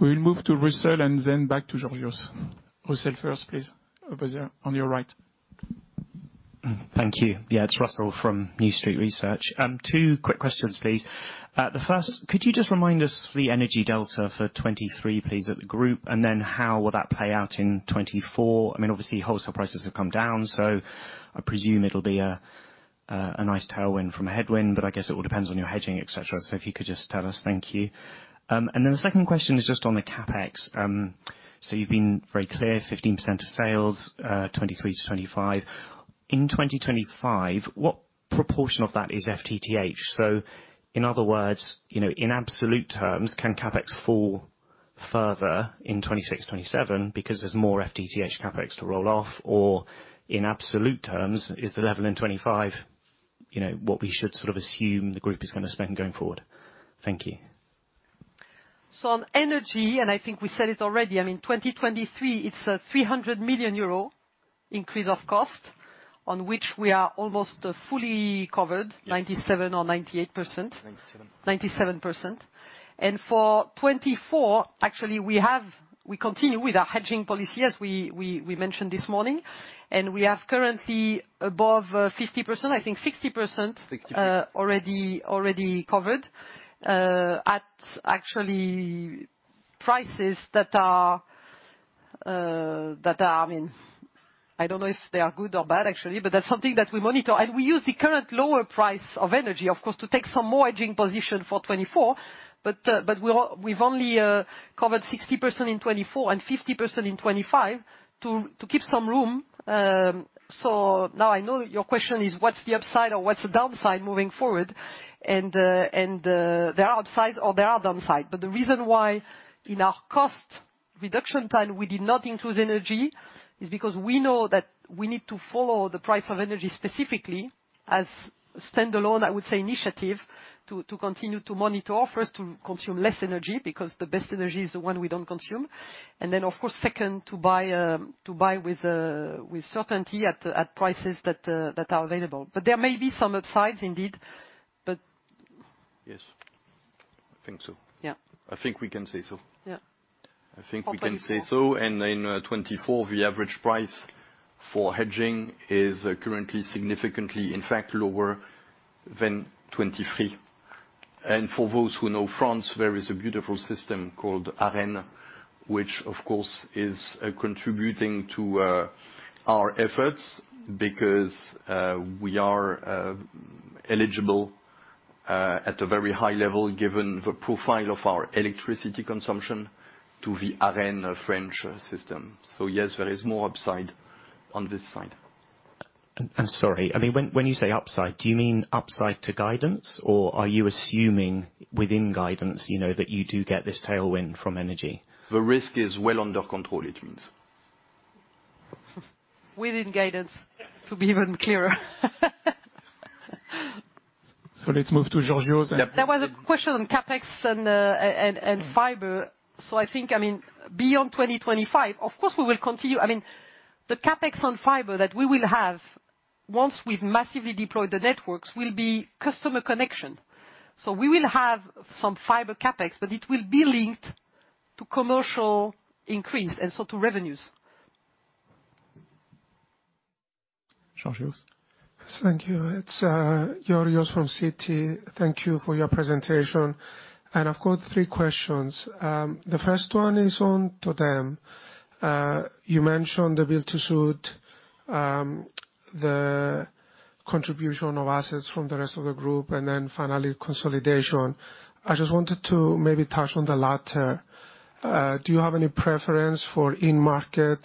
We'll move to Russell and then back to Georgios. Russell first, please. Over there on your right. Thank you. Yeah, it's Russell from New Street Research. Two quick questions, please. The first, could you just remind us the energy delta for 2023, please, at the group? How will that play out in 2024? I mean, obviously, wholesale prices have come down, so I presume it'll be a nice tailwind from a headwind, but I guess it all depends on your hedging, et cetera. If you could just tell us. Thank you. The second question is just on the CapEx. You've been very clear, 15% of sales, 2023 to 2025. In 2025, what proportion of that is FTTH? In other words, you know, in absolute terms, can CapEx fall further in 2026, 2027 because there's more FTTH CapEx to roll off? in absolute terms, is the level in 2025, you know, what we should sort of assume the group is gonna spend going forward? Thank you. On energy, and I think we said it already, I mean, 2023, it's a 300 million euro increase of cost on which we are almost fully covered. Yes. 97% or 98%. 97%. 97%. For 2024, actually we continue with our hedging policy, as we mentioned this morning. We have currently above 50%, I think 60%. 60%. already covered at actually prices that are, I mean, I don't know if they are good or bad actually, but that's something that we monitor. We use the current lower price of energy, of course, to take some more hedging position for 2024. We've only covered 60% in 2024 and 50% in 2025 to keep some room. Now I know your question is, what's the upside or what's the downside moving forward? There are upsides or there are downside. The reason why in our cost reduction plan we did not include energy is because we know that we need to follow the price of energy specifically as standalone, I would say, initiative to continue to monitor. First, to consume less energy, because the best energy is the one we don't consume. Then, of course, second, to buy, to buy with certainty at prices that are available. There may be some upsides indeed, but. Yes. I think so. Yeah. I think we can say so. Yeah. I think we can say so. For 2024. In 2024, the average price for hedging is currently significantly, in fact, lower than 2023. For those who know France, there is a beautiful system called ARENH, which of course is contributing to our efforts because we are eligible at a very high level, given the profile of our electricity consumption to the ARENH French system. Yes, there is more upside on this side. I'm sorry. I mean, when you say upside, do you mean upside to guidance or are you assuming within guidance, you know, that you do get this tailwind from energy? The risk is well under control, it means. Within guidance to be even clearer. Let's move to Georgios. There was a question on CapEx and fiber. I think, I mean, beyond 2025, of course we will continue. I mean, the CapEx on fiber that we will have once we've massively deployed the networks will be customer connection. We will have some fiber CapEx, but it will be linked to commercial increase and so to revenues. Georgios. Thank you. It's Georgios from Citi. Thank you for your presentation. I've got three questions. The first one is on TOTEM. You mentioned the build to suit, the contribution of assets from the rest of the group, and then finally consolidation. I just wanted to maybe touch on the latter. Do you have any preference for in-market,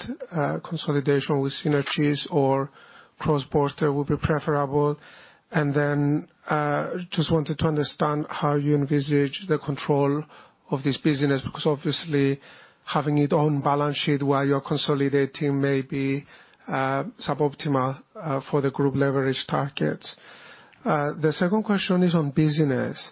consolidation with synergies or cross-border would be preferable? Just wanted to understand how you envisage the control of this business, because obviously having it on balance sheet while you're consolidating may be suboptimal for the group leverage targets. The second question is on business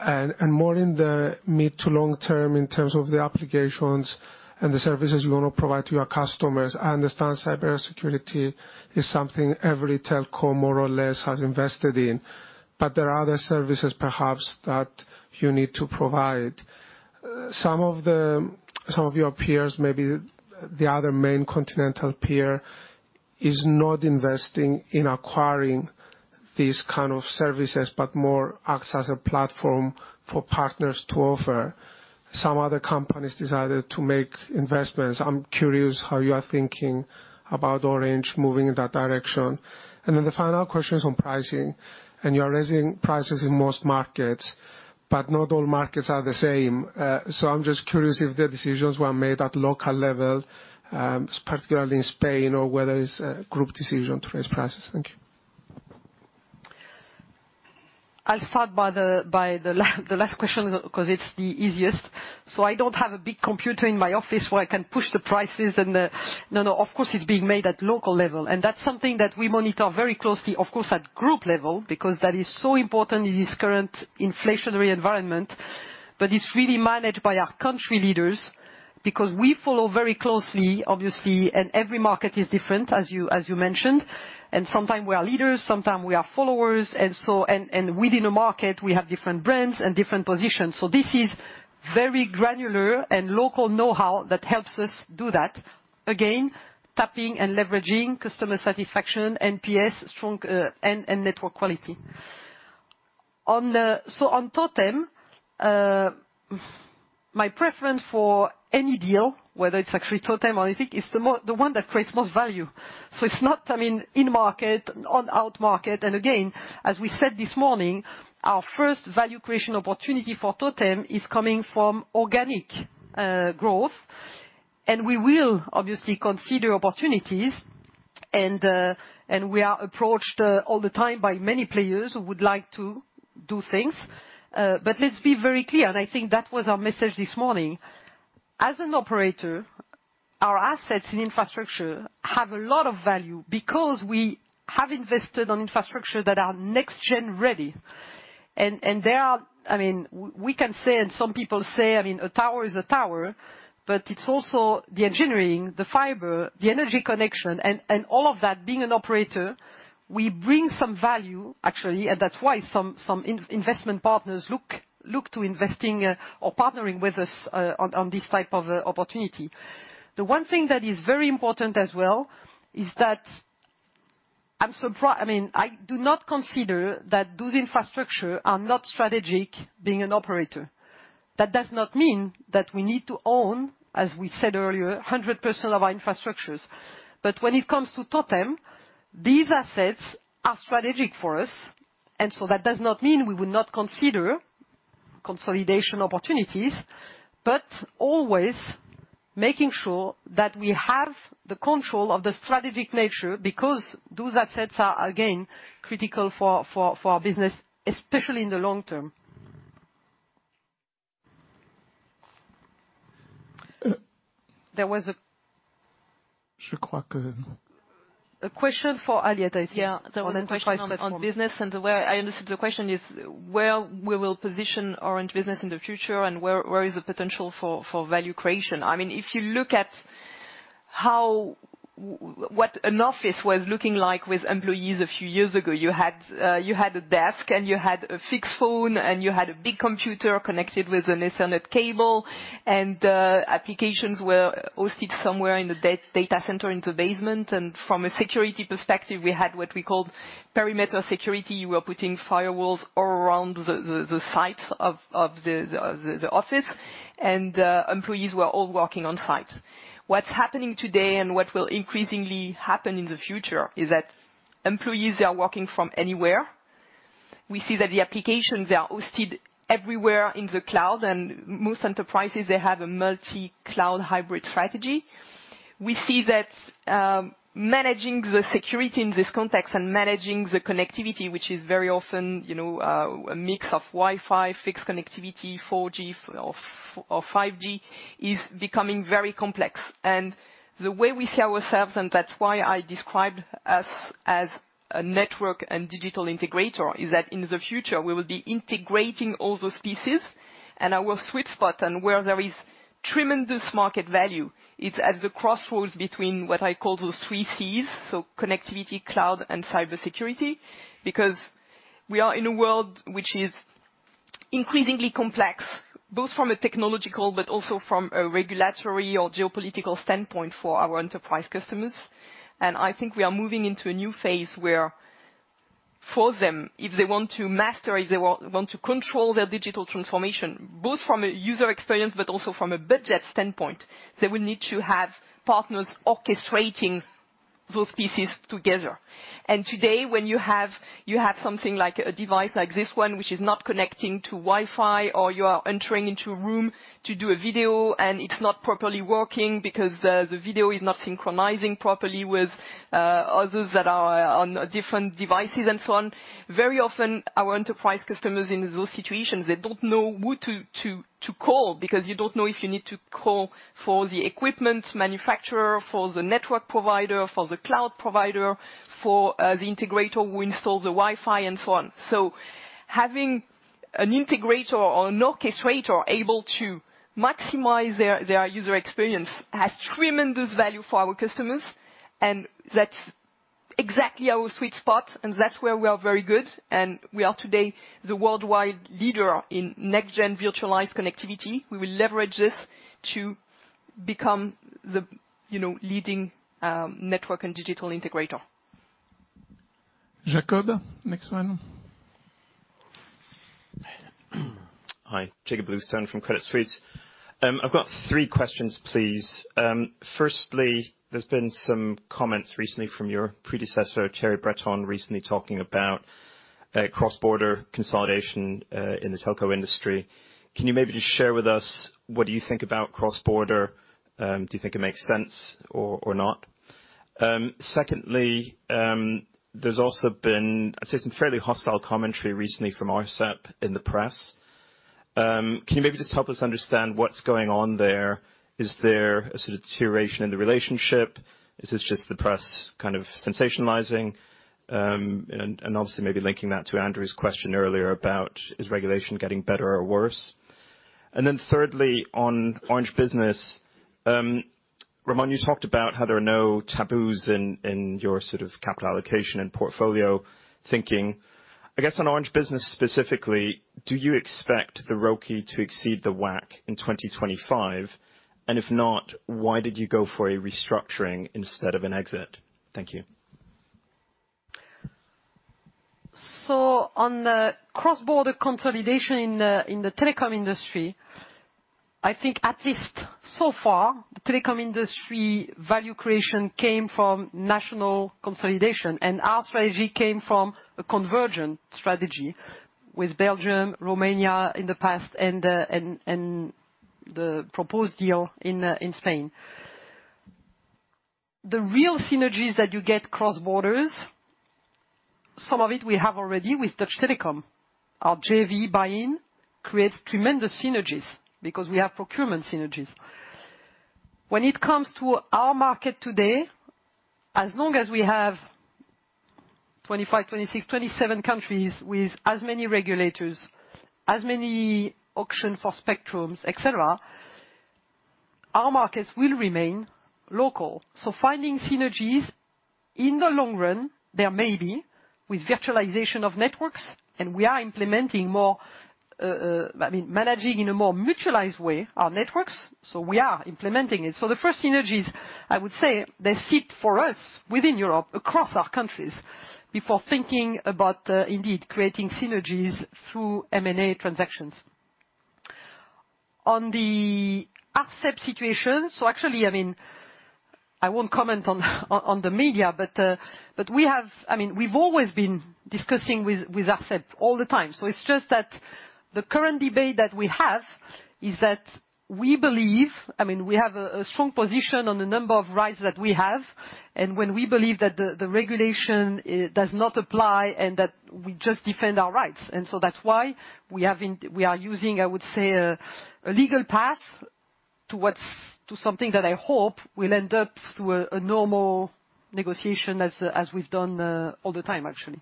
and more in the mid to long term in terms of the applications and the services you wanna provide to your customers. I understand cybersecurity is something every telco more or less has invested in, there are other services perhaps that you need to provide. Some of your peers, maybe the other main continental peers is not investing in acquiring these kind of services, but more acts as a platform for partners to offer. Some other companies decided to make investments. I'm curious how you are thinking about Orange moving in that direction. The final question is on pricing. You are raising prices in most markets, but not all markets are the same. I'm just curious if the decisions were made at local level, particularly in Spain, or whether it's a group decision to raise prices. Thank you. I'll start by the last question because it's the easiest. I don't have a big computer in my office where I can push the prices and the... Of course, it's being made at local level, and that's something that we monitor very closely, of course, at group level because that is so important in this current inflationary environment. It's really managed by our country leaders because we follow very closely, obviously, and every market is different, as you mentioned. Sometime we are leaders, sometime we are followers, and within a market we have different brands and different positions. This is very granular and local know-how that helps us do that. Again, tapping and leveraging customer satisfaction, NPS strong, and network quality. On Totem, my preference for any deal, whether it's actually Totem or ITIC, it's the one that creates most value. It's not, I mean, in market, out market. Again, as we said this morning, our first value creation opportunity for Totem is coming from organic growth. We will obviously consider opportunities. We are approached all the time by many players who would like to do things. Let's be very clear, and I think that was our message this morning. As an operator, our assets in infrastructure have a lot of value because we have invested on infrastructure that are next gen ready. There are... I mean, we can say, and some people say, I mean, a tower is a tower, but it's also the engineering, the fiber, the energy connection, and all of that being an operator, we bring some value, actually. That's why some in-investment partners look to investing or partnering with us on this type of opportunity. The one thing that is very important as well is that I'm surpri-- I mean, I do not consider that those infrastructure are not strategic being an operator. That does not mean that we need to own, as we said earlier, 100% of our infrastructures. When it comes to TOTEM, these assets are strategic for us, and so that does not mean we would not consider consolidation opportunities, but always making sure that we have the control of the strategic nature because those assets are, again, critical for our business, especially in the long term. There was a question for Aliette, I think. Yeah. There was a question on business and the way I understood the question is where we will position Orange Business in the future and where is the potential for value creation. I mean, if you look at how what an office was looking like with employees a few years ago, you had a desk, and you had a fixed phone, and you had a big computer connected with an Ethernet cable. Applications were hosted somewhere in the data center in the basement. From a security perspective, we had what we called perimeter security. We were putting firewalls all around the sites of the office. Employees were all working on site. What's happening today and what will increasingly happen in the future is that employees are working from anywhere. We see that the applications are hosted everywhere in the cloud, and most enterprises, they have a multi-cloud hybrid strategy. We see that managing the security in this context and managing the connectivity, which is very often, you know, a mix of Wi-Fi, fixed connectivity, 4G or 5G is becoming very complex. The way we see ourselves, and that's why I described us as a network and digital integrator, is that in the future we will be integrating all those pieces and our sweet spot and where there is tremendous market value. It's at the crossroads between what I call those three C's, so connectivity, cloud and cybersecurity. We are in a world which is increasingly complex, both from a technological but also from a regulatory or geopolitical standpoint for our enterprise customers. I think we are moving into a new phase where for them, if they want to master, if they want to control their digital transformation, both from a user experience but also from a budget standpoint, they will need to have partners orchestrating those pieces together. Today, when you have something like a device like this one which is not connecting to Wi-Fi, or you are entering into a room to do a video, and it's not properly working because the video is not synchronizing properly with others that are on different devices and so on. Very often, our enterprise customers in those situations, they don't know who to call because you don't know if you need to call for the equipment manufacturer, for the network provider, for the cloud provider, for the integrator who installed the Wi-Fi and so on. Having an integrator or an orchestrator able to maximize their user experience has tremendous value for our customers, and that's. Exactly our sweet spot, and that's where we are very good, and we are today the worldwide leader in next-gen virtualized connectivity. We will leverage this to become the, you know, leading, network and digital integrator. Jacob, next one. Hi. Jakob Bluestone from Credit Suisse. I've got three questions please. Firstly, there's been some comments recently from your predecessor, Thierry Breton, recently talking about a cross-border consolidation in the telco industry. Can you maybe just share with us what you think about cross-border? Do you think it makes sense or not? Secondly, there's also been I'd say some fairly hostile commentary recently from Arcep in the press. Can you maybe just help us understand what's going on there? Is there a sort of deterioration in the relationship? Is this just the press kind of sensationalizing? Obviously maybe linking that to Andrew's question earlier about is regulation getting better or worse? Thirdly, on Orange Business, Ramon, you talked about how there are no taboos in your sort of capital allocation and portfolio thinking. I guess on Orange Business specifically, do you expect the ROCE to exceed the WACC in 2025? If not, why did you go for a restructuring instead of an exit? Thank you. On the cross-border consolidation in the telecom industry, I think at least so far, the telecom industry value creation came from national consolidation. Our strategy came from a convergent strategy with Belgium, Romania in the past and the proposed deal in Spain. The real synergies that you get cross borders, some of it we have already with Deutsche Telekom. Our JV BuyIn creates tremendous synergies because we have procurement synergies. When it comes to our market today, as long as we have 25 countries, 26 countries, 27 countries with as many regulators, as many auction for spectrums, et cetera, our markets will remain local. Finding synergies in the long run, there may be with virtualization of networks, and we are implementing more, I mean, managing in a more mutualized way our networks, so we are implementing it. The first synergies, I would say they sit for us within Europe, across our countries, before thinking about indeed creating synergies through M&A transactions. On the ARCEP situation, actually, I mean, I won't comment on the media, but I mean, we've always been discussing with ARCEP all the time. It's just that the current debate that we have is that we believe, I mean, we have a strong position on the number of rights that we have, and when we believe that the regulation does not apply, and that we just defend our rights. That's why we are using, I would say, a legal path towards something that I hope will end up through a normal negotiation as we've done all the time, actually.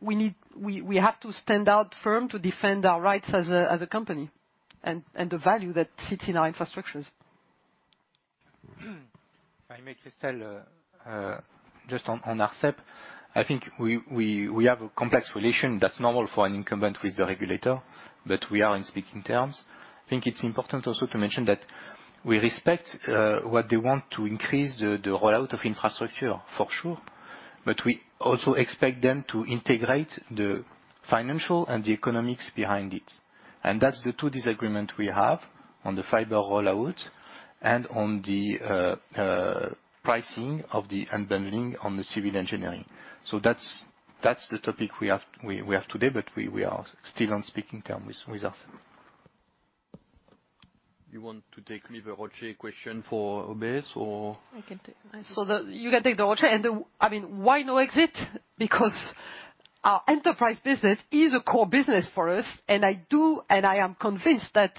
We have to stand our firm to defend our rights as a company and the value that sits in our infrastructures. If I may, Christel, just on Arcep, I think we have a complex relation that's normal for an incumbent with the regulator, but we are on speaking term. I think it's important also to mention that we respect what they want to increase the rollout of infrastructure for sure, but we also expect them to integrate the financial and the economics behind it. That's the two disagreement we have on the fiber rollout and on the pricing of the unbundling on the civil engineering. That's the topic we have today, but we are still on speaking term with Arcep. You want to take either ROCE question for OBS or... I can take. You can take the ROCE. I mean, why no exit? Because our enterprise business is a core business for us, and I do, and I am convinced that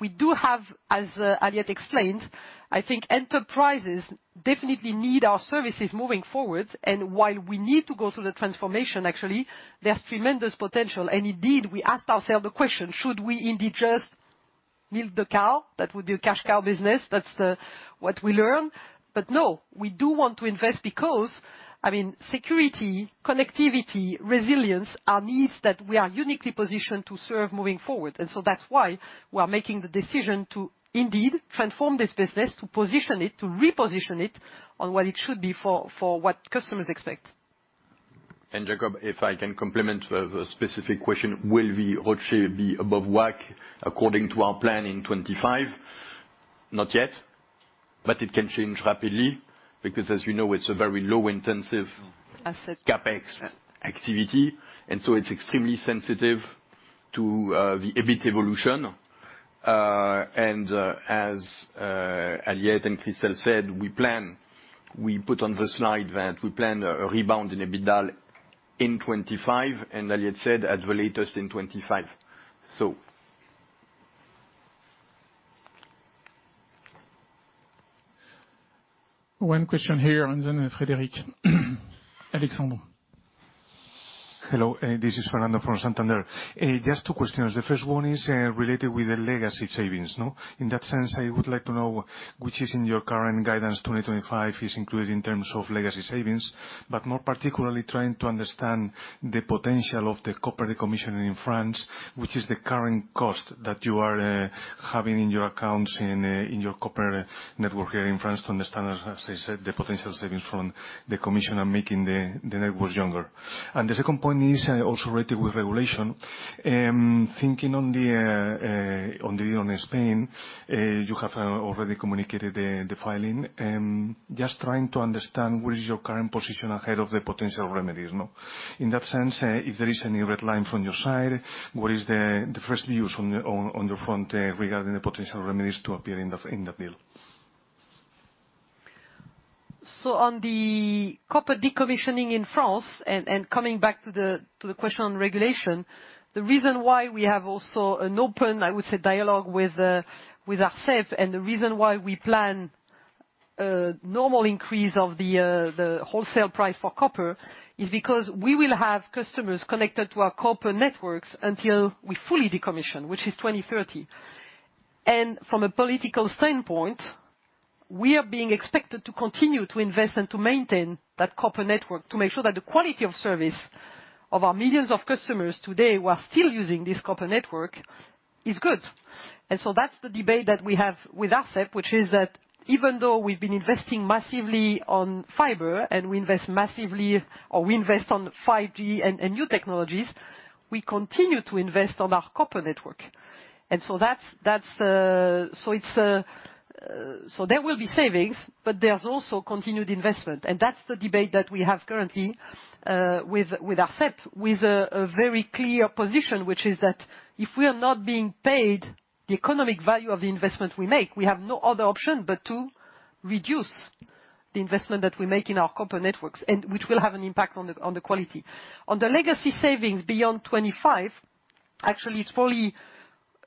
we do have, as Aliette explained, I think enterprises definitely need our services moving forward. While we need to go through the transformation, actually, there's tremendous potential. Indeed, we asked ourselves the question, should we indeed just milk the cow? That would be a cash cow business. That's what we learn. No, we do want to invest because, I mean, security, connectivity, resilience are needs that we are uniquely positioned to serve moving forward. That's why we are making the decision to indeed transform this business to position it, to reposition it on what it should be for what customers expect. Jakob, if I can complement the specific question, will the ROCE be above WACC according to our plan in 25? Not yet, but it can change rapidly because as you know, it's a very low. Asset... CapEx activity, it's extremely sensitive to the EBIT evolution. As Aliette and Christel said, we plan. We put on the slide that we plan a rebound in EBITDA in 25, and Aliette said at the latest in 25. One question here, and then Frederic. Alexandre Hello, this is Fernando from Santander. Just two questions. The first one is related with the legacy savings, no? In that sense, I would like to know which is in your current guidance 2025 is included in terms of legacy savings. More particularly trying to understand the potential of the copper decommission in France, which is the current cost that you are having in your accounts in your copper network here in France to understand, as I said, the potential savings from the commission are making the networks younger. The second point is also related with regulation. Thinking on the on the on Spain, you have already communicated the filing. Just trying to understand what is your current position ahead of the potential remedies, no? In that sense, if there is any red lines on your side, what is the first views on your front, regarding the potential remedies to appear in the bill? On the copper decommissioning in France, and coming back to the question on regulation. The reason why we have also an open, I would say, dialogue with ARCEP, and the reason why we plan a normal increase of the wholesale price for copper, is because we will have customers connected to our copper networks until we fully decommission, which is 2030. From a political standpoint, we are being expected to continue to invest and to maintain that copper network to make sure that the quality of service of our millions of customers today who are still using this copper network is good. That's the debate that we have with ARCEP, which is that even though we've been investing massively on fiber and we invest massively, or we invest on 5G and new technologies, we continue to invest on our copper network. That's, so it's, so there will be savings, but there's also continued investment. That's the debate that we have currently, with ARCEP, with a very clear position, which is that if we are not being paid the economic value of the investment we make, we have no other option but to reduce the investment that we make in our copper networks, and which will have an impact on the quality. On the legacy savings beyond 2025, actually, it's fully...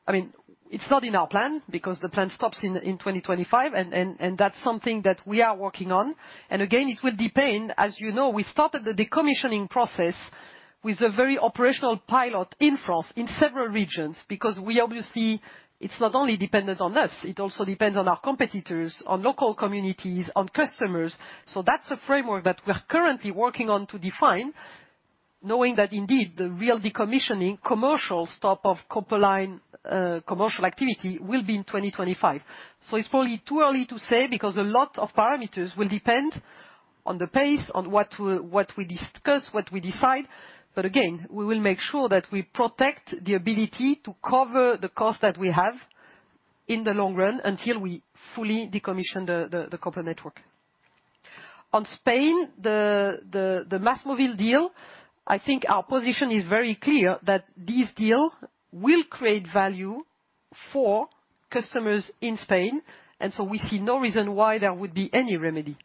I mean, it's not in our plan because the plan stops in 2025, and that's something that we are working on. Again, it will depend. As you know, we started the decommissioning process with a very operational pilot in France in several regions, because we obviously. It's not only dependent on us, it also depends on our competitors, on local communities, on customers. That's a framework that we're currently working on to define, knowing that indeed the real decommissioning commercial stop of copper line commercial activity will be in 2025. It's probably too early to say because a lot of parameters will depend on the pace, on what we discuss, what we decide. Again, we will make sure that we protect the ability to cover the cost that we have in the long run until we fully decommission the copper network. On Spain, the MásMóvil deal, I think our position is very clear that this deal will create value for customers in Spain. So we see no reason why there would be any remedy.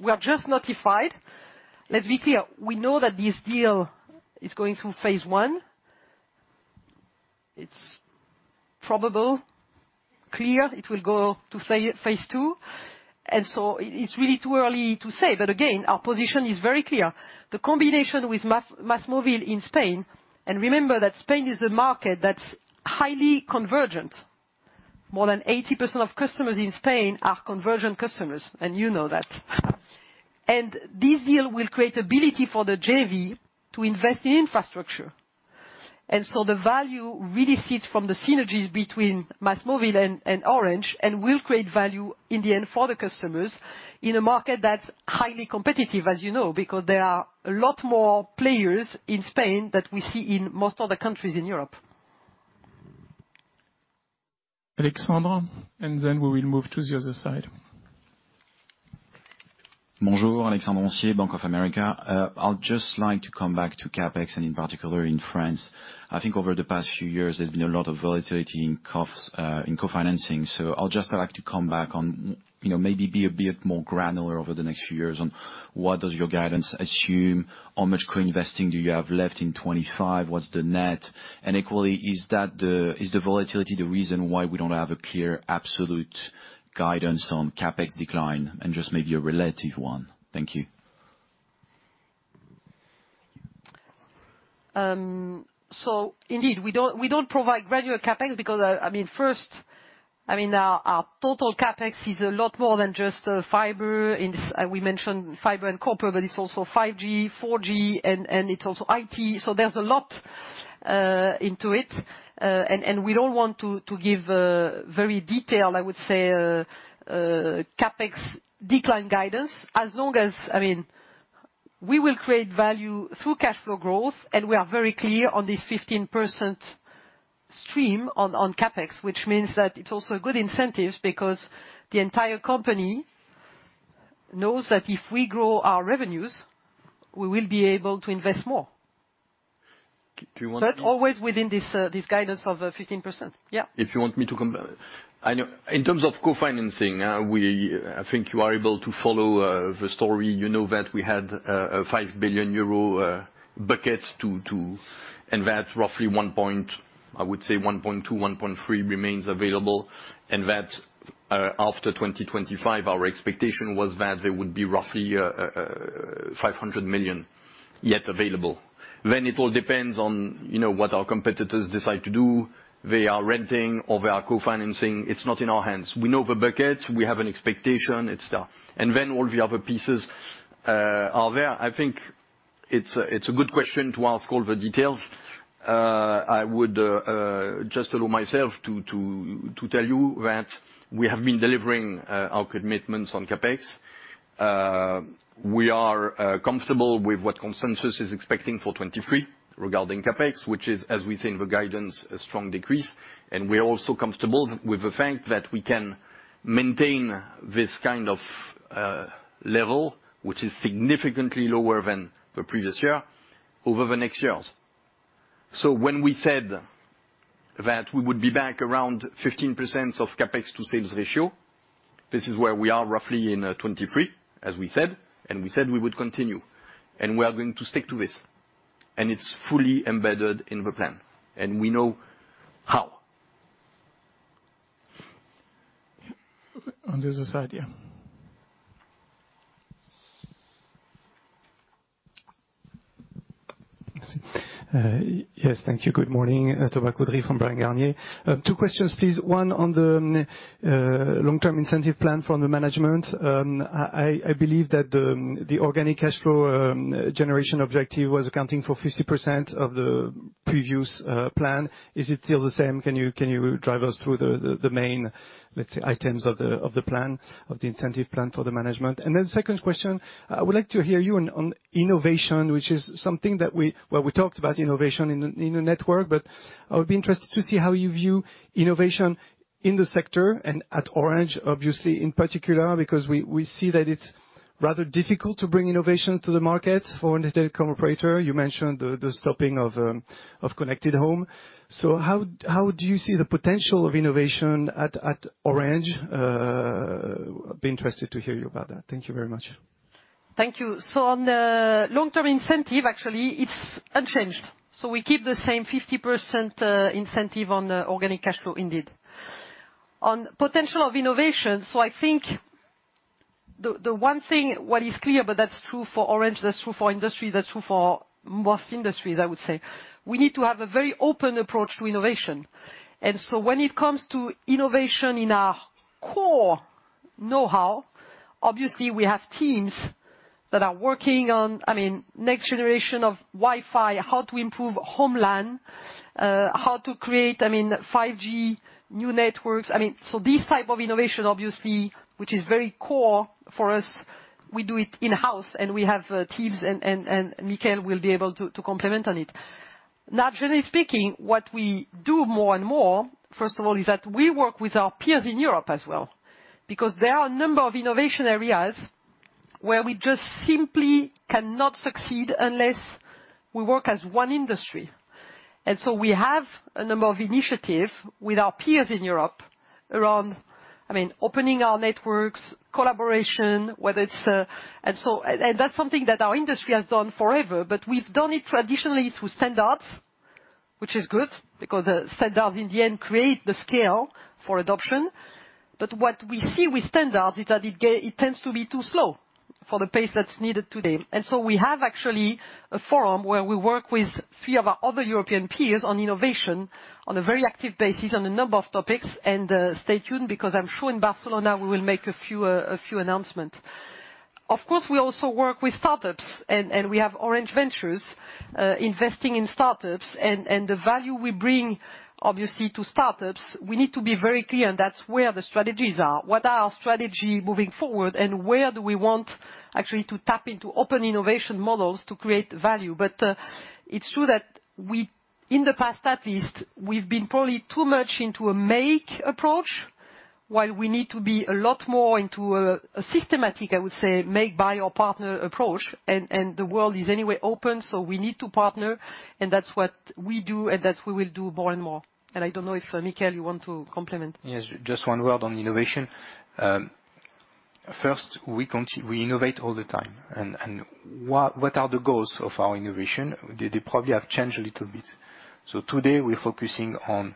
We are just notified. Let's be clear. We know that this deal is going through phase one. It's probable, clear it will go to phase two. So it's really too early to say. Again, our position is very clear. The combination with MásMóvil in Spain, and remember that Spain is a market that's highly convergent. More than 80% of customers in Spain are convergent customers, and you know that. This deal will create ability for the JV to invest in infrastructure. The value really sits from the synergies between MásMóvil and Orange and will create value in the end for the customers in a market that's highly competitive, as you know, because there are a lot more players in Spain than we see in most other countries in Europe. Alexandra, and then we will move to the other side. Bonjour. Alexandre Roncier, Bank of America. I'll just like to come back to CapEx, and in particular in France. I think over the past few years, there's been a lot of volatility in co-financing. I'll just like to come back on, you know, maybe be a bit more granular over the next few years on what does your guidance assume? How much co-investing do you have left in 2025? What's the net? Equally, is that the, is the volatility the reason why we don't have a clear absolute guidance on CapEx decline and just maybe a relative one? Thank you. Indeed we don't provide granular CapEx because, I mean, first, I mean our total CapEx is a lot more than just fiber in. We mentioned fiber and copper, but it's also 5G, 4G, and it's also IT. There's a lot into it. We don't want to give a very detailed, I would say, CapEx decline guidance as long as, I mean, we will create value through cash flow growth, and we are very clear on this 15% stream on CapEx. Which means that it's also a good incentive because the entire company knows that if we grow our revenues, we will be able to invest more. Do you want me to? Always within this guidance of 15%. Yeah. If you want me to I know. In terms of co-financing, we, I think you are able to follow, the story. You know that we had, a 5 billion euro bucket to invest roughly one point I would say 1.2x, 1.3x remains available. That, after 2025, our expectation was that there would be roughly 500 million yet available. It all depends on, you know, what our competitors decide to do. They are renting or they are co-financing. It's not in our hands. We know the buckets. We have an expectation, et cetera. All the other pieces are there. I think it's a good question to ask all the details. I would just allow myself to tell you that we have been delivering our commitments on CapEx. We are comfortable with what consensus is expecting for 2023 regarding CapEx, which is, as we say in the guidance, a strong decrease. We're also comfortable with the fact that we can maintain this kind of level, which is significantly lower than the previous year over the next years. When we said that we would be back around 15% of CapEx to sales ratio, this is where we are roughly in 2023, as we said, and we said we would continue, and we are going to stick to this, and it's fully embedded in the plan, and we know how. On the other side, yeah. Yes. Thank you. Good morning. Thomas Coudry from Bryan, Garnier & Co. Two questions, please. One on the long-term incentive plan from the management. I believe that the organic cash flow generation objective was accounting for 50% of the previous plan. Is it still the same? Can you drive us through the main, let's say, items of the plan, of the incentive plan for the management? Second question, I would like to hear you on innovation. We talked about innovation in the network, but I would be interested to see how you view innovation in the sector and at Orange, obviously, in particular, because we see that it's rather difficult to bring innovation to the market for an estate operator. You mentioned the stopping of connected home. How do you see the potential of innovation at Orange? I'd be interested to hear you about that. Thank you very much. Thank you. On the long-term incentive, actually, it's unchanged. We keep the same 50% incentive on the organic cash flow, indeed. On potential of innovation, I think the one thing, what is clear, but that's true for Orange, that's true for industry, that's true for most industries, I would say, we need to have a very open approach to innovation. When it comes to innovation in our core know-how, obviously we have teams that are working on, I mean, next generation of Wi-Fi, how to improve home LAN, how to create, I mean, 5G new networks. I mean, so these type of innovation, obviously, which is very core for us, we do it in-house, and we have teams, and Michael will be able to complement on it. Naturally speaking, what we do more and more, first of all, is that we work with our peers in Europe as well, because there are a number of innovation areas where we just simply cannot succeed unless we work as one industry. We have a number of initiative with our peers in Europe around, I mean, opening our networks, collaboration, whether it's. That's something that our industry has done forever, but we've done it traditionally through standards, which is good because the standards in the end create the scale for adoption. What we see with standards is that it tends to be too slow for the pace that's needed today. We have actually a forum where we work with few of our other European peers on innovation on a very active basis on a number of topics. Stay tuned, because I'm sure in Barcelona we will make a few announcements. Of course, we also work with startups, and we have Orange Ventures investing in startups and the value we bring, obviously, to startups, we need to be very clear, and that's where the strategies are. What are our strategy moving forward, and where do we want actually to tap into open innovation models to create value. It's true that we, in the past at least, we've been probably too much into a make approach, while we need to be a lot more into a systematic, I would say, make by your partner approach. And the world is anyway open, so we need to partner, and that's what we do, and that we will do more and more. I don't know if Michael, you want to complement. Yes. Just one word on innovation. First, we innovate all the time. What are the goals of our innovation? They probably have changed a little bit. Today we're focusing on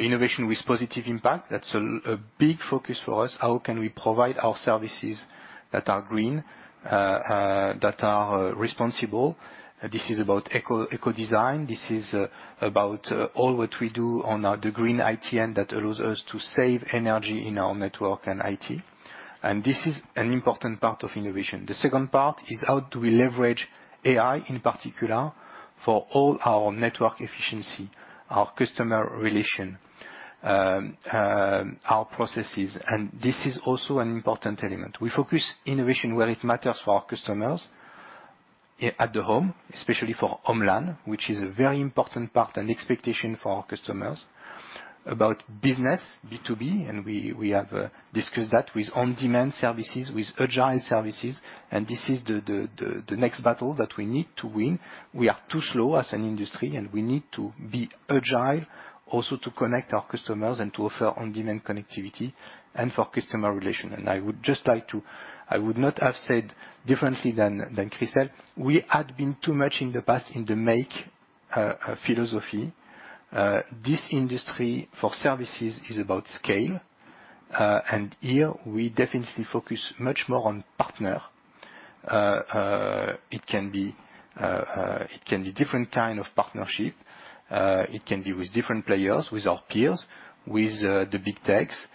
innovation with positive impact. That's a big focus for us. How can we provide our services that are green, that are responsible? This is about eco design. This is about all what we do on the Green ITN that allows us to save energy in our network and IT. This is an important part of innovation. The second part is how do we leverage AI, in particular, for all our network efficiency, our customer relation, our processes. This is also an important element. We focus innovation where it matters for our customers at the home, especially for home LAN, which is a very important part and expectation for our customers. About business, B2B, and we have discussed that with on-demand services, with agile services, and this is the next battle that we need to win. We are too slow as an industry, we need to be agile also to connect our customers and to offer on-demand connectivity and for customer relation. I would not have said differently than Christel. We had been too much in the past in the make philosophy. This industry for services is about scale. Here we definitely focus much more on partner. It can be different kind of partnership, it can be with different players, with our peers, with the big techs,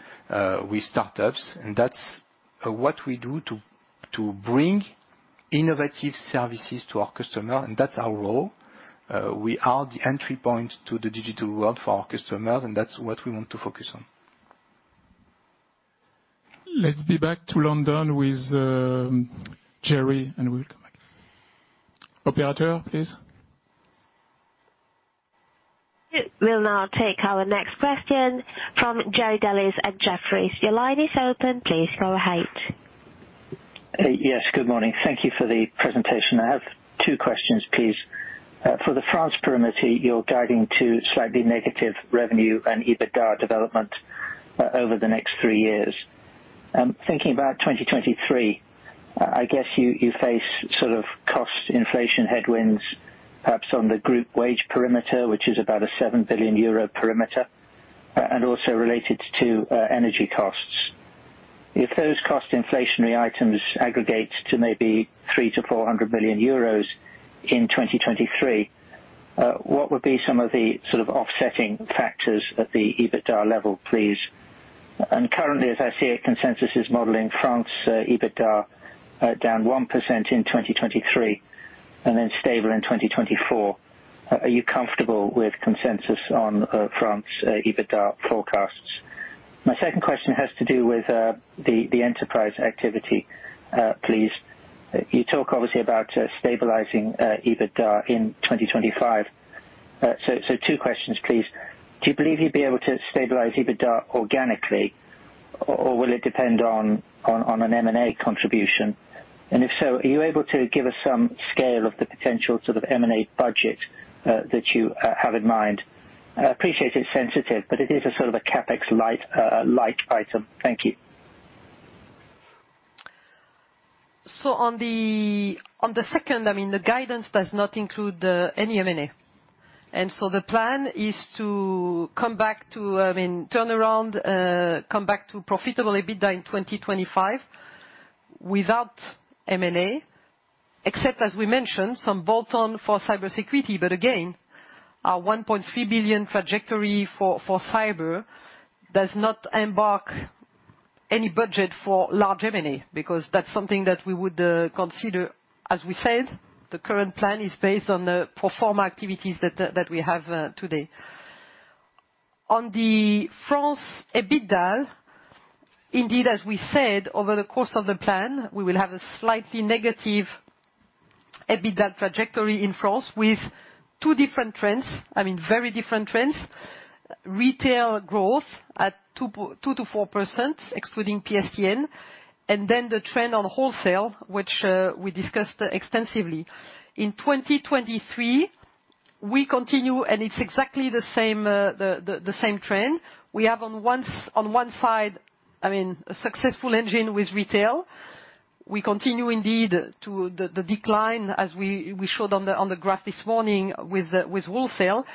with startups. That's what we do to bring innovative services to our customer, and that's our role. We are the entry point to the digital world for our customers, and that's what we want to focus on. Let's be back to London with, Jerry, and we'll come back. Operator, please. We'll now take our next question from Jerry Dellis at Jefferies. Your line is open. Please go ahead. ing. Thank you for the presentation. I have two questions, please. For the France perimeter, you are guiding to slightly negative revenue and EBITDA development over the next three years. Thinking about 2023, I guess you face sort of cost inflation headwinds, perhaps on the group wage perimeter, which is about a 7 billion euro perimeter, and also related to energy costs. If those cost inflationary items aggregate to maybe 300 million-400 million euros in 2023, what would be some of the sort of offsetting factors at the EBITDA level, please? And currently, as I see it, consensus is modeling France EBITDA down 1% in 2023 and then stable in 2024. Are you comfortable with consensus on France EBITDA forecasts? My second question has to do with the enterprise activity, please. You talk obviously about stabilizing EBITDA in 2025. two questions, please. Do you believe you'd be able to stabilize EBITDA organically or will it depend on an M&A contribution? If so, are you able to give us some scale of the potential sort of M&A budget that you have in mind? I appreciate it's sensitive, but it is a sort of a CapEx light item. Thank you. On the second, I mean, the guidance does not include any M&A. The plan is to come back to, I mean, turn around, come back to profitable EBITDA in 2025 without M&A, except as we mentioned, some bolt-on for cybersecurity. Again, our 1.3 billion trajectory for cyber does not embark any budget for large M&A, because that's something that we would consider. As we said, the current plan is based on the pro forma activities that we have today. On the France EBITDA, indeed, as we said, over the course of the plan, we will have a slightly negative EBITDA trajectory in France with two different trends, I mean, very different trends. Retail growth at 2%-4% excluding PSTN, the trend on wholesale, which we discussed extensively. In 2023, we continue and it's exactly the same trend. We have on one side, I mean, a successful engine with retail. We continue indeed to the decline as we showed on the graph this morning with wholesale.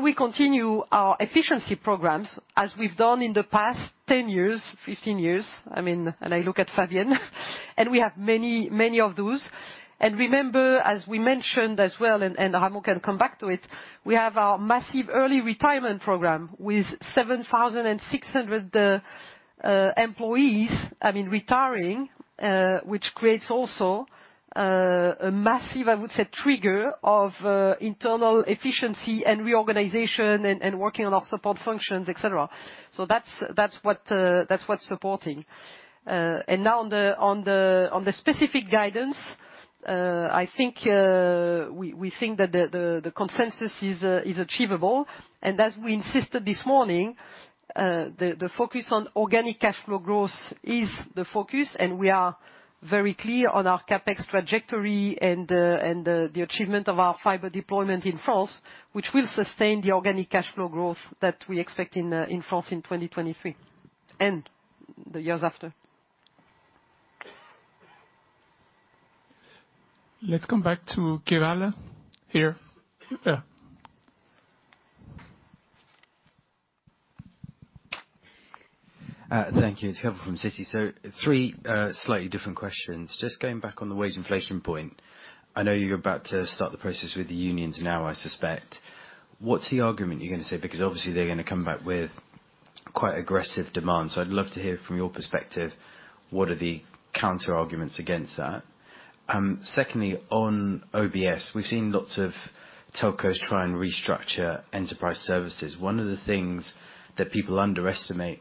We continue our efficiency programs as we've done in the past 10 years, 15 years. I mean, I look at Fabien, and we have many of those. Remember, as we mentioned as well, Ramo can come back to it, we have our massive early retirement program with 7,600 employees, I mean, retiring, which creates also a massive, I would say, trigger of internal efficiency and reorganization and working on our support functions, et cetera. That's what's supporting. Now on the specific guidance, I think we think that the consensus is achievable. As we insisted this morning, the focus on organic cash flow growth is the focus, and we are very clear on our CapEx trajectory and the achievement of our fiber deployment in France, which will sustain the organic cash flow growth that we expect in France in 2023 and the years after. Let's come back to Keval here. Thank you. It's Keval from Citi. Three slightly different questions. Just going back on the wage inflation point, I know you're about to start the process with the unions now, I suspect. What's the argument you're gonna say? Because obviously they're gonna come back with quite aggressive demands. I'd love to hear from your perspective, what are the counter arguments against that? Secondly, on OBS, we've seen lots of telcos try and restructure enterprise services. One of the things that people underestimate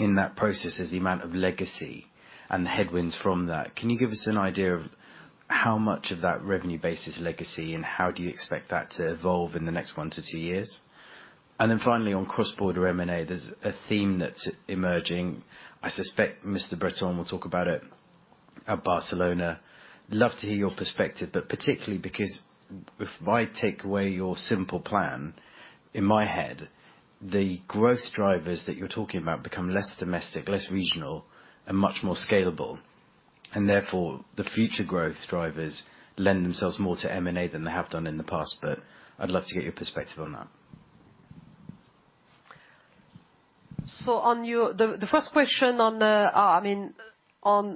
in that process is the amount of legacy and the headwinds from that. Can you give us an idea of how much of that revenue base is legacy, and how do you expect that to evolve in the next one years to two years? Finally, on cross-border M&A, there's a theme that's emerging. I suspect Mr. Breton will talk about it at Barcelona. Love to hear your perspective, particularly because if I take away your simple plan, in my head, the growth drivers that you're talking about become less domestic, less regional, and much more scalable. Therefore, the future growth drivers lend themselves more to M&A than they have done in the past. I'd love to get your perspective on that. On the first question on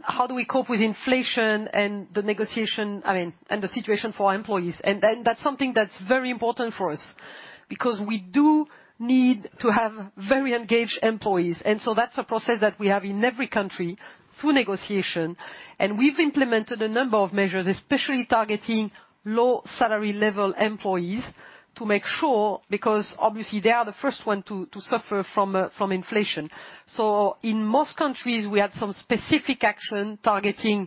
how do we cope with inflation and the negotiation, I mean, and the situation for our employees. That's something that's very important for us because we do need to have very engaged employees. That's a process that we have in every country through negotiation. We've implemented a number of measures, especially targeting low salary level employees to make sure, because obviously, they are the first one to suffer from inflation. In most countries, we had some specific action targeting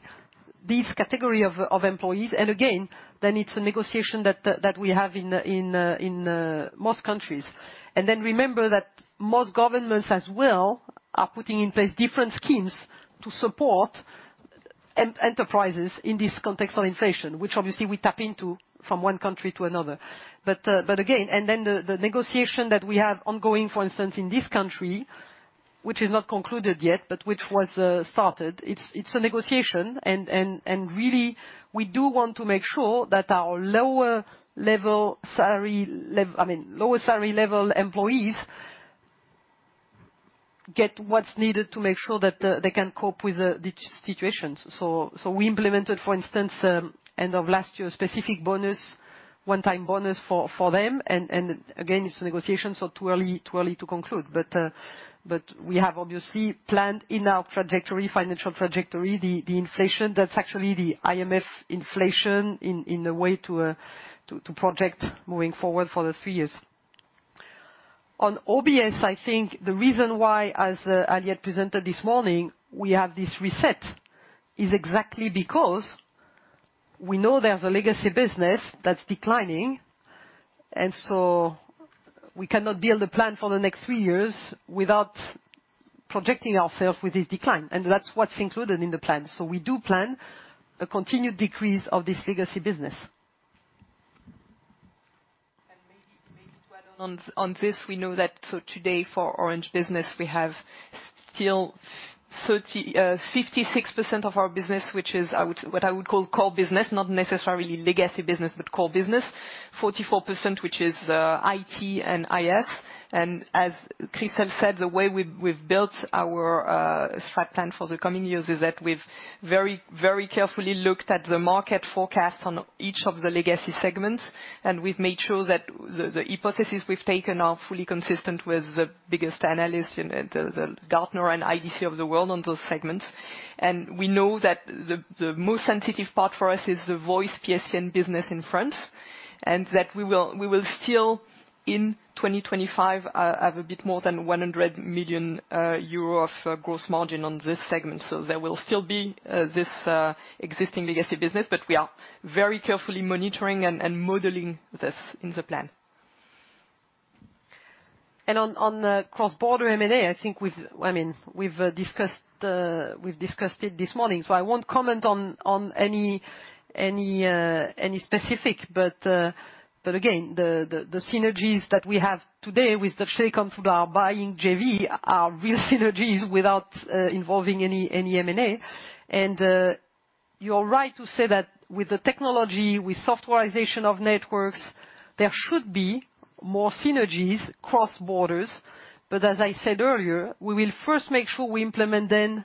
this category of employees. Again, then it's a negotiation that we have in most countries. Remember that most governments as well are putting in place different schemes to support enterprises in this context of inflation, which obviously we tap into from one country to another. Again, the negotiation that we have ongoing, for instance, in this country, which is not concluded yet, but which was started. It's a negotiation and really we do want to make sure that our lower salary level employees get what's needed to make sure that they can cope with the situations. We implemented, for instance, end of last year, a specific bonus, one-time bonus for them. Again, it's a negotiation, too early to conclude. We have obviously planned in our trajectory, financial trajectory, the inflation that's actually the IMF inflation in a way to project moving forward for the three years. On OBS, I think the reason why, as Aliette presented this morning, we have this reset is exactly because we know there's a legacy business that's declining, and so we cannot build a plan for the next three years without projecting ourself with this decline. That's what's included in the plan. We do plan a continued decrease of this legacy business. Maybe, maybe to add on this. We know that so today for Orange Business, we have still 56% of our business, which is what I would call core business, not necessarily legacy business, but core business. 44%, which is IT and IS. As Christel said, the way we've built our strat plan for the coming years is that we've very, very carefully looked at the market forecast on each of the legacy segments. We've made sure that the hypothesis we've taken are fully consistent with the biggest analyst and the Gartner and IDC of the world on those segments. We know that the most sensitive part for us is the voice PSTN business in France, and that we will still in 2025 have a bit more than 100 million euro of gross margin on this segment. There will still be this existing legacy business, but we are very carefully monitoring and modeling this in the plan. On the cross-border M&A, I mean, we've discussed it this morning. I won't comment on any specific. Again, the synergies that we have today with the Telecom Italia buying JV are real synergies without involving any M&A. You're right to say that with the technology, with softwarization of networks, there should be more synergies cross borders. As I said earlier, we will first make sure we implement them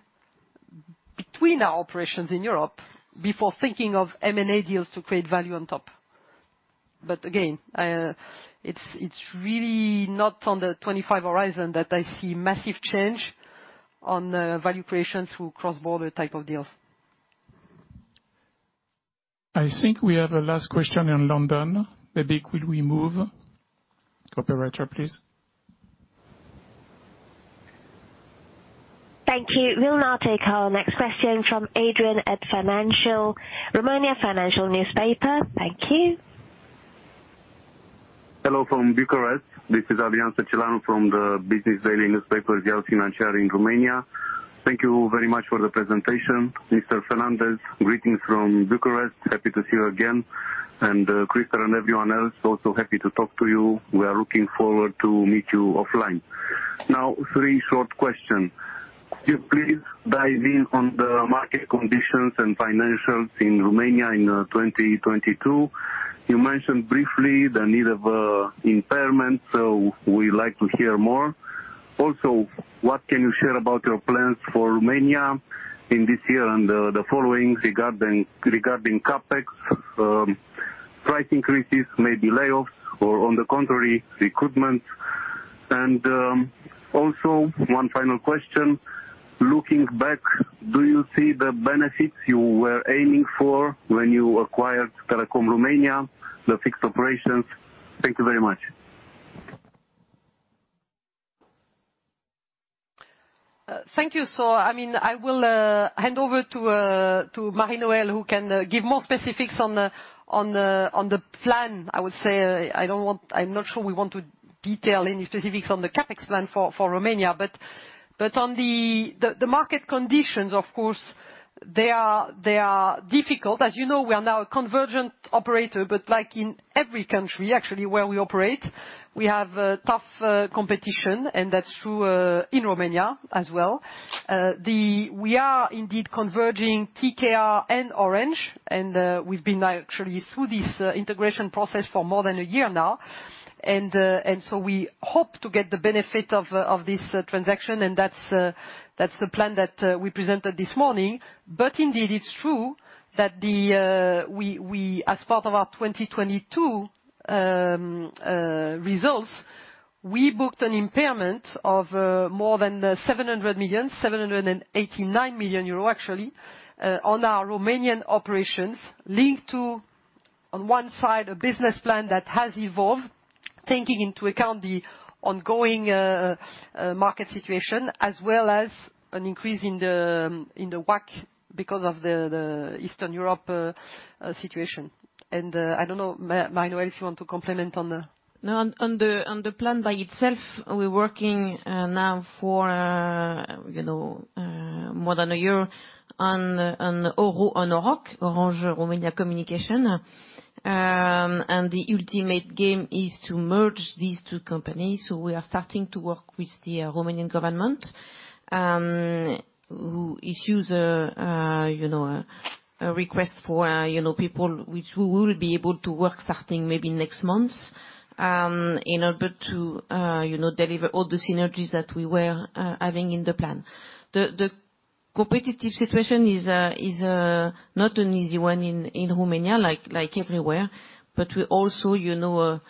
between our operations in Europe before thinking of M&A deals to create value on top. Again, it's really not on the 2025 horizon that I see massive change on value creation through cross-border type of deals. I think we have a last question in London. Maybe could we move? Operator, please. Thank you. We'll now take our next question from Adrian at Romania Financial Newspaper. Thank you. Hello from Bucharest. This is Adrian Săcelan from the business daily newspaper, Ziarul Financiar in Romania. Thank you very much for the presentation. Mr. Fernandez, greetings from Bucharest. Happy to see you again. Christel and everyone else, also happy to talk to you. We are looking forward to meet you offline. Now, three short questions. Could you please dive in on the market conditions and financials in Romania in 2022? You mentioned briefly the need of impairment, so we like to hear more. Also, what can you share about your plans for Romania in this year and the following regarding CapEx, price increases, maybe layoffs, or on the contrary, recruitment? Also one final question. Looking back, do you see the benefits you were aiming for when you acquired Telekom Romania, the fixed operations? Thank you very much. Thank you. I will hand over to Mari-Noëlle who can give more specifics on the plan. I would say, I'm not sure we want to detail any specifics on the CapEx plan for Romania. On the market conditions, of course, they are difficult. As you know, we are now a convergent operator. Like in every country, actually, where we operate, we have a tough competition, and that's true in Romania as well. We are indeed converging TKR and Orange, we've been now actually through this integration process for more than a year now. We hope to get the benefit of this transaction, and that's the plan that we presented this morning. Indeed, it's true that the. We as part of our 2022 results, we booked an impairment of more than 700 million, 789 million euro, actually, on our Romanian operations linked to, on one side, a business plan that has evolved, taking into account the ongoing market situation as well as an increase in the WACC because of the Eastern Europe situation. I don't know, Mari-Noëlle, if you want to complement on the. No, on the plan by itself, we're working now for you know, more than a year on OROC, Orange Romania Communications. The ultimate game is to merge these two companies. We are starting to work with the Romanian government, who issues a you know, a request for you know, people which we will be able to work starting maybe next month, in order to you know, deliver all the synergies that we were having in the plan. The competitive situation is not an easy one in Romania, like everywhere. We're also, you know,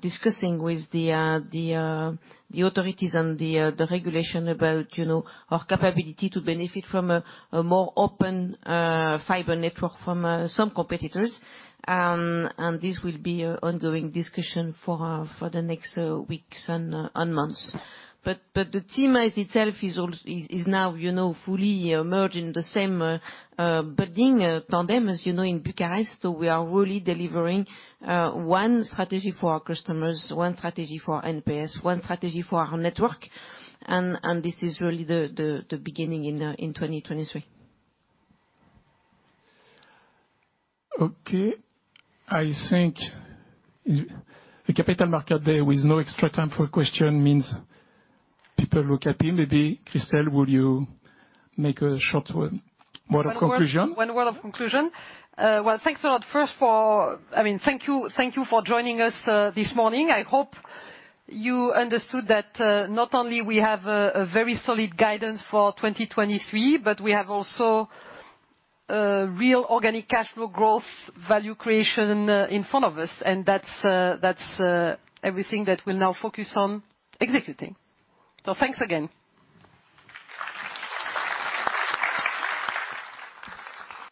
discussing with the authorities and the regulation about, you know, our capability to benefit from a more open fiber network from some competitors. This will be a ongoing discussion for the next weeks and months. The team as itself is now, you know, fully emerged in the same building tandem, as you know, in Bucharest. We are really delivering one strategy for our customers, one strategy for NPS, one strategy for our network, and this is really the beginning in 2023. Okay. I think the capital market day with no extra time for question means people look at him. Maybe, Christel, will you make a short word of conclusion? One word of conclusion. Well, thanks a lot first for... thank you for joining us this morning. I hope you understood that not only we have a very solid guidance for 2023, but we have also real organic cash flow growth value creation in front of us. That's everything that we'll now focus on executing. Thanks again.